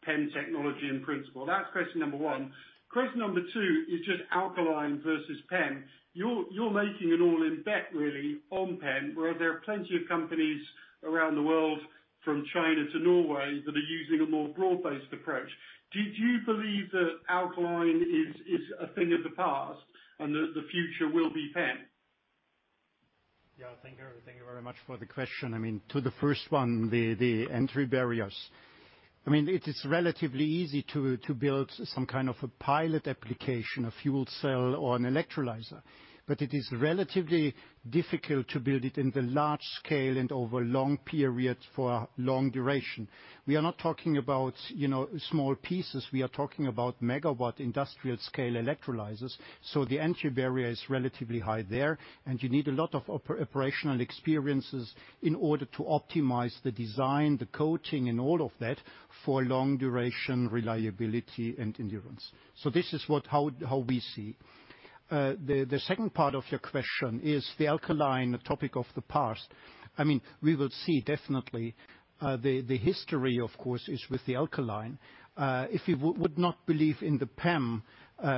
PEM technology in principle? That's question number one. Question number two is just alkaline versus PEM. You're making an all-in bet really on PEM, where there are plenty of companies around the world from China to Norway that are using a more broad-based approach. Do you believe that alkaline is a thing of the past and that the future will be PEM? Yeah, thank you very much for the question. To the first one, the entry barriers. It is relatively easy to build some kind of a pilot application, a fuel cell or an electrolyzer, but it is relatively difficult to build it in the large scale and over long periods for long duration. We are not talking about small pieces, we are talking about megawatt industrial scale electrolyzers. The entry barrier is relatively high there, and you need a lot of operational experiences in order to optimize the design, the coating, and all of that for long duration, reliability and endurance. This is how we see. The second part of your question, is the alkaline a topic of the past? We will see, definitely. The history, of course, is with the alkaline. If we would not believe in the PEM,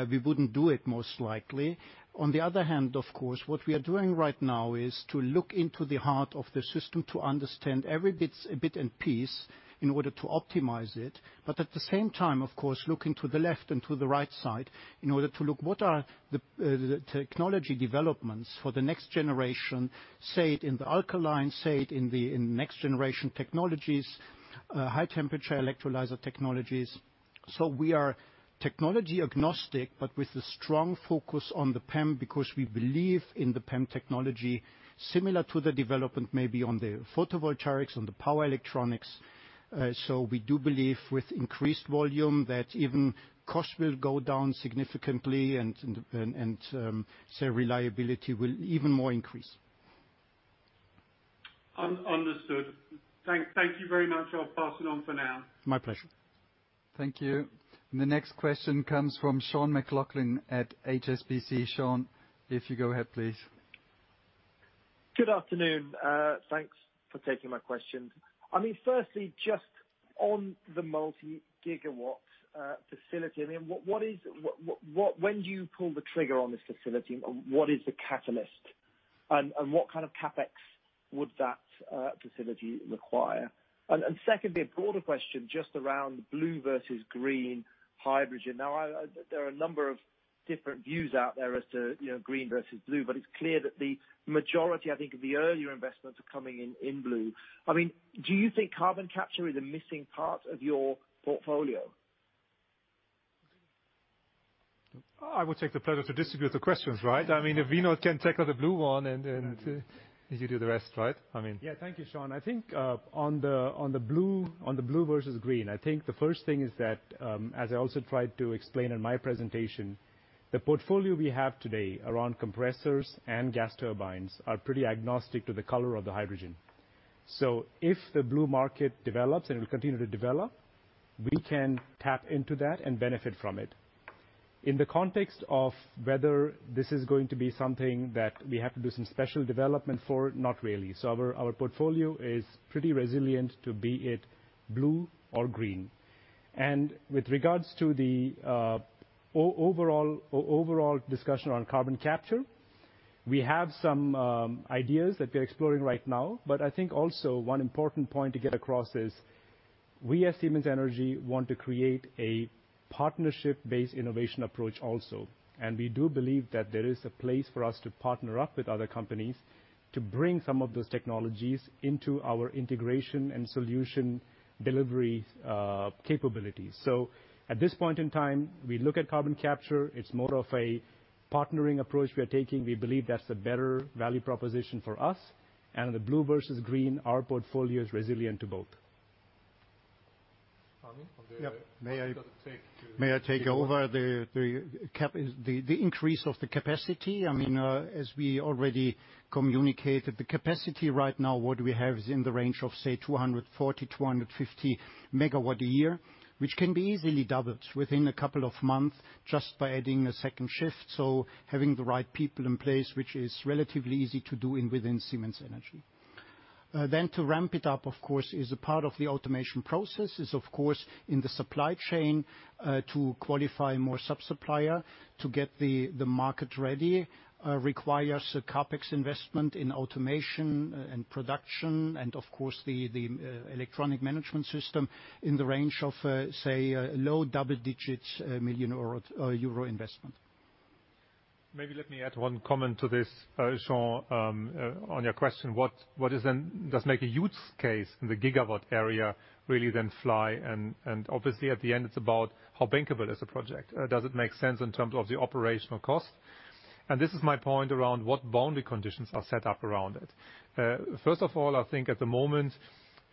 we wouldn't do it most likely. On the other hand, of course, what we are doing right now is to look into the heart of the system to understand every bit and piece in order to optimize it. At the same time, of course, looking to the left and to the right side in order to look what are the technology developments for the next generation, say it in the alkaline, say it in next generation technologies, high temperature electrolyzer technologies. We are technology agnostic, but with the strong focus on the PEM because we believe in the PEM technology similar to the development maybe on the photovoltaics, on the power electronics. We do believe with increased volume that even cost will go down significantly and say reliability will even more increase. Understood. Thank you very much, I'll pass it on for now. My pleasure. Thank you. The next question comes from Sean McLoughlin at HSBC. Sean, if you go ahead, please. Good afternoon. Thanks for taking my questions. Firstly, just on the multi-gigawatt facility, when do you pull the trigger on this facility and what is the catalyst? What kind of CapEx would that facility require? Secondly, a broader question just around blue versus green hydrogen. There are a number of different views out there as to green versus blue, but it's clear that the majority, I think of the earlier investments are coming in in blue. Do you think carbon capture is a missing part of your portfolio? I would take the pleasure to distribute the questions, right? If Vinod can tackle the blue one and you do the rest, right? Thank you, Sean. I think on the blue versus green, I think the first thing is that, as I also tried to explain in my presentation, the portfolio we have today around compressors and gas turbines are pretty agnostic to the color of the hydrogen. If the blue market develops and it will continue to develop, we can tap into that and benefit from it. In the context of whether this is going to be something that we have to do some special development for, not really. Our portfolio is pretty resilient to be it blue or green. With regards to the overall discussion on carbon capture, we have some ideas that we're exploring right now, but I think also one important point to get across is we as Siemens Energy want to create a partnership-based innovation approach also. We do believe that there is a place for us to partner up with other companies to bring some of those technologies into our integration and solution delivery capabilities. At this point in time, we look at carbon capture, it's more of a partnering approach we are taking. We believe that's a better value proposition for us. The blue versus green, our portfolio is resilient to both. Yep. May I take over? The increase of the capacity, as we already communicated, the capacity right now, what we have is in the range of, say, 240 MW-250 MW a year, which can be easily doubled within a couple of months just by adding a second shift. Having the right people in place, which is relatively easy to do within Siemens Energy. To ramp it up, of course, is a part of the automation process is, of course, in the supply chain to qualify more supplier. To get the market ready requires a CapEx investment in automation and production and of course, the electronic management system in the range of, say, low double digits million euro investment. Maybe let me add one comment to this, Sean, on your question. Does make a use case in the gigawatt area really then fly? Obviously at the end it's about how bankable is the project? Does it make sense in terms of the operational cost? This is my point around what boundary conditions are set up around it. First of all, I think at the moment,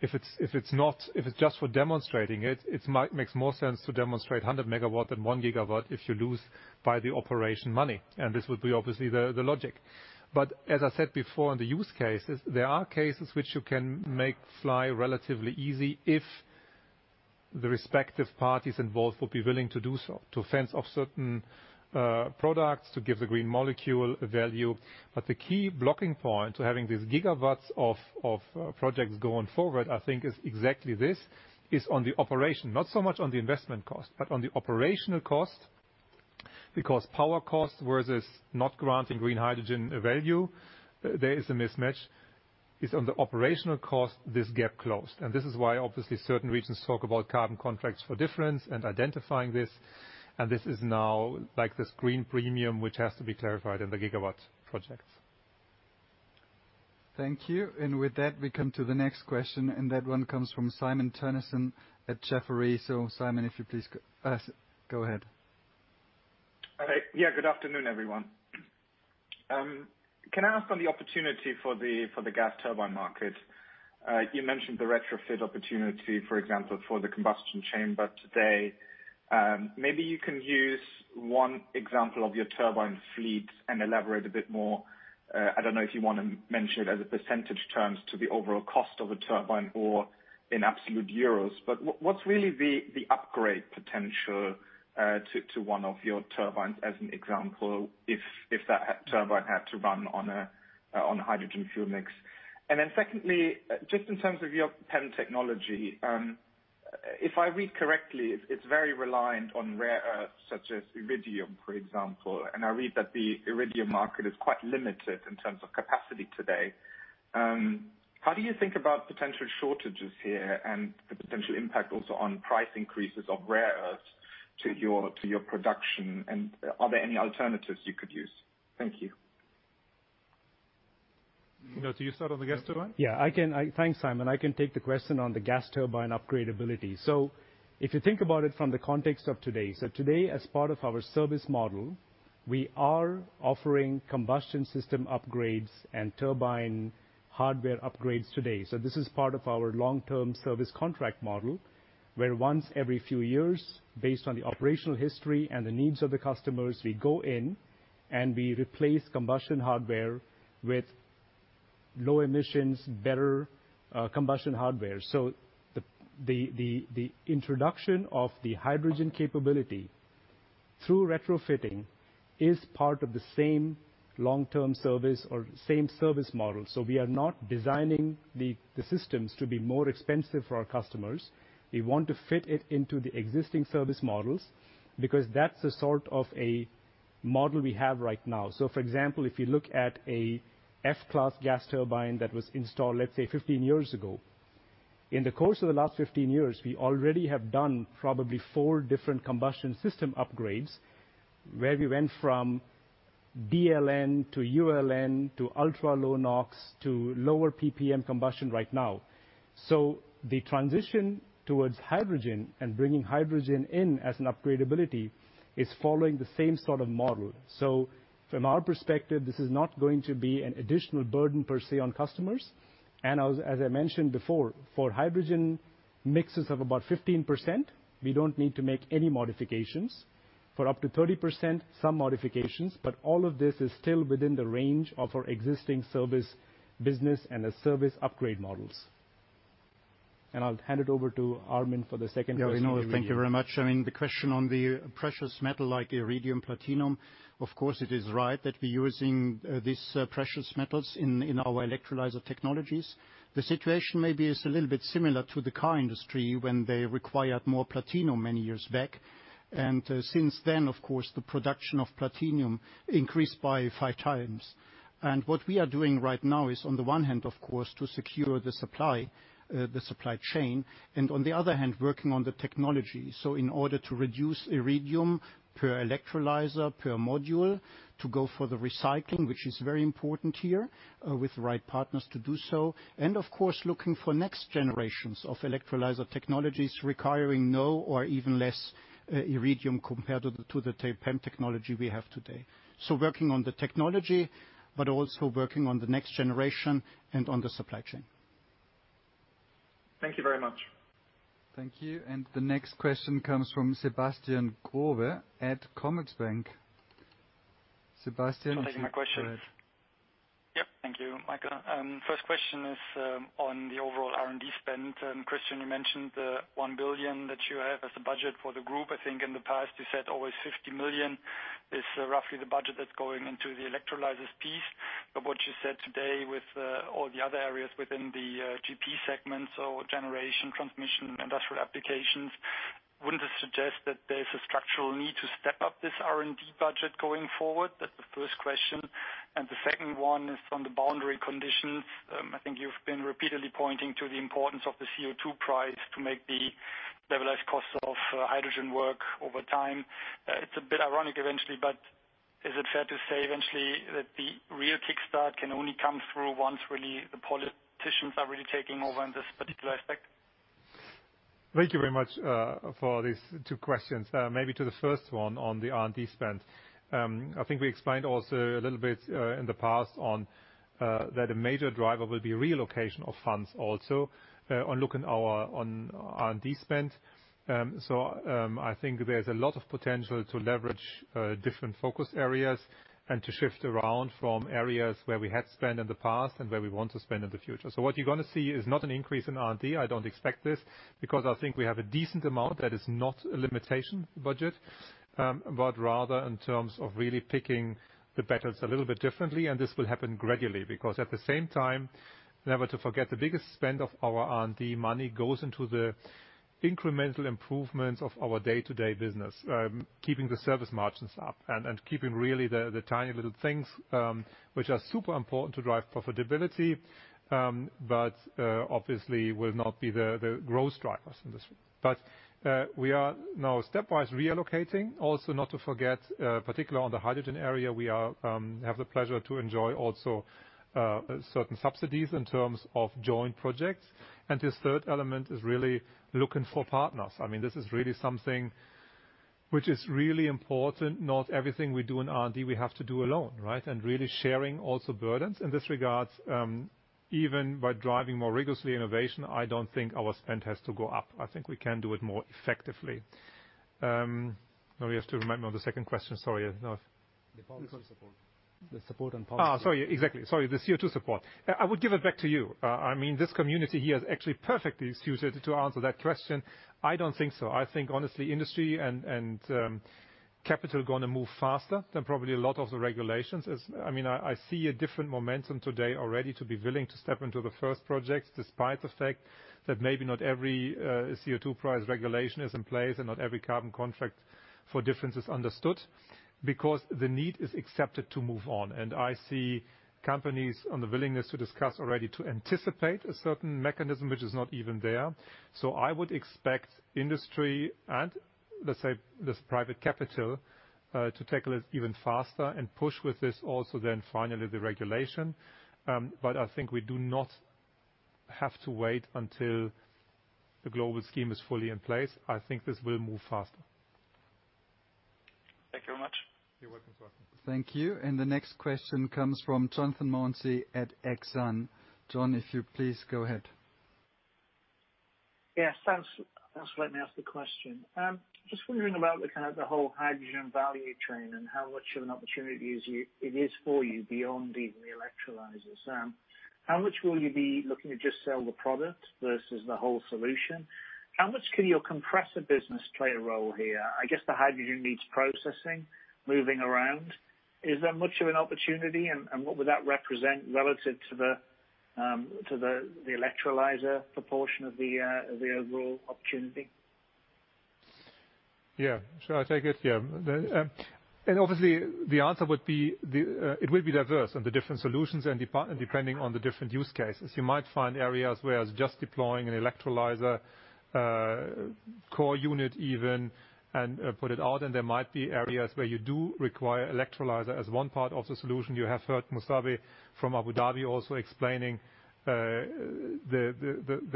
if it's just for demonstrating it makes more sense to demonstrate 100 MW than 1 GW if you lose by the operation money, and this would be obviously the logic. As I said before in the use cases, there are cases which you can make fly relatively easy if the respective parties involved would be willing to do so, to fence off certain products, to give the green molecule a value. The key blocking point to having these gigawatts of projects going forward, I think is exactly this, is on the operation. Not so much on the investment cost, but on the operational cost because power costs versus not granting green hydrogen value, there is a mismatch. It's on the operational cost, this gap closed. This is why obviously certain regions talk about carbon contracts for difference and identifying this, and this is now like this green premium, which has to be clarified in the gigawatt projects. Thank you. With that, we come to the next question, and that one comes from Simon Toennessen at Jefferies. Simon, if you please, go ahead. Good afternoon, everyone. Can I ask on the opportunity for the gas turbine market? You mentioned the retrofit opportunity, for example, for the combustion chamber today. Maybe you can use one example of your turbine fleet and elaborate a bit more. I don't know if you want to mention it as a percentage terms to the overall cost of a turbine or in absolute euros, what's really the upgrade potential to one of your turbines as an example, if that turbine had to run on a hydrogen fuel mix? Secondly, just in terms of your PEM technology. If I read correctly, it's very reliant on rare earths such as iridium, for example, I read that the iridium market is quite limited in terms of capacity today. How do you think about potential shortages here and the potential impact also on price increases of rare earths to your production, and are there any alternatives you could use? Thank you. Vinod, do you start on the gas turbine? Yeah. Thanks, Simon. I can take the question on the gas turbine upgradeability. If you think about it from the context of today, as part of our service model, we are offering combustion system upgrades and turbine hardware upgrades today. This is part of our long-term service contract model, where once every few years, based on the operational history and the needs of the customers, we go in and we replace combustion hardware with low emissions, better combustion hardware. The introduction of the hydrogen capability through retrofitting is part of the same long-term service or same service model. We are not designing the systems to be more expensive for our customers. We want to fit it into the existing service models because that's the sort of a model we have right now. For example, if you look at a F-class gas turbine that was installed, let's say, 15 years ago. In the course of the last 15 years, we already have done probably four different combustion system upgrades where we went from DLN to ULN to ultra low NOx to lower PPM combustion right now. The transition towards hydrogen and bringing hydrogen in as an upgradeability is following the same sort of model. From our perspective, this is not going to be an additional burden per se on customers. As I mentioned before, for hydrogen mixes of about 15%, we don't need to make any modifications. For up to 30%, some modifications. All of this is still within the range of our existing service business and a service upgrade models. I'll hand it over to Armin for the second question maybe. Vinod, thank you very much. The question on the precious metal like iridium platinum, of course it is right that we're using these precious metals in our electrolyzer technologies. The situation may be a little bit similar to the car industry when they required more platinum many years back. Since then, of course, the production of platinum increased by 5x. What we are doing right now is on the one hand, of course, to secure the supply chain, and on the other hand, working on the technology. In order to reduce iridium per electrolyzer, per module, to go for the recycling, which is very important here, with the right partners to do so. Of course, looking for next generations of electrolyzer technologies requiring no or even less iridium compared to the PEM technology we have today. Working on the technology, but also working on the next generation and on the supply chain. Thank you very much. Thank you. The next question comes from Sebastian Growe at Commerzbank. Sebastian? Thanks for taking my question. Go ahead. Yep. Thank you, Michael. First question is on the overall R&D spend. Christian, you mentioned the 1 billion that you have as a budget for the group. I think in the past you said always 50 million is roughly the budget that's going into the electrolyzers piece. What you said today with all the other areas within the GP segment, so generation, transmission, industrial applications, wouldn't it suggest that there's a structural need to step up this R&D budget going forward? That the first question, and the second one is on the boundary conditions. I think you've been repeatedly pointing to the importance of the CO2 price to make the levelized cost of hydrogen work over time. It's a bit ironic eventually, but is it fair to say eventually that the real kickstart can only come through once really the politicians are taking over in this particular aspect? Thank you very much for these two questions. Maybe to the first one on the R&D spend. I think we explained also a little bit in the past on that a major driver will be relocation of funds also on looking on R&D spend. I think there's a lot of potential to leverage different focus areas and to shift around from areas where we had spent in the past and where we want to spend in the future. What you're going to see is not an increase in R&D. I don't expect this because I think we have a decent amount that is not a limitation budget. Rather in terms of really picking the battles a little bit differently. This will happen gradually, because at the same time, never to forget, the biggest spend of our R&D money goes into the incremental improvements of our day-to-day business, keeping the service margins up and keeping really the tiny little things, which are super important to drive profitability. Obviously will not be the growth drivers in this. We are now stepwise relocating also not to forget, particularly on the hydrogen area, we have the pleasure to enjoy also certain subsidies in terms of joint projects. This third element is really looking for partners. I mean, this is really something which is really important. Not everything we do in R&D, we have to do alone, right? Really sharing also burdens in this regards, even by driving more rigorously innovation, I don't think our spend has to go up. I think we can do it more effectively. We have to remind me of the second question. Sorry. The policy support, the support on policy. Exactly, sorry. The CO2 support. I would give it back to you. I mean, this community here is actually perfectly suited to answer that question. I don't think so. I think honestly, industry and capital gonna move faster than probably a lot of the regulations. I mean, I see a different momentum today already to be willing to step into the first projects, despite the fact that maybe not every CO2 price regulation is in place and not every carbon contract for difference is understood because the need is accepted to move on. I see companies on the willingness to discuss already to anticipate a certain mechanism which is not even there. I would expect industry and, let's say, this private capital, to take a little even faster and push with this also then finally the regulation. I think we do not have to wait until the global scheme is fully in place. I think this will move faster. Thank you very much. You're welcome. Thank you. The next question comes from Jonathan Mounsey at Exane. Jon, if you please go ahead. Yes, thanks. Thanks for letting me ask the question. Just wondering about the kind of the whole hydrogen value chain and how much of an opportunity it is for you beyond even the electrolyzers. How much will you be looking to just sell the product versus the whole solution? How much can your compressor business play a role here? I guess the hydrogen needs processing, moving around. Is there much of an opportunity and what would that represent relative to the electrolyzer proportion of the overall opportunity? Shall I take it? Yeah, obviously, the answer would be it will be diverse and the different solutions depending on the different use cases. You might find areas where just deploying an electrolyzer, core unit even, and put it out. There might be areas where you do require electrolyzer as one part of the solution. You have heard Musabbeh from Abu Dhabi also explaining that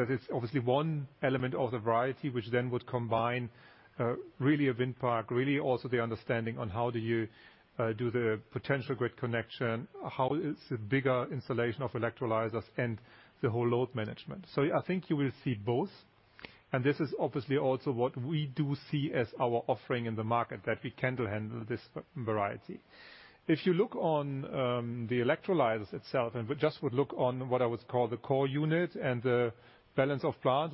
it's obviously one element of the variety, which would combine really a wind park, really also the understanding on how do you do the potential grid connection. How is the bigger installation of electrolyzers and the whole load management. I think you will see both. This is obviously also what we do see as our offering in the market, that we can handle this variety. If you look on the electrolyzers itself and just would look on what I would call the core unit and the balance of plant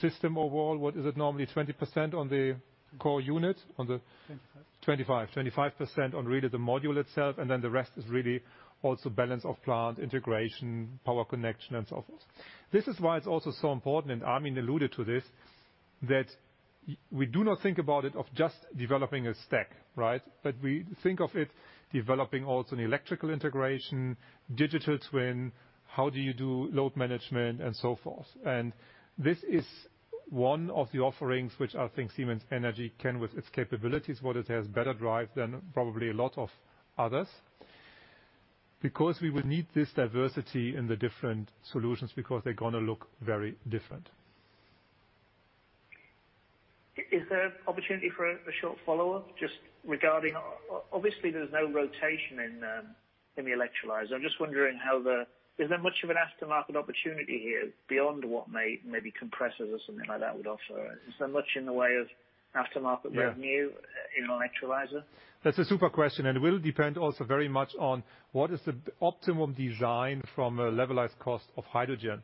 system overall. What is it normally? 20% on the core unit? 25%. 25% on really the module itself, then the rest is really also balance of plant integration, power connection and so forth. This is why it is also so important, and Armin alluded to this, that we do not think about it of just developing a stack, right? We think of it developing also an electrical integration, digital twin, how do you do load management and so forth. This is one of the offerings which I think Siemens Energy can with its capabilities, what it has better drive than probably a lot of others. We would need this diversity in the different solutions because they are going to look very different. Is there opportunity for a short follow-up just regarding, obviously, there's no rotation in the electrolyzer? I'm just wondering, is there much of an aftermarket opportunity here beyond what maybe compressors or something like that would offer, is there much in the way of aftermarket revenue in an electrolyzer? That's a super question, and will depend also very much on what is the optimum design from a levelized cost of hydrogen.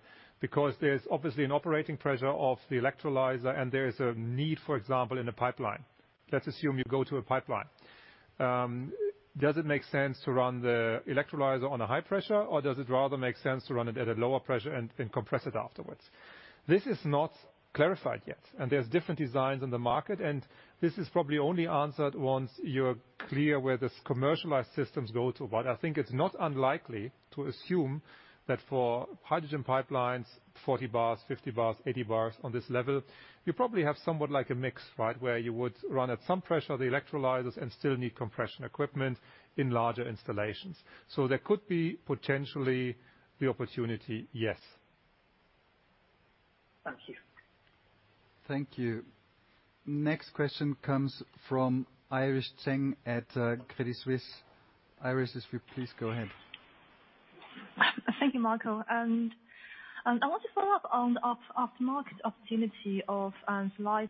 There's obviously an operating pressure of the electrolyzer and there is a need, for example, in a pipeline. Let's assume you go to a pipeline. Does it make sense to run the electrolyzer on a high pressure, or does it rather make sense to run it at a lower pressure and compress it afterwards? This is not clarified yet, and there's different designs on the market, and this is probably only answered once you're clear where these commercialized systems go to. I think it's not unlikely to assume that for hydrogen pipelines, 40 bars, 50 bars, 80 bars on this level, you probably have somewhat like a mix, where you would run at some pressure the electrolyzers and still need compression equipment in larger installations. There could be potentially the opportunity, yes. Thank you. Thank you. Next question comes from Iris Zheng at Credit Suisse. Iris, if you please go ahead. Thank you, Michael. I want to follow up on aftermarket opportunity of electrolyzer.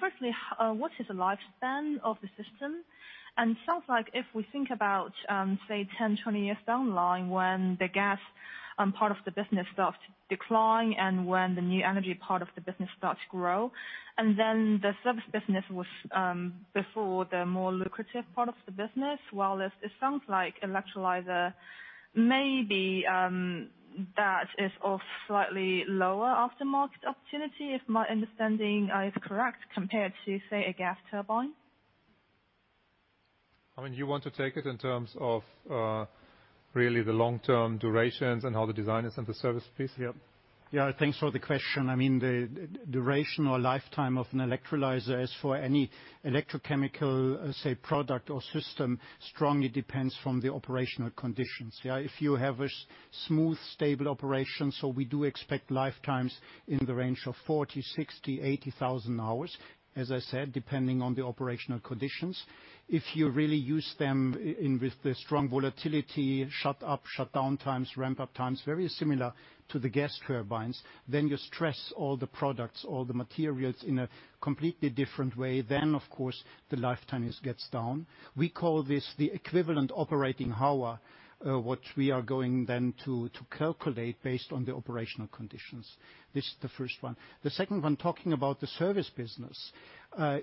Firstly, what is the lifespan of the system? Sounds like if we think about, say, 10, 20 years down the line, when the gas part of the business starts declining and when the new energy part of the business starts to grow, the service business was before the more lucrative part of the business. While it sounds like electrolyzer may be that is of slightly lower aftermarket opportunity, if my understanding is correct, compared to, say, a gas turbine. Armin, you want to take it in terms of really the long-term durations and how the design is in the service piece? Yep. Yeah, thanks for the question. The duration or lifetime of an electrolyzer, as for any electrochemical, say, product or system, strongly depends from the operational conditions. If you have a smooth, stable operation, so we do expect lifetimes in the range of 40,000, 60,000, 80,000 hours, as I said, depending on the operational conditions. If you really use them with the strong volatility, start up, shut down times, ramp up times, very similar to the gas turbines, then you stress all the products, all the materials in a completely different way, then of course, the lifetime gets down. We call this the equivalent operating hour, what we are going then to calculate based on the operational conditions. This is the first one. The second one, talking about the service business.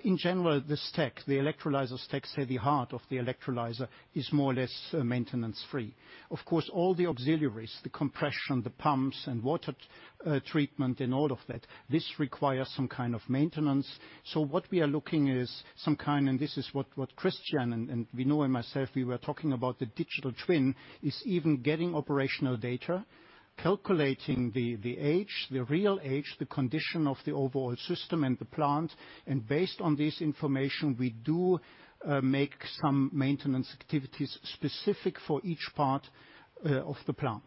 In general, the stack, the electrolyzer stack, say, the heart of the electrolyzer is more or less maintenance-free. Of course, all the auxiliaries, the compression, the pumps and water treatment and all of that, this requires some kind of maintenance. What we are looking is some kind, and this is what Christian and Vinod and myself, we were talking about the digital twin, is even getting operational data, calculating the age, the real age, the condition of the overall system and the plant. Based on this information, we do make some maintenance activities specific for each part of the plant.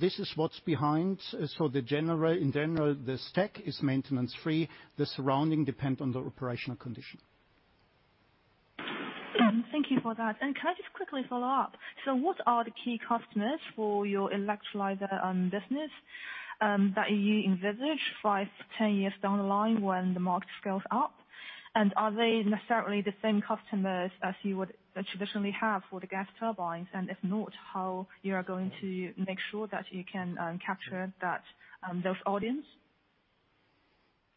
This is what's behind. In general, the stack is maintenance free. The surrounding depend on the operational condition. Thank you for that. Can I just quickly follow up? What are the key customers for your electrolyzer business, that you envisage five, 10 years down the line when the market scales up? Are they necessarily the same customers as you would traditionally have for the gas turbines? If not, how you are going to make sure that you can capture those audience?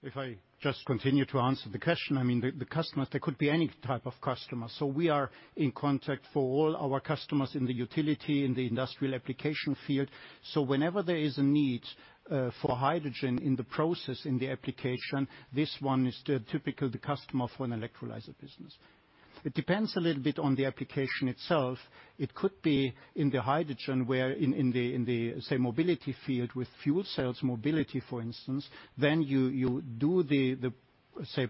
If I just continue to answer the question. The customers, there could be any type of customer. We are in contact for all our customers in the utility, in the industrial application field. Whenever there is a need for hydrogen in the process, in the application, this one is typically the customer for an electrolyzer business. It depends a little bit on the application itself. It could be in the hydrogen, where in the, say, mobility field with fuel cells mobility, for instance, you do the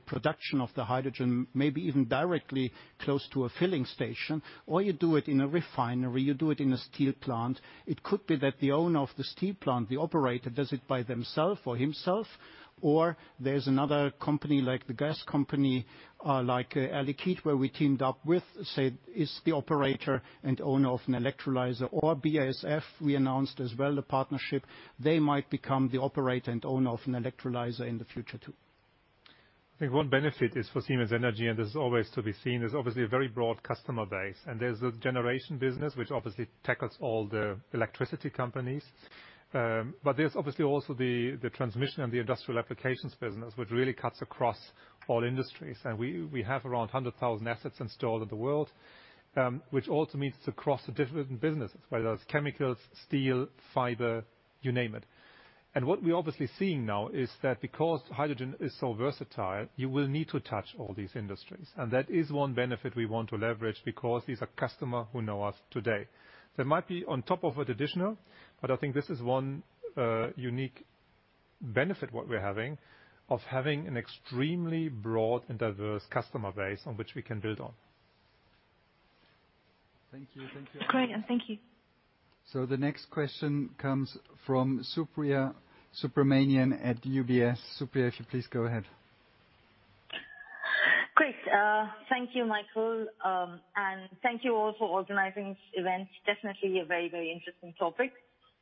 production of the hydrogen, maybe even directly close to a filling station, or you do it in a refinery, you do it in a steel plant. It could be that the owner of the steel plant, the operator, does it by themself or himself, or there's another company, like the gas company, like Air Liquide, where we teamed up with, say, is the operator and owner of an electrolyzer. BASF, we announced as well the partnership. They might become the operator and owner of an electrolyzer in the future, too. I think one benefit is for Siemens Energy, and this is always to be seen, is obviously a very broad customer base. There's a generation business which obviously tackles all the electricity companies. There's obviously also the transmission and the industrial applications business, which really cuts across all industries. We have around 100,000 assets installed in the world, which also means it's across the different businesses, whether that's chemicals, steel, fiber, you name it. What we're obviously seeing now is that because hydrogen is so versatile, you will need to touch all these industries. That is one benefit we want to leverage because these are customers who know us today. There might be on top of it additional, but I think this is one unique benefit what we're having of having an extremely broad and diverse customer base on which we can build on. Thank you. Great, thank you. The next question comes from Supriya Subramanian at UBS. Supriya, if you please go ahead. Great. Thank you, Michael, and thank you all for organizing this event. Definitely a very interesting topic.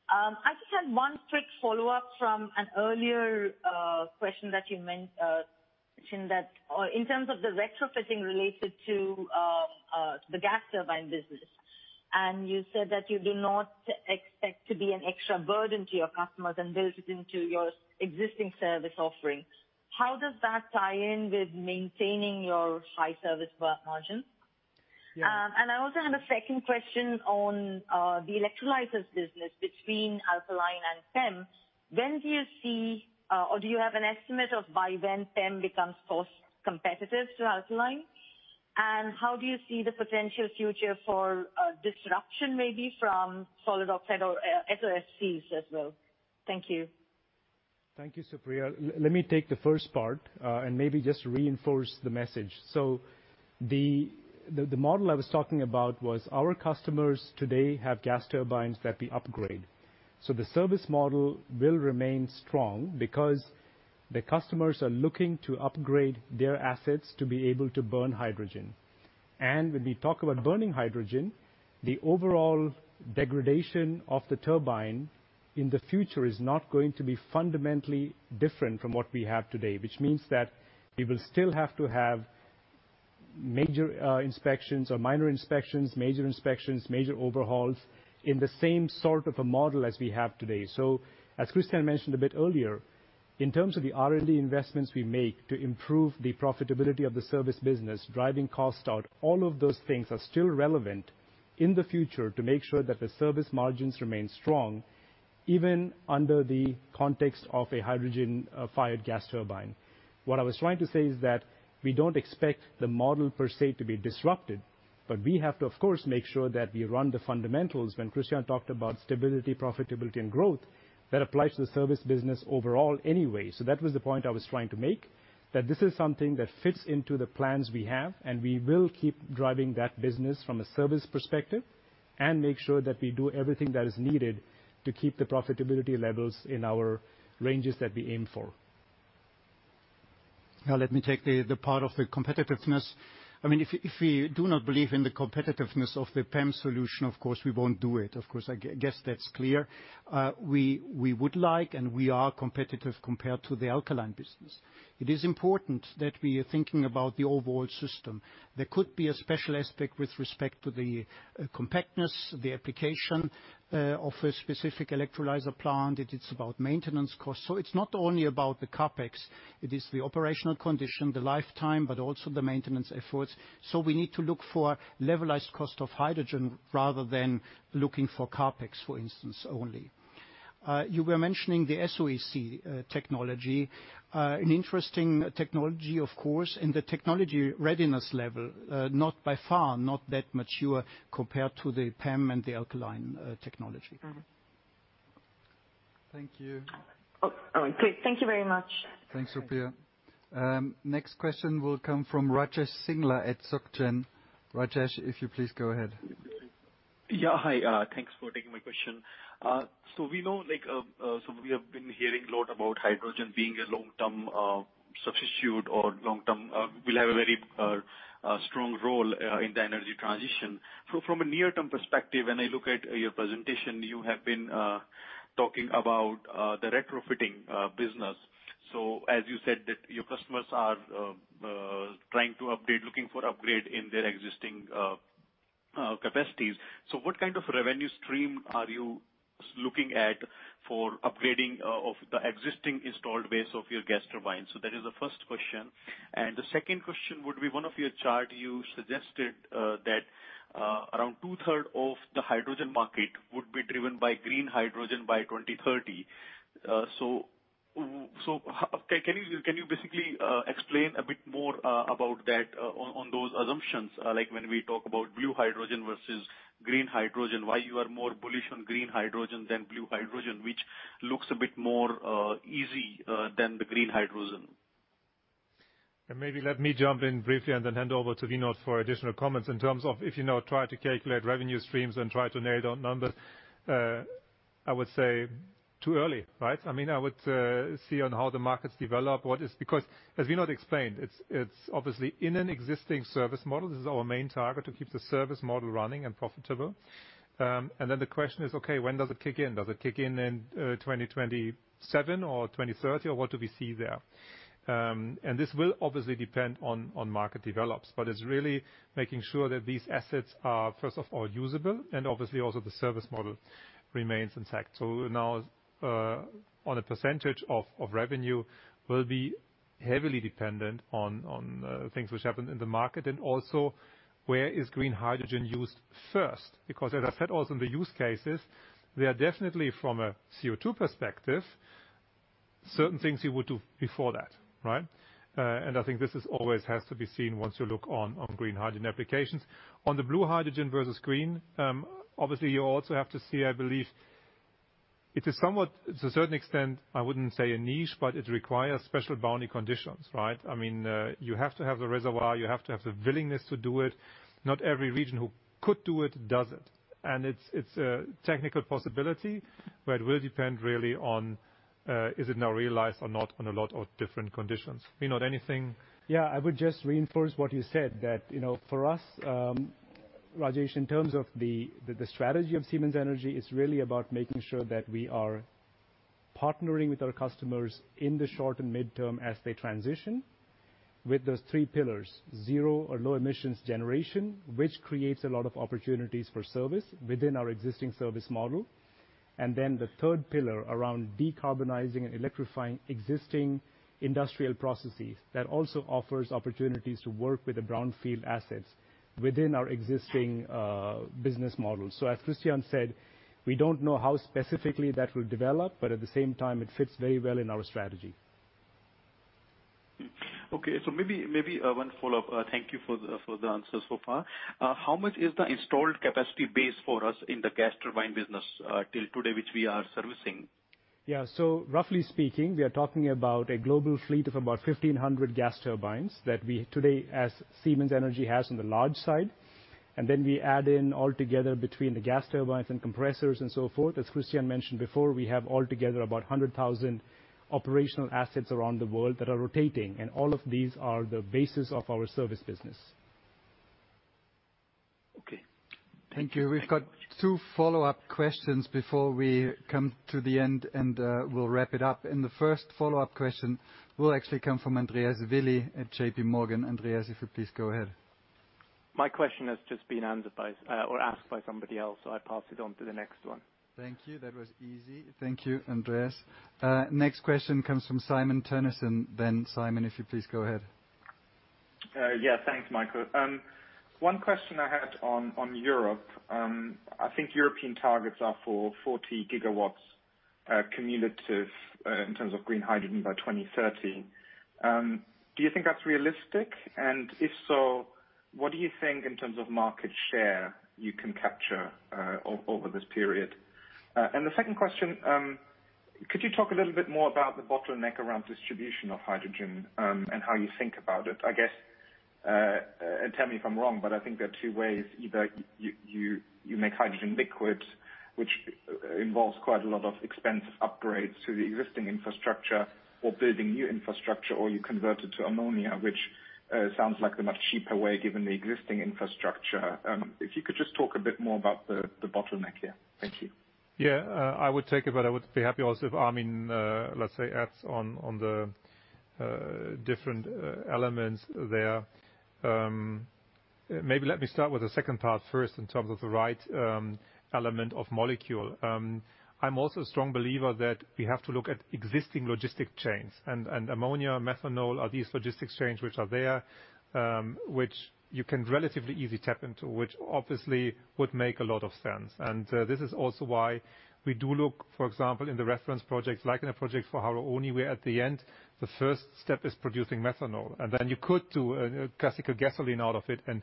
I just had one quick follow-up from an earlier question that you mentioned that, in terms of the retrofitting related to the gas turbine business. You said that you do not expect to be an extra burden to your customers and build it into your existing service offerings. How does that tie in with maintaining your high service margin? I also have a second question on the electrolyzers business between alkaline and PEM. When do you see, or do you have an estimate of by when PEM becomes cost competitive to alkaline? How do you see the potential future for disruption maybe from solid oxide or SOECs as well? Thank you. Thank you, Supriya. Let me take the first part, and maybe just reinforce the message. The model I was talking about was our customers today have gas turbines that we upgrade. The service model will remain strong because the customers are looking to upgrade their assets to be able to burn hydrogen. When we talk about burning hydrogen, the overall degradation of the turbine in the future is not going to be fundamentally different from what we have today, which means that we will still have to have minor inspections, major inspections, major overhauls in the same sort of a model as we have today. As Christian mentioned a bit earlier, in terms of the R&D investments we make to improve the profitability of the service business, driving cost out, all of those things are still relevant in the future to make sure that the service margins remain strong, even under the context of a hydrogen-fired gas turbine. What I was trying to say is that we don't expect the model per se to be disrupted, but we have to, of course, make sure that we run the fundamentals. When Christian talked about stability, profitability, and growth, that applies to the service business overall anyway. That was the point I was trying to make, that this is something that fits into the plans we have, and we will keep driving that business from a service perspective and make sure that we do everything that is needed to keep the profitability levels in our ranges that we aim for. Let me take the part of the competitiveness. If we do not believe in the competitiveness of the PEM solution, of course we won't do it. Of course, I guess that's clear. We would like, and we are competitive compared to the alkaline business. It is important that we are thinking about the overall system. There could be a special aspect with respect to the compactness, the application of a specific electrolyzer plant. It is about maintenance costs. It's not only about the CapEx, it is the operational condition, the lifetime, but also the maintenance efforts. We need to look for levelized cost of hydrogen rather than looking for CapEx, for instance, only. You were mentioning the SOEC technology. An interesting technology, of course. The technology readiness level, not by far, not that mature compared to the PEM and the alkaline technology. Oh, great. Thank you very much. Thanks, Supriya. Next question will come from Rajesh Singla at SocGen. Rajesh, if you please go ahead. Yeah. Hi, thanks for taking my question. We have been hearing a lot about hydrogen being a long-term substitute or will have a very strong role in the energy transition. From a near-term perspective, when I look at your presentation, you have been talking about the retrofitting business. As you said, that your customers are trying to upgrade, looking for upgrade in their existing capacities. What kind of revenue stream are you looking at for upgrading of the existing installed base of your gas turbines? That is the first question. The second question would be, one of your chart, you suggested that around 2/3 of the hydrogen market would be driven by green hydrogen by 2030. Can you basically explain a bit more about that on those assumptions? Like when we talk about blue hydrogen versus green hydrogen, why you are more bullish on green hydrogen than blue hydrogen, which looks a bit more easy than the green hydrogen? Maybe let me jump in briefly and then hand over to Vinod for additional comments in terms of if you now try to calculate revenue streams and try to nail down numbers, I would say too early. I would see on how the markets develop. As Vinod explained, it's obviously in an existing service model. This is our main target, to keep the service model running and profitable. Then the question is, okay, when does it kick in? Does it kick in 2027 or 2030, or what do we see there? This will obviously depend on market develops. It's really making sure that these assets are, first of all, usable and obviously also the service model remains intact. Now on a percentage of revenue will be heavily dependent on things which happen in the market and also where is green hydrogen used first. As I said, also in the use cases, there are definitely from a CO2 perspective, certain things you would do before that, right? I think this always has to be seen once you look on green hydrogen applications. On the blue hydrogen versus green, obviously you also have to see, I believe it is somewhat, to a certain extent, I wouldn't say a niche, but it requires special boundary conditions. You have to have the reservoir. You have to have the willingness to do it. Not every region who could do it, does it. It's a technical possibility, but it will depend really on, is it now realized or not, on a lot of different conditions. Vinod, anything? I would just reinforce what you said, that for us, Rajesh, in terms of the strategy of Siemens Energy, it's really about making sure that we are partnering with our customers in the short and mid-term as they transition with those three pillars, zero or low emissions generation, which creates a lot of opportunities for service within our existing service model. The third pillar around decarbonizing and electrifying existing industrial processes that also offers opportunities to work with the brownfield assets within our existing business model. As Christian said, we don't know how specifically that will develop, but at the same time, it fits very well in our strategy. Okay. Maybe one follow-up. Thank you for the answer so far. How much is the installed capacity base for us in the gas turbine business till today, which we are servicing? Yeah. Roughly speaking, we are talking about a global fleet of about 1,500 gas turbines that we today, as Siemens Energy has on the large side. We add in altogether between the gas turbines and compressors and so forth, as Christian mentioned before, we have altogether about 100,000 operational assets around the world that are rotating, and all of these are the basis of our service business. Okay. Thank you very much. Thank you. We've got two follow-up questions before we come to the end, and we'll wrap it up. The first follow-up question will actually come from Andreas Willi at JPMorgan. Andreas, if you please go ahead. My question has just been answered by or asked by somebody else, so I pass it on to the next one. Thank you, that was easy. Thank you, Andreas. Next question comes from Simon Toennessen, and then Simon, if you please go ahead. Yeah. Thanks, Michael. One question I had on Europe. I think European targets are for 40 GW cumulative in terms of green hydrogen by 2030. Do you think that's realistic? If so, what do you think in terms of market share you can capture over this period? The second question, could you talk a little bit more about the bottleneck around distribution of hydrogen and how you think about it? I guess, tell me if I'm wrong, I think there are two ways. Either you make hydrogen liquid, which involves quite a lot of expensive upgrades to the existing infrastructure or building new infrastructure, or you convert it to ammonia, which sounds like a much cheaper way given the existing infrastructure. If you could just talk a bit more about the bottleneck here? Thank you. Yeah. I would take it, but I would be happy also if Armin, let's say, adds on the different elements there. Maybe let me start with the second part first in terms of the right element of molecule. I'm also a strong believer that we have to look at existing logistic chains and ammonia, methanol are these logistics chains which are there, which you can relatively easily tap into, which obviously would make a lot of sense. This is also why we do look, for example, in the reference projects, like in a project for Haru Oni, where at the end, the first step is producing methanol, and then you could do a classical gasoline out of it and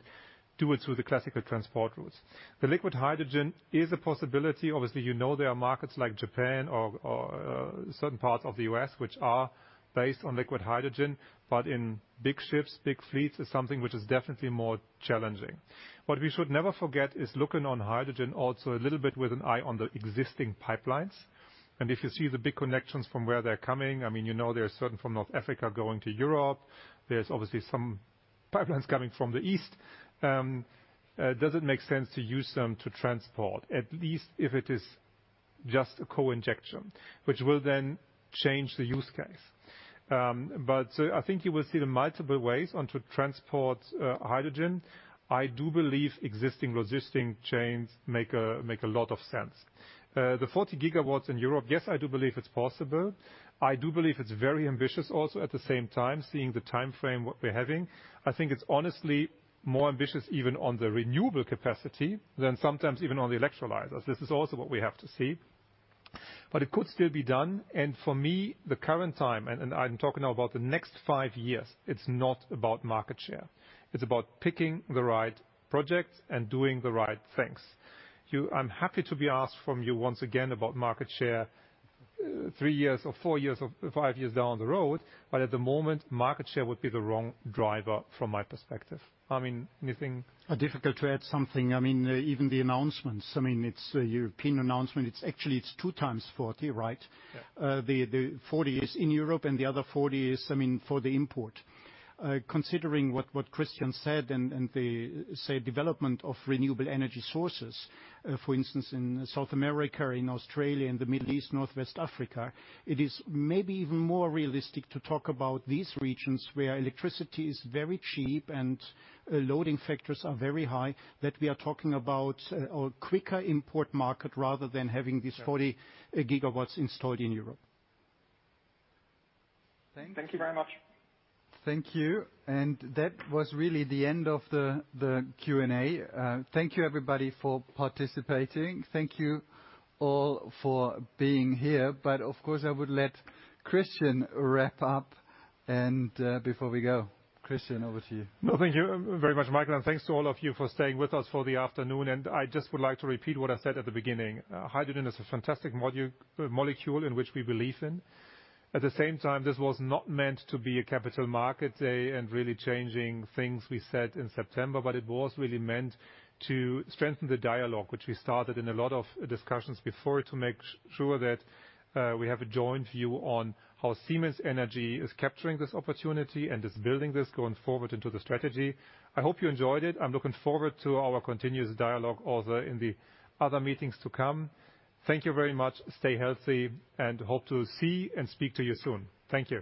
do it through the classical transport routes. The liquid hydrogen is a possibility. Obviously, you know there are markets like Japan or certain parts of the U.S. which are based on liquid hydrogen, but in big ships, big fleets is something which is definitely more challenging. What we should never forget is looking on hydrogen also a little bit with an eye on the existing pipelines. If you see the big connections from where they're coming, you know there are certain from North Africa going to Europe, there's obviously some pipelines coming from the East. Does it make sense to use them to transport, at least if it is just a co-injection, which will then change the use case? I think you will see the multiple ways on to transport hydrogen, I do believe existing existing chains make a lot of sense. The 40 GW in Europe, yes, I do believe it's possible. I do believe it's very ambitious also at the same time, seeing the time frame, what we're having. I think it's honestly more ambitious even on the renewable capacity than sometimes even on the electrolyzers. This is also what we have to see. It could still be done. For me, the current time, and I'm talking now about the next five years, it's not about market share. It's about picking the right projects and doing the right things. I'm happy to be asked from you once again about market share three years or four years or five years down the road, but at the moment, market share would be the wrong driver from my perspective. Armin, anything? Difficult to add something. Even the announcements, it's a European announcement. It's actually 2 x 40 GW, right? Yeah. The 40 GW is in Europe and the other 40 GW is for the import. Considering what Christian said and the, say, development of renewable energy sources, for instance, in South America, in Australia, in the Middle East, Northwest Africa, it is maybe even more realistic to talk about these regions where electricity is very cheap and loading factors are very high, that we are talking about a quicker import market rather than having these 40 GW installed in Europe. Thank you very much. Thank you. That was really the end of the Q&A. Thank you everybody for participating. Thank you all for being here. Of course, I would let Christian wrap up before we go. Christian, over to you. No, thank you very much, Michael, and thanks to all of you for staying with us for the afternoon. I just would like to repeat what I said at the beginning. Hydrogen is a fantastic molecule in which we believe in. At the same time, this was not meant to be a Capital Markets Day and really changing things we said in September, but it was really meant to strengthen the dialogue, which we started in a lot of discussions before, to make sure that we have a joint view on how Siemens Energy is capturing this opportunity and is building this going forward into the strategy. I hope you enjoyed it. I'm looking forward to our continuous dialogue also in the other meetings to come. Thank you very much. Stay healthy and hope to see and speak to you soon. Thank you.